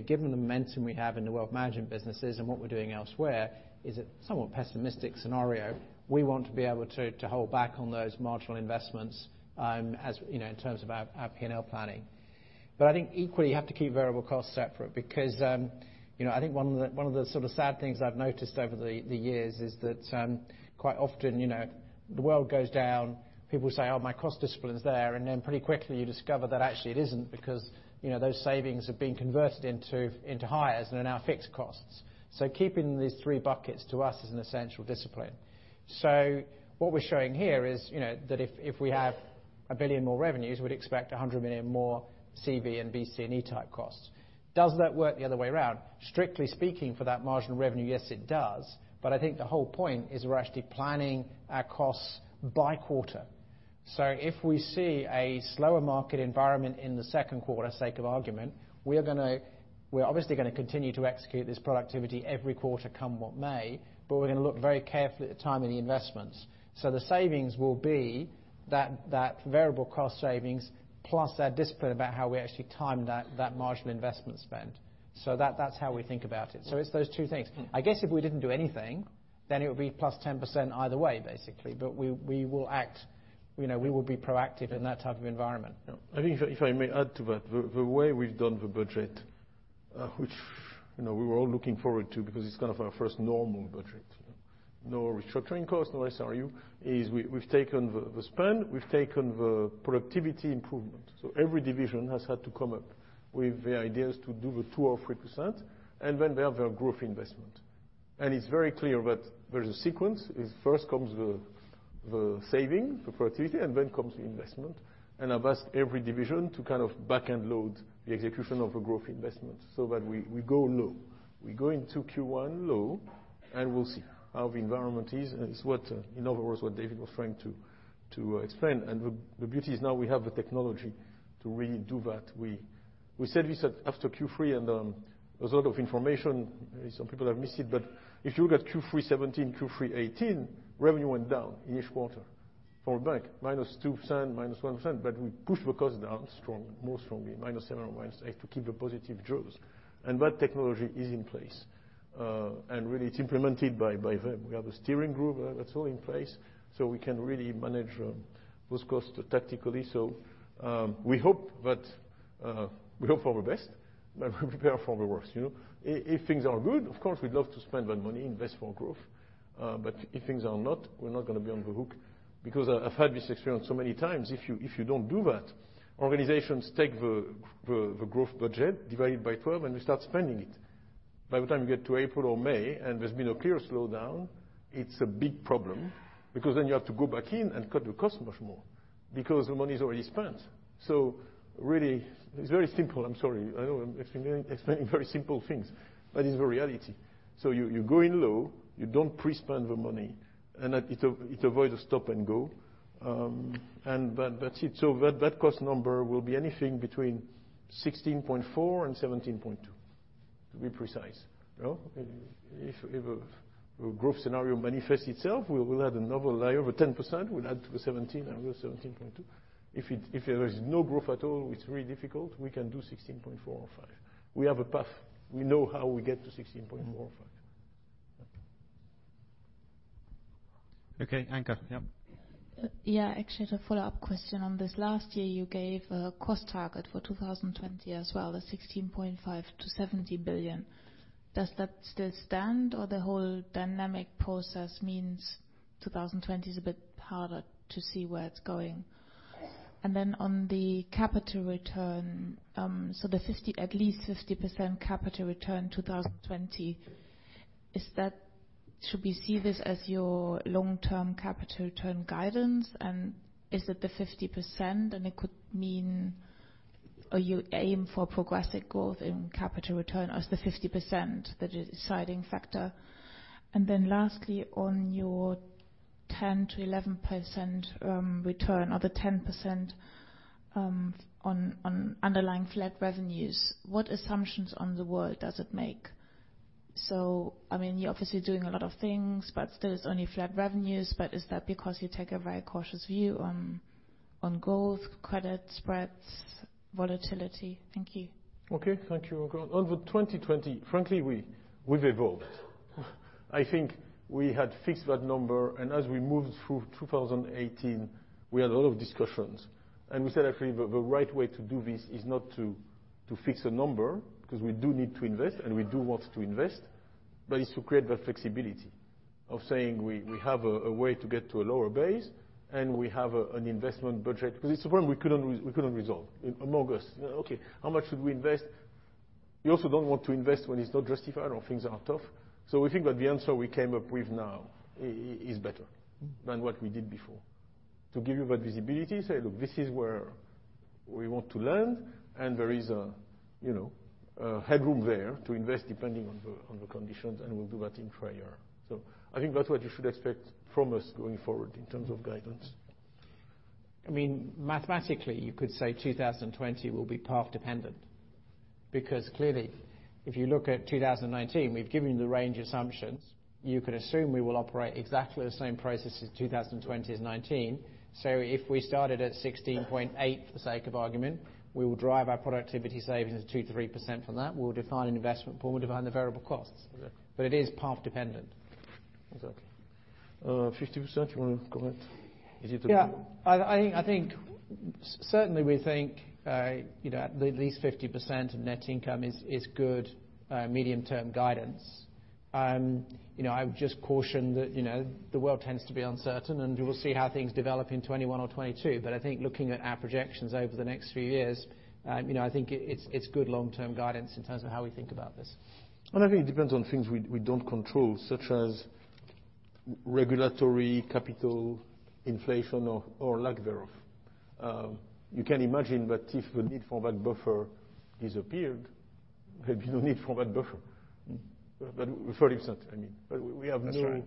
given the momentum we have in the wealth management businesses and what we're doing elsewhere, is a somewhat pessimistic scenario. We want to be able to hold back on those marginal investments in terms of our P&L planning. I think equally, you have to keep variable costs separate because I think one of the sort of sad things I've noticed over the years is that quite often, the world goes down. People say, "Oh, my cost discipline is there." Then pretty quickly you discover that actually it isn't, because those savings have been converted into hires and are now fixed costs. Keeping these three buckets to us is an essential discipline. What we're showing here is that if we have 1 billion more revenues, we'd expect 100 million more VC and BCE type costs. Does that work the other way around? Strictly speaking, for that marginal revenue, yes, it does. I think the whole point is we're actually planning our costs by quarter. If we see a slower market environment in the second quarter, sake of argument, we're obviously going to continue to execute this productivity every quarter, come what may. We're going to look very carefully at the timing of the investments. The savings will be that variable cost savings plus that discipline about how we actually time that marginal investment spend. That's how we think about it. It's those two things. I guess if we didn't do anything, then it would be +10% either way, basically. We will act. We will be proactive in that type of environment. Yeah. I think if I may add to that, the way we've done the budget, which we were all looking forward to because it's kind of our first normal budget. No restructuring costs, no SRU, is we've taken the spend, we've taken the productivity improvement. Every division has had to come up with the ideas to do the 2% or 3%, then they have their growth investment. It's very clear that there is a sequence, is first comes the saving, the productivity, then comes the investment. I've asked every division to kind of back end load the execution of a growth investment so that we go low. We go into Q1 low, and we'll see how the environment is, it's what, in other words, what David was trying to explain. The beauty is now we have the technology to really do that. We said this after Q3, there was a lot of information. Some people have missed it, if you look at Q3 2017, Q3 2018, revenue went down each quarter, fall back, -2%, -1%, we pushed the costs down strongly, more strongly, -7% or -8%, to keep the positive drivers. That technology is in place. Really, it's implemented by them. We have a steering group that's all in place, so we can really manage those costs tactically. We hope for the best, but we prepare for the worst. If things are good, of course, we'd love to spend that money, invest for growth. If things are not, we're not going to be on the hook, because I've had this experience so many times. If you don't do that, organizations take the growth budget, divide it by 12, we start spending it. By the time you get to April or May, there's been a clear slowdown, it's a big problem, because then you have to go back in and cut the cost much more because the money is already spent. Really, it's very simple. I'm sorry. I know I'm explaining very simple things, it's the reality. You go in low, you don't pre-spend the money, it avoids a stop and go. That's it. That cost number will be anything between 16.4 billion and 17.2 billion, to be precise. If a growth scenario manifests itself, we will add another layer of 10%, we'll add to the 17 billion and we're 17.2 billion. If there is no growth at all, it's really difficult, we can do 16.4 billion or 16.5 billion. We have a path. We know how we get to 16.4 billion or 16.5 billion. Okay, Anca. Yep. Actually, it's a follow-up question on this. Last year, you gave a cost target for 2020 as well, the 16.5 billion-17 billion. Does that still stand or the whole dynamic process means 2020 is a bit harder to see where it's going? On the capital return, the at least 50% capital return 2020. Should we see this as your long-term capital return guidance? Is it the 50% and it could mean or you aim for progressive growth in capital return or is the 50% the deciding factor? Lastly, on your 10%-11% return or the 10% on underlying flat revenues, what assumptions on the world does it make? I mean, you're obviously doing a lot of things, but still it's only flat revenues. Is that because you take a very cautious view on growth, credit spreads, volatility? Thank you. Thank you. On the 2020, frankly, we've evolved. I think we had fixed that number. As we moved through 2018, we had a lot of discussions. We said, actually, the right way to do this is not to fix a number because we do need to invest, and we do want to invest, but it's to create that flexibility of saying we have a way to get to a lower base and we have an investment budget. It's a problem we couldn't resolve among us. How much should we invest? You also don't want to invest when it's not justified or things are tough. We think that the answer we came up with now is better than what we did before. To give you that visibility, say, look, this is where we want to land. There is a headroom there to invest depending on the conditions, and we'll do that in prior. I think that's what you should expect from us going forward in terms of guidance. I mean, mathematically, you could say 2020 will be path dependent. Clearly, if you look at 2019, we've given you the range assumptions. You could assume we will operate exactly the same process as 2020 as 2019. If we started at 16.8 billion for sake of argument, we will drive our productivity savings 2%-3% from that. We'll define an investment point, we'll define the variable costs. Okay. It is path dependent. Exactly. 50%, you want to comment? Yeah. Certainly, we think at least 50% net income is good medium-term guidance. I would just caution that the world tends to be uncertain, and we will see how things develop in 2021 or 2022. I think looking at our projections over the next few years, I think it's good long-term guidance in terms of how we think about this. I think it depends on things we don't control, such as regulatory capital inflation or lack thereof. You can imagine that if the need for that buffer disappeared, we have no need for that buffer. 30%, I mean. That's right.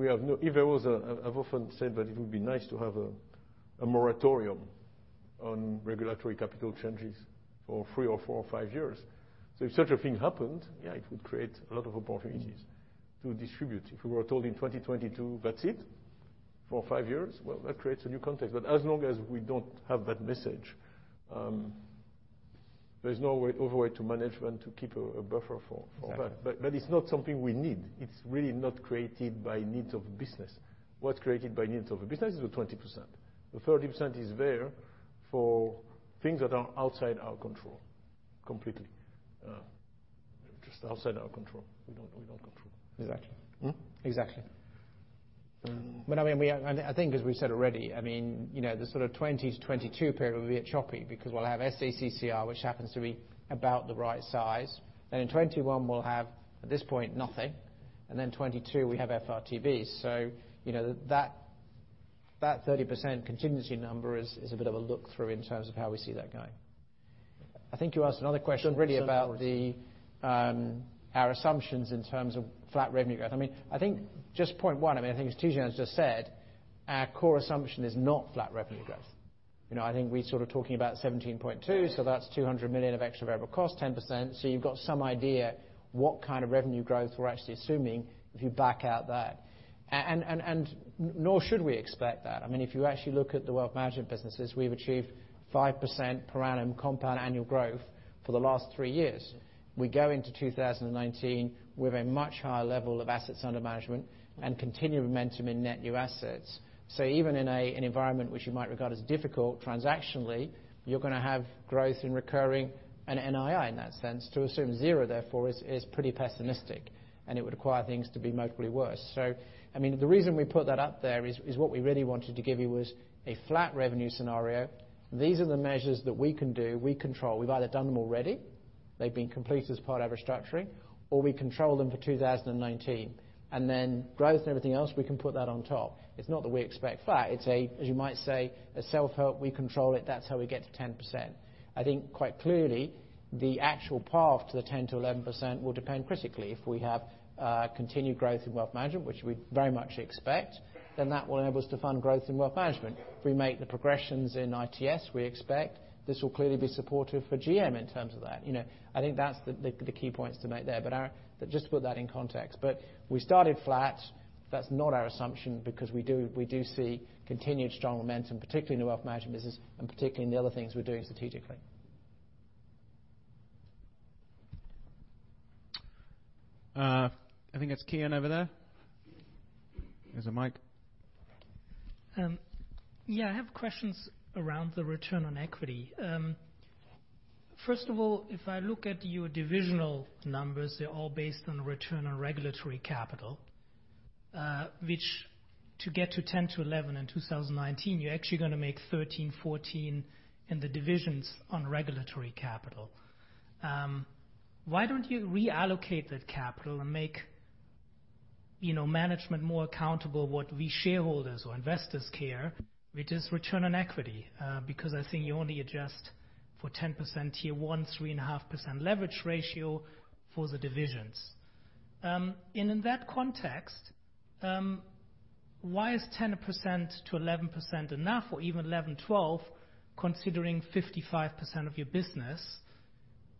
I've often said that it would be nice to have a moratorium on regulatory capital changes for three or four or five years. if such a thing happened, yeah, it would create a lot of opportunities to distribute. If we were told in 2022, that's it for five years, well, that creates a new context. as long as we don't have that message, there's no other way to management to keep a buffer for that. Exactly. it's not something we need. It's really not created by needs of the business. What's created by needs of the business is the 20%. The 30% is there for things that are outside our control completely. Just outside our control. We don't control. Exactly. Exactly. I think as we've said already, the sort of 2020 to 2022 period will be a bit choppy because we'll have SA-CCR, which happens to be about the right size. in 2021 we'll have, at this point, nothing, and 2022 we have FRTB. that 30% contingency number is a bit of a look-through in terms of how we see that going. I think you asked another question, really, about our assumptions in terms of flat revenue growth. I think just point one, I think as Tidjane has just said, our core assumption is not flat revenue growth. I think we're sort of talking about 17.2, that's 200 million of extra variable cost, 10%. you've got some idea what kind of revenue growth we're actually assuming if you back out that. nor should we expect that. If you actually look at the wealth management businesses, we've achieved 5% per annum compound annual growth for the last three years. We go into 2019 with a much higher level of assets under management and continued momentum in net new assets. Even in an environment which you might regard as difficult transactionally, you're going to have growth in recurring and NII in that sense. To assume zero, therefore, is pretty pessimistic and it would require things to be notably worse. The reason we put that up there is what we really wanted to give you was a flat revenue scenario. These are the measures that we can do, we control. We've either done them already, they've been completed as part of our restructuring, or we control them for 2019. Growth and everything else, we can put that on top. It's not that we expect flat. It's, as you might say, a self-help, we control it. That's how we get to 10%. I think quite clearly, the actual path to the 10%-11% will depend critically if we have continued growth in wealth management, which we very much expect, then that will enable us to fund growth in wealth management. If we make the progressions in ITS we expect, this will clearly be supportive for GM in terms of that. I think that's the key points to make there, but just to put that in context. We started flat. That's not our assumption because we do see continued strong momentum, particularly in the wealth management business and particularly in the other things we're doing strategically. I think that's Kian over there. There's a mic. Yeah, I have questions around the return on equity. First of all, if I look at your divisional numbers, they're all based on return on regulatory capital. Which to get to 10%-11% in 2019, you're actually going to make 13%, 14% in the divisions on regulatory capital. Why don't you reallocate that capital and make management more accountable what we shareholders or investors care, which is return on equity? I think you only adjust for 10% Tier 1, 3.5% leverage ratio for the divisions. In that context, why is 10%-11% enough, or even 11%, 12%, considering 55% of your business,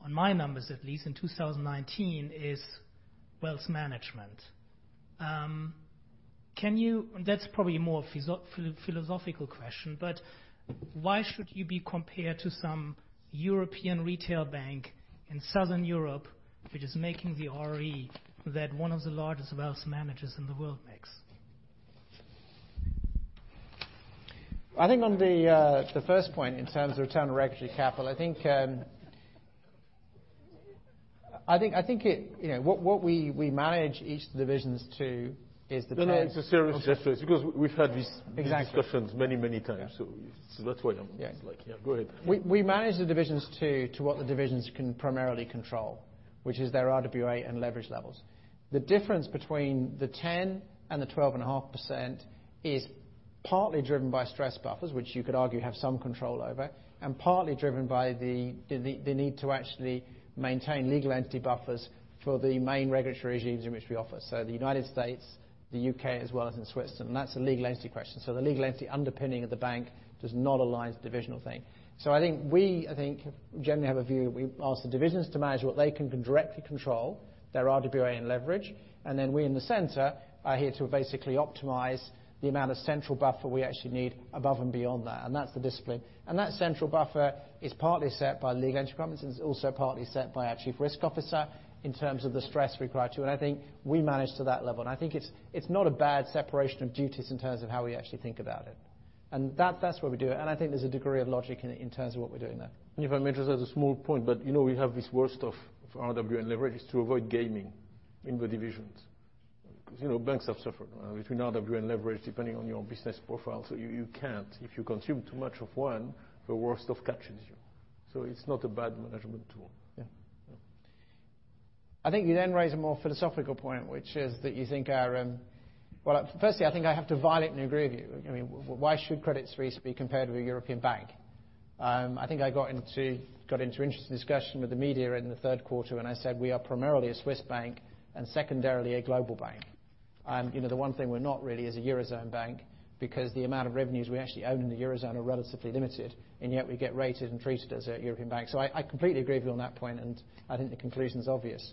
on my numbers at least, in 2019 is wealth management? That's probably a more philosophical question, but why should you be compared to some European retail bank in Southern Europe which is making the RoE that one of the largest wealth managers in the world makes? I think on the first point in terms of return on regulatory capital, I think what we manage each of the divisions to is the- No, it's a serious question because we've had these- Exactly discussions many times. That's why I'm like Yeah, go ahead. We manage the divisions to what the divisions can primarily control, which is their RWA and leverage levels. The difference between the 10 and the 12.5% is partly driven by stress buffers, which you could argue have some control over, and partly driven by the need to actually maintain legal entity buffers for the main regulatory regimes in which we offer. The U.S., the U.K., as well as in Switzerland. That's a legal entity question. The legal entity underpinning of the bank does not align to the divisional thing. I think we generally have a view, we ask the divisions to manage what they can directly control, their RWA and leverage, and then we in the center are here to basically optimize the amount of central buffer we actually need above and beyond that, and that's the discipline. That central buffer is partly set by legal entity proponents, and it's also partly set by our Chief Risk Officer in terms of the stress required, too. I think we manage to that level. I think it's not a bad separation of duties in terms of how we actually think about it. And that's where we do it, and I think there's a degree of logic in terms of what we're doing there. If I may just add a small point, but we have this worst of RWA and leverage is to avoid gaming in the divisions. Banks have suffered between RWA and leverage, depending on your business profile. You can't, if you consume too much of one, the worst of catches you. It's not a bad management tool. I think you then raise a more philosophical point, which is that you think our firstly, I think I have to violently agree with you. Why should Credit Suisse be compared with a European bank? I think I got into interesting discussion with the media in the third quarter, and I said we are primarily a Swiss bank and secondarily a global bank. The one thing we're not really is a Eurozone bank, because the amount of revenues we actually own in the Eurozone are relatively limited, and yet we get rated and treated as a European bank. I completely agree with you on that point, and I think the conclusion's obvious.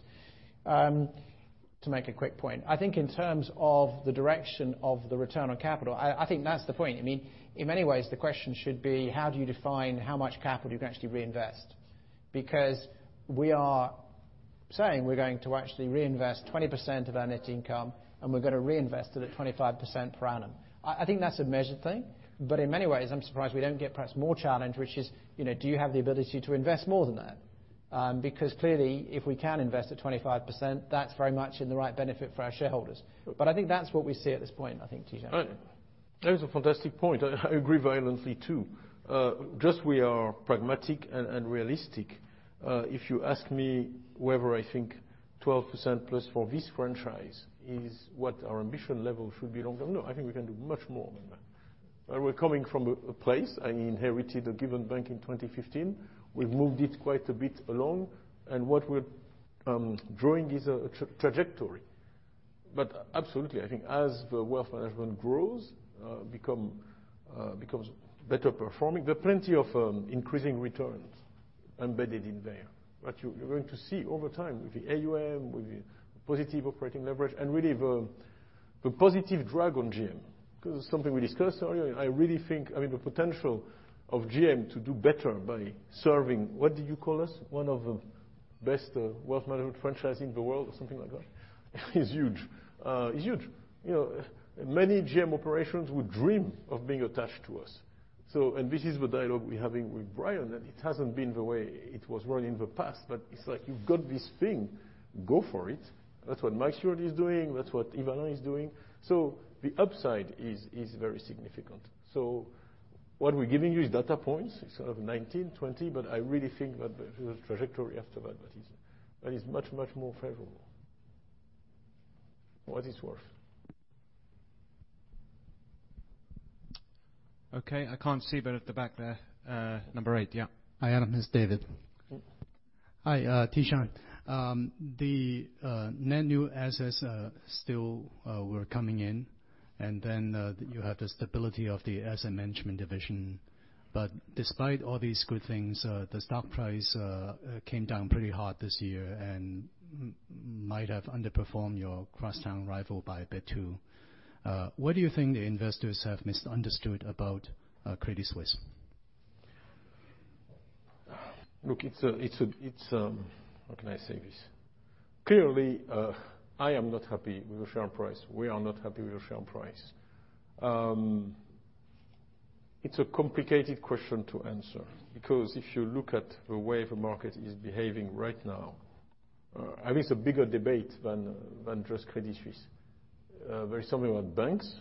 To make a quick point, I think in terms of the direction of the return on capital, I think that's the point. In many ways, the question should be how do you define how much capital you can actually reinvest? We are saying we're going to actually reinvest 20% of our net income, and we're going to reinvest it at 25% per annum. I think that's a measured thing, but in many ways, I'm surprised we don't get perhaps more challenge, which is, do you have the ability to invest more than that? Clearly, if we can invest at 25%, that's very much in the right benefit for our shareholders. I think that's what we see at this point, I think, Tidjane. That is a fantastic point. I agree violently, too. Just we are pragmatic and realistic. If you ask me whether I think 12%+ for this franchise is what our ambition level should be long term, no, I think we can do much more than that. We're coming from a place, I inherited a given bank in 2015. We've moved it quite a bit along and what we're drawing is a trajectory. Absolutely, I think as the wealth management grows, becomes better performing, there are plenty of increasing returns embedded in there that you're going to see over time with the AUM, with the positive operating leverage and really the positive drag on GM. It's something we discussed earlier, I really think, I mean, the potential of GM to do better by serving, what did you call us? One of the best wealth management franchise in the world or something like that, is huge. Many GM operations would dream of being attached to us. This is the dialogue we're having with Brian, that it hasn't been the way it was run in the past, but it's like you've got this thing, go for it. That's what Mike Stewart is doing. That's what Ivana is doing. The upside is very significant. What we're giving you is data points, sort of 2019, 2020, but I really think that the trajectory after that is much, much more favorable. For what it's worth. Okay, I can't see, but at the back there. Number 8, yeah. Hi, Adam. It's David. Hi, Tidjane. The net new assets still were coming in, and then you have the stability of the asset management division. Despite all these good things, the stock price came down pretty hard this year and might have underperformed your cross-town rival by a bit, too. What do you think the investors have misunderstood about Credit Suisse? Look, how can I say this? Clearly, I am not happy with the share price. We are not happy with the share price. It's a complicated question to answer, because if you look at the way the market is behaving right now, I think it's a bigger debate than just Credit Suisse. There is something about banks.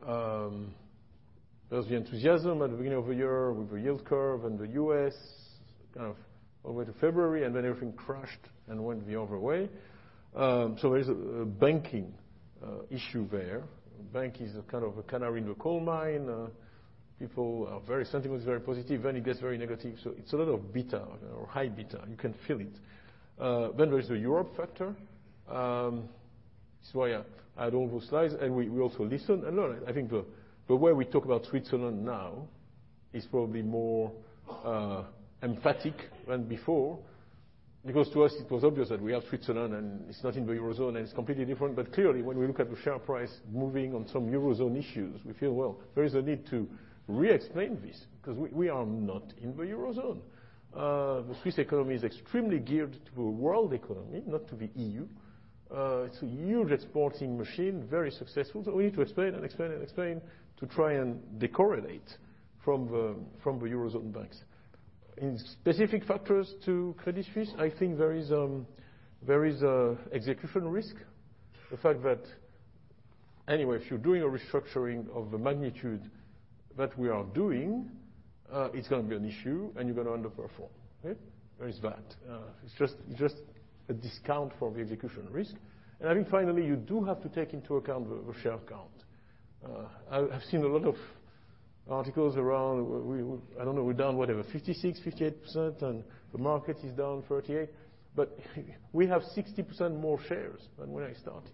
There was the enthusiasm at the beginning of the year with the yield curve and the U.S. over to February, and everything crashed and went the other way. There is a banking issue there. Bank is a kind of a canary in the coal mine. People are very sentiment is very positive, then it gets very negative. It's a lot of beta or high beta. You can feel it. There is the Europe factor. This is why I had all those slides, and we also listen and learn. I think the way we talk about Switzerland now is probably more emphatic than before. To us, it was obvious that we are Switzerland, and it's not in the Eurozone, and it's completely different. Clearly, when we look at the share price moving on some Eurozone issues, we feel, well, there is a need to re-explain this because we are not in the Eurozone. The Swiss economy is extremely geared to a world economy, not to the EU. It's a huge exporting machine, very successful. We need to explain and explain and explain to try and de-correlate from the Eurozone banks. In specific factors to Credit Suisse, I think there is execution risk. The fact that, anyway, if you're doing a restructuring of the magnitude that we are doing, it's going to be an issue, and you're going to underperform. There is that. It's just a discount for the execution risk. I think finally, you do have to take into account the share count. I've seen a lot of articles around, I don't know, we're down, whatever, 56%, 58%, and the market is down 38%, but we have 60% more shares than when I started.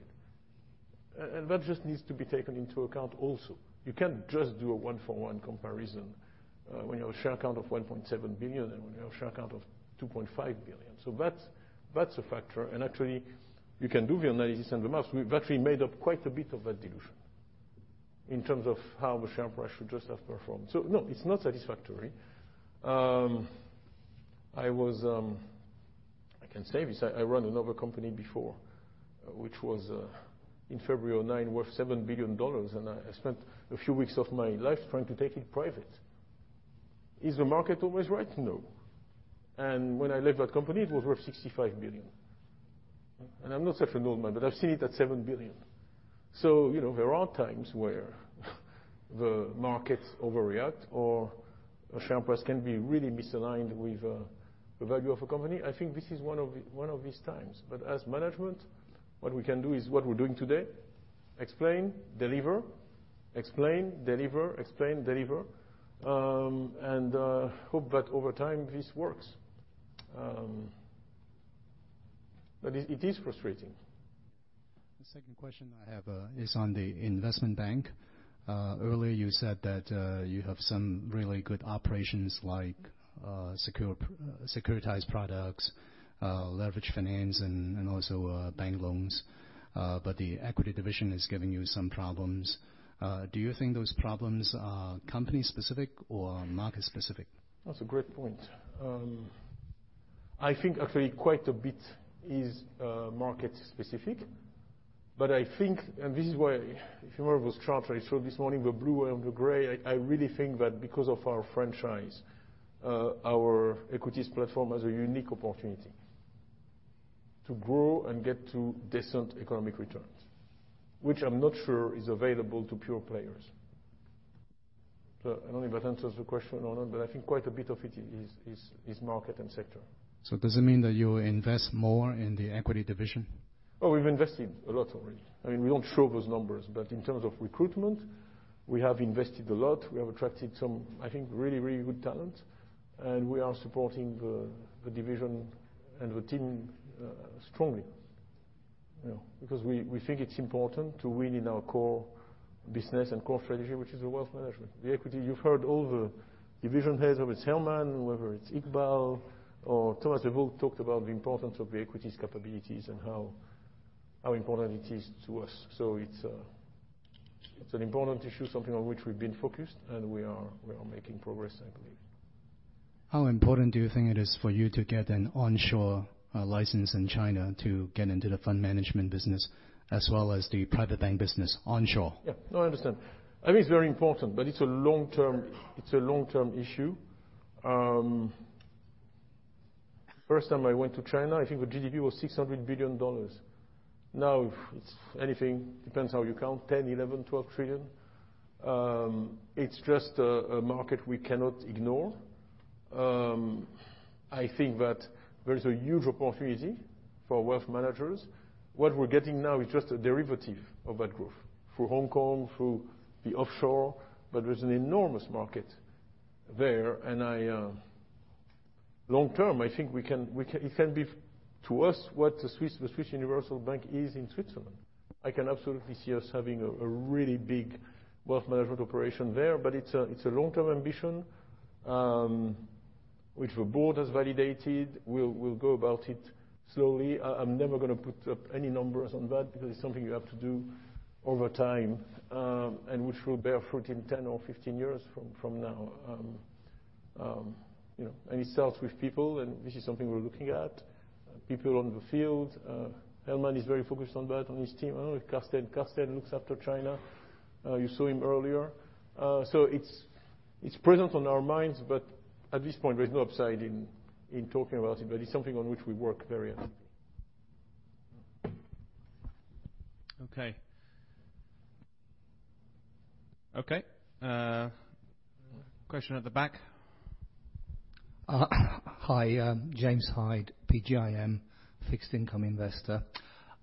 That just needs to be taken into account also. You can't just do a one-for-one comparison when you have a share count of 1.7 billion and when you have a share count of 2.5 billion. That's a factor. Actually, you can do the analysis and the maths. We've actually made up quite a bit of that dilution in terms of how the share price should just have performed. No, it's not satisfactory. I can say this, I ran another company before, which was, in February 2009, worth $7 billion, and I spent a few weeks of my life trying to take it private. Is the market always right? No. When I left that company, it was worth $65 billion. I'm not such an old man, but I've seen it at $7 billion. There are times where the market overreact or a share price can be really misaligned with the value of a company. I think this is one of these times. As management, what we can do is what we're doing today, explain, deliver, explain, deliver, explain, deliver. Hope that over time this works. It is frustrating. The second question I have is on the investment bank. Earlier you said that you have some really good operations like securitized products, leveraged finance, and also bank loans. The equity division is giving you some problems. Do you think those problems are company specific or market specific? That's a great point. I think actually quite a bit is market specific. I think, and this is why, if you remember those charts I showed this morning, the blue and the gray, I really think that because of our franchise, our equities platform has a unique opportunity to grow and get to decent economic returns, which I'm not sure is available to pure players. I don't know if that answers the question or not, but I think quite a bit of it is market and sector. Does it mean that you will invest more in the equity division? Oh, we've invested a lot already. We don't show those numbers, but in terms of recruitment, we have invested a lot. We have attracted some, I think, really good talent. We are supporting the division and the team strongly, because we think it's important to win in our core business and core strategy, which is the wealth management. The equity, you've heard all the division heads, whether it's Helman, whether it's Iqbal or Thomas Gottstein talked about the importance of the equities capabilities and how important it is to us. It's an important issue, something on which we've been focused, and we are making progress, I believe. How important do you think it is for you to get an onshore license in China to get into the fund management business as well as the private bank business onshore? No, I understand. I think it's very important, but it's a long-term issue. First time I went to China, I think the GDP was CHF 600 billion. Now it's anything, depends how you count, 10 trillion, 11 trillion, 12 trillion. It's just a market we cannot ignore. I think that there is a huge opportunity for wealth managers. What we're getting now is just a derivative of that growth through Hong Kong, through the offshore, but there's an enormous market there. Long-term, I think it can be to us what the Swiss Universal Bank is in Switzerland. I can absolutely see us having a really big wealth management operation there. It's a long-term ambition, which the board has validated. We'll go about it slowly. I'm never going to put up any numbers on that because it's something you have to do over time, which will bear fruit in 10 or 15 years from now. It starts with people, and this is something we're looking at, people on the field. Helman is very focused on that, on his team. Carsten looks after China. You saw him earlier. It's present on our minds, but at this point, there's no upside in talking about it. It's something on which we work very actively. Okay. Question at the back. Hi, James Hyde, PGIM, fixed income investor.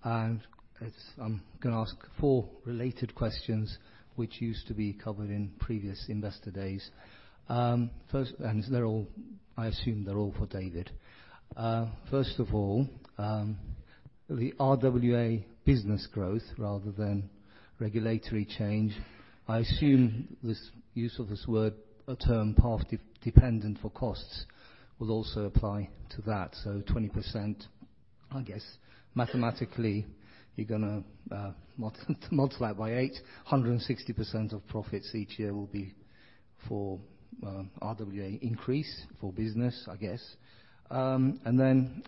I'm going to ask 4 related questions which used to be covered in previous investor days. I assume they're all for David. First of all, the RWA business growth rather than regulatory change, I assume this use of this word, a term path dependent for costs will also apply to that. 20%, I guess mathematically, you're going to multiply by 8, 160% of profits each year will be for RWA increase for business, I guess. On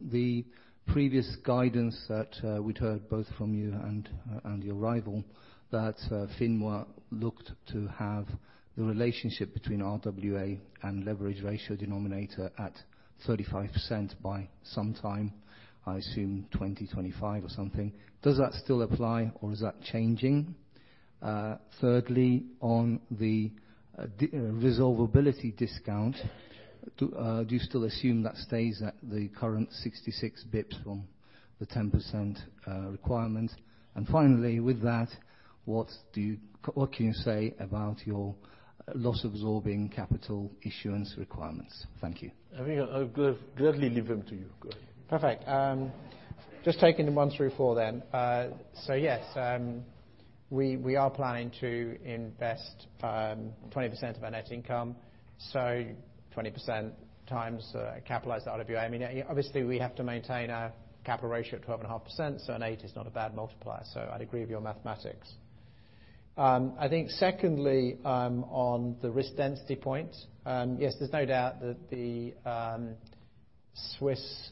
the previous guidance that we'd heard both from you and your rival, that FINMA looked to have the relationship between RWA and leverage ratio denominator at 35% by sometime, I assume 2025 or something. Does that still apply or is that changing? Thirdly, on the resolvability discount, do you still assume that stays at the current 66 bps from the 10% requirement? Finally, with that, what can you say about your loss absorbing capital issuance requirements? Thank you. I think I'll gladly leave them to you. Go ahead. Perfect. Just taking them 1 through 4. Yes, we are planning to invest 20% of our net income. 20% times capitalized RWA. Obviously, we have to maintain our capital ratio at 12.5%, so an 8 is not a bad multiplier. I'd agree with your mathematics. Secondly, on the risk density point, yes, there's no doubt that the Swiss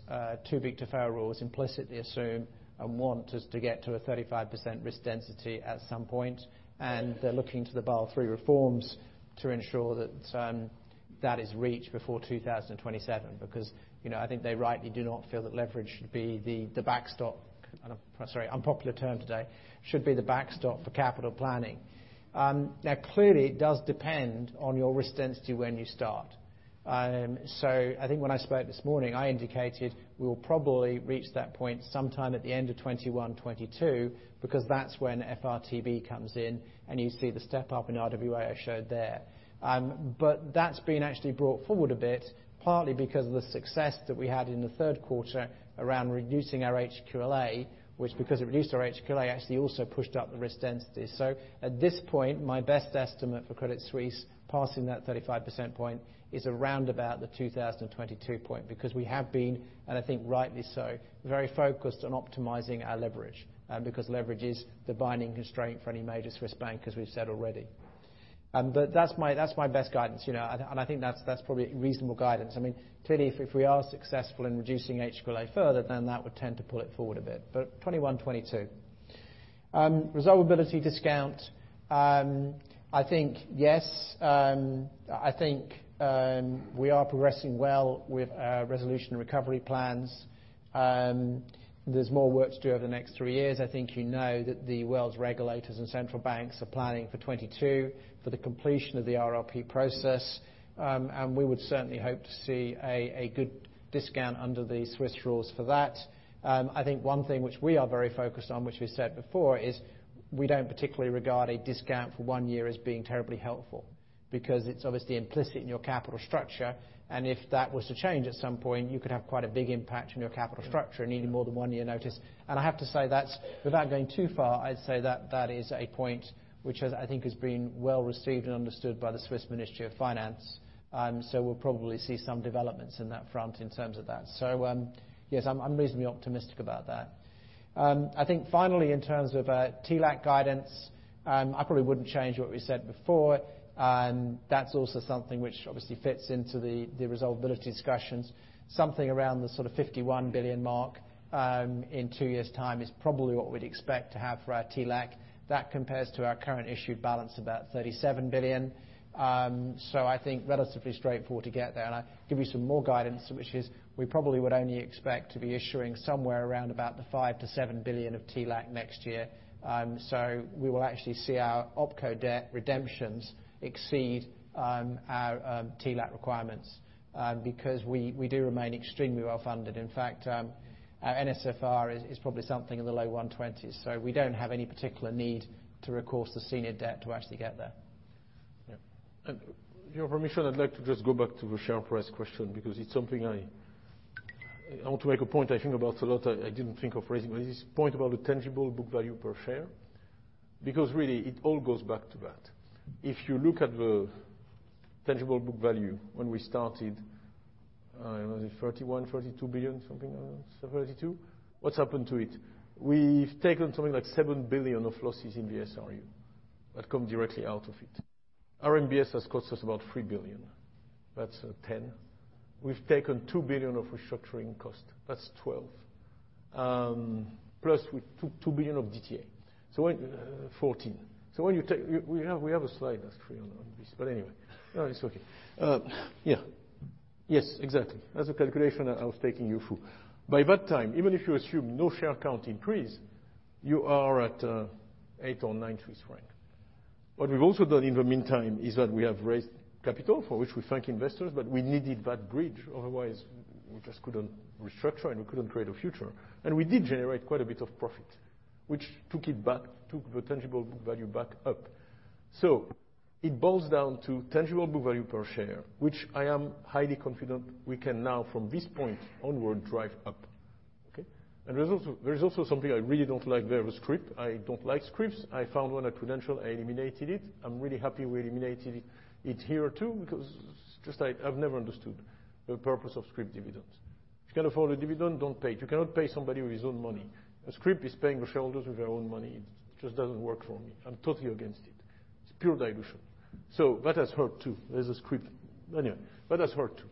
too-big-to-fail rules implicitly assume and want us to get to a 35% risk density at some point, and they're looking to the Basel III reforms to ensure that is reached before 2027. I think they rightly do not feel that leverage should be the backstop, sorry, unpopular term today, should be the backstop for capital planning. Clearly, it does depend on your risk density when you start. I think when I spoke this morning, I indicated we will probably reach that point sometime at the end of 2021, 2022, because that's when FRTB comes in, and you see the step-up in RWA I showed there. That's been actually brought forward a bit, partly because of the success that we had in the third quarter around reducing our HQLA, which because it reduced our HQLA, actually also pushed up the risk density. At this point, my best estimate for Credit Suisse passing that 35% point is around about the 2022 point, because we have been, and I think rightly so, very focused on optimizing our leverage, because leverage is the binding constraint for any major Swiss bank, as we've said already. That's my best guidance, and I think that's probably reasonable guidance. Clearly, if we are successful in reducing HQLA further, then that would tend to pull it forward a bit. 2021, 2022. Resolvability discount, I think, yes. I think we are progressing well with our resolution recovery plans. There's more work to do over the next three years. I think you know that the world's regulators and central banks are planning for 2022 for the completion of the RRP process. We would certainly hope to see a good discount under the Swiss rules for that. I think one thing which we are very focused on, which we said before, is we don't particularly regard a discount for one year as being terribly helpful, because it's obviously implicit in your capital structure, and if that was to change at some point, you could have quite a big impact on your capital structure and needing more than one year notice. I have to say, without going too far, I'd say that is a point which I think has been well received and understood by the Federal Department of Finance. We'll probably see some developments in that front in terms of that. Yes, I'm reasonably optimistic about that. I think finally, in terms of TLAC guidance, I probably wouldn't change what we said before. That's also something which obviously fits into the resolvability discussions. Something around the sort of 51 billion mark in two years' time is probably what we'd expect to have for our TLAC. That compares to our current issue balance, about 37 billion. I think relatively straightforward to get there. I give you some more guidance, which is we probably would only expect to be issuing somewhere around about the 5 billion-7 billion of TLAC next year. We will actually see our opco debt redemptions exceed our TLAC requirements, because we do remain extremely well-funded. In fact, our NSFR is probably something in the low 120s. We don't have any particular need to recourse to senior debt to actually get there. With your permission, I'd like to just go back to the share price question because it's something I want to make a point I think about a lot, I didn't think of raising, but it is a point about the tangible book value per share. Really, it all goes back to that. If you look at the tangible book value when we started, was it 31 billion, 32 billion, something like that, 32 billion? What's happened to it? We've taken something like 7 billion of losses in the SRU that come directly out of it. RMBS has cost us about 3 billion. That's 10 billion. We've taken 2 billion of restructuring cost. That's 12 billion. Plus we took 2 billion of DTA. 14 billion. We have a slide that's free on this. Anyway. No, it's okay. Yes, exactly. That's the calculation I was taking you through. By that time, even if you assume no share count increase, you are at 8 or 9 Swiss francs. What we've also done in the meantime is that we have raised capital, for which we thank investors, we needed that bridge. Otherwise, we just couldn't restructure, we couldn't create a future. We did generate quite a bit of profit, which took the tangible book value back up. It boils down to tangible book value per share, which I am highly confident we can now, from this point onward, drive up. Okay? There is also something I really don't like. There was scrip. I don't like scrips. I found one at Prudential. I eliminated it. I'm really happy we eliminated it here, too, because I've never understood the purpose of scrip dividends. If you can't afford a dividend, don't pay it. You cannot pay somebody with his own money. A scrip is paying the shareholders with their own money. It just doesn't work for me. I'm totally against it. It's pure dilution. That has hurt, too. There's a scrip. Anyway, that has hurt, too,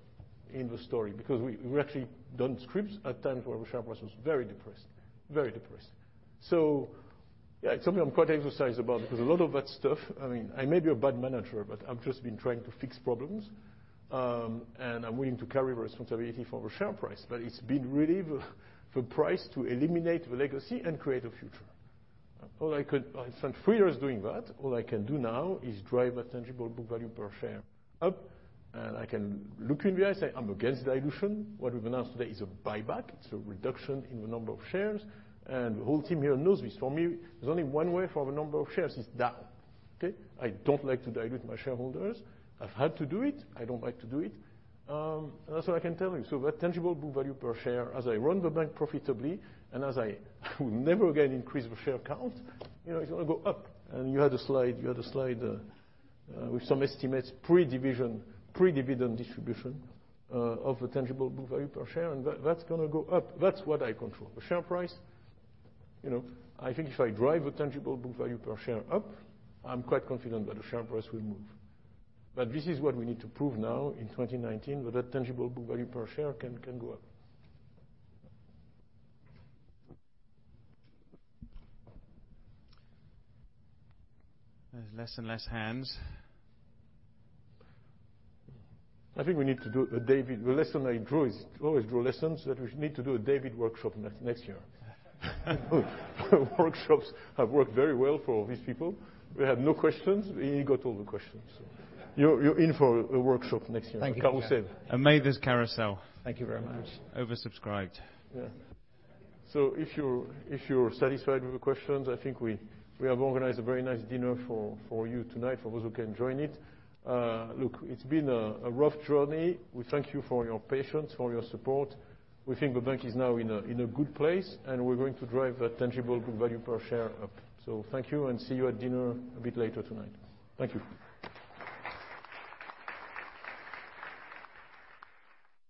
in the story, because we've actually done scrips at times where our share price was very depressed. Very depressed. It's something I'm quite exercised about because a lot of that stuff, I may be a bad manager, I've just been trying to fix problems. I'm willing to carry responsibility for the share price, it's been really the price to eliminate the legacy and create a future. I spent three years doing that. All I can do now is drive that tangible book value per share up, I can look you in the eye, say, "I'm against dilution." What we've announced today is a buyback. It's a reduction in the number of shares. The whole team here knows this. For me, there's only one way for the number of shares. It's down. Okay? I don't like to dilute my shareholders. I've had to do it. I don't like to do it. That's all I can tell you. That tangible book value per share, as I run the bank profitably, as I will never again increase the share count, it's going to go up. You had a slide with some estimates pre-dividend distribution of the tangible book value per share, that's going to go up. That's what I control. The share price, I think if I drive the tangible book value per share up, I'm quite confident that the share price will move. This is what we need to prove now in 2019, that that tangible book value per share can go up. There's less and less hands. The lesson I draw is, always draw lessons, that we need to do a David workshop next year. Workshops have worked very well for these people. We have no questions. He got all the questions. You're in for a workshop next year. Thank you. A carousel. Thank you very much oversubscribed. If you're satisfied with the questions, I think we have organized a very nice dinner for you tonight, for those who can join it. It's been a rough journey. We thank you for your patience, for your support. We think the bank is now in a good place, and we're going to drive that tangible book value per share up. Thank you, and see you at dinner a bit later tonight. Thank you.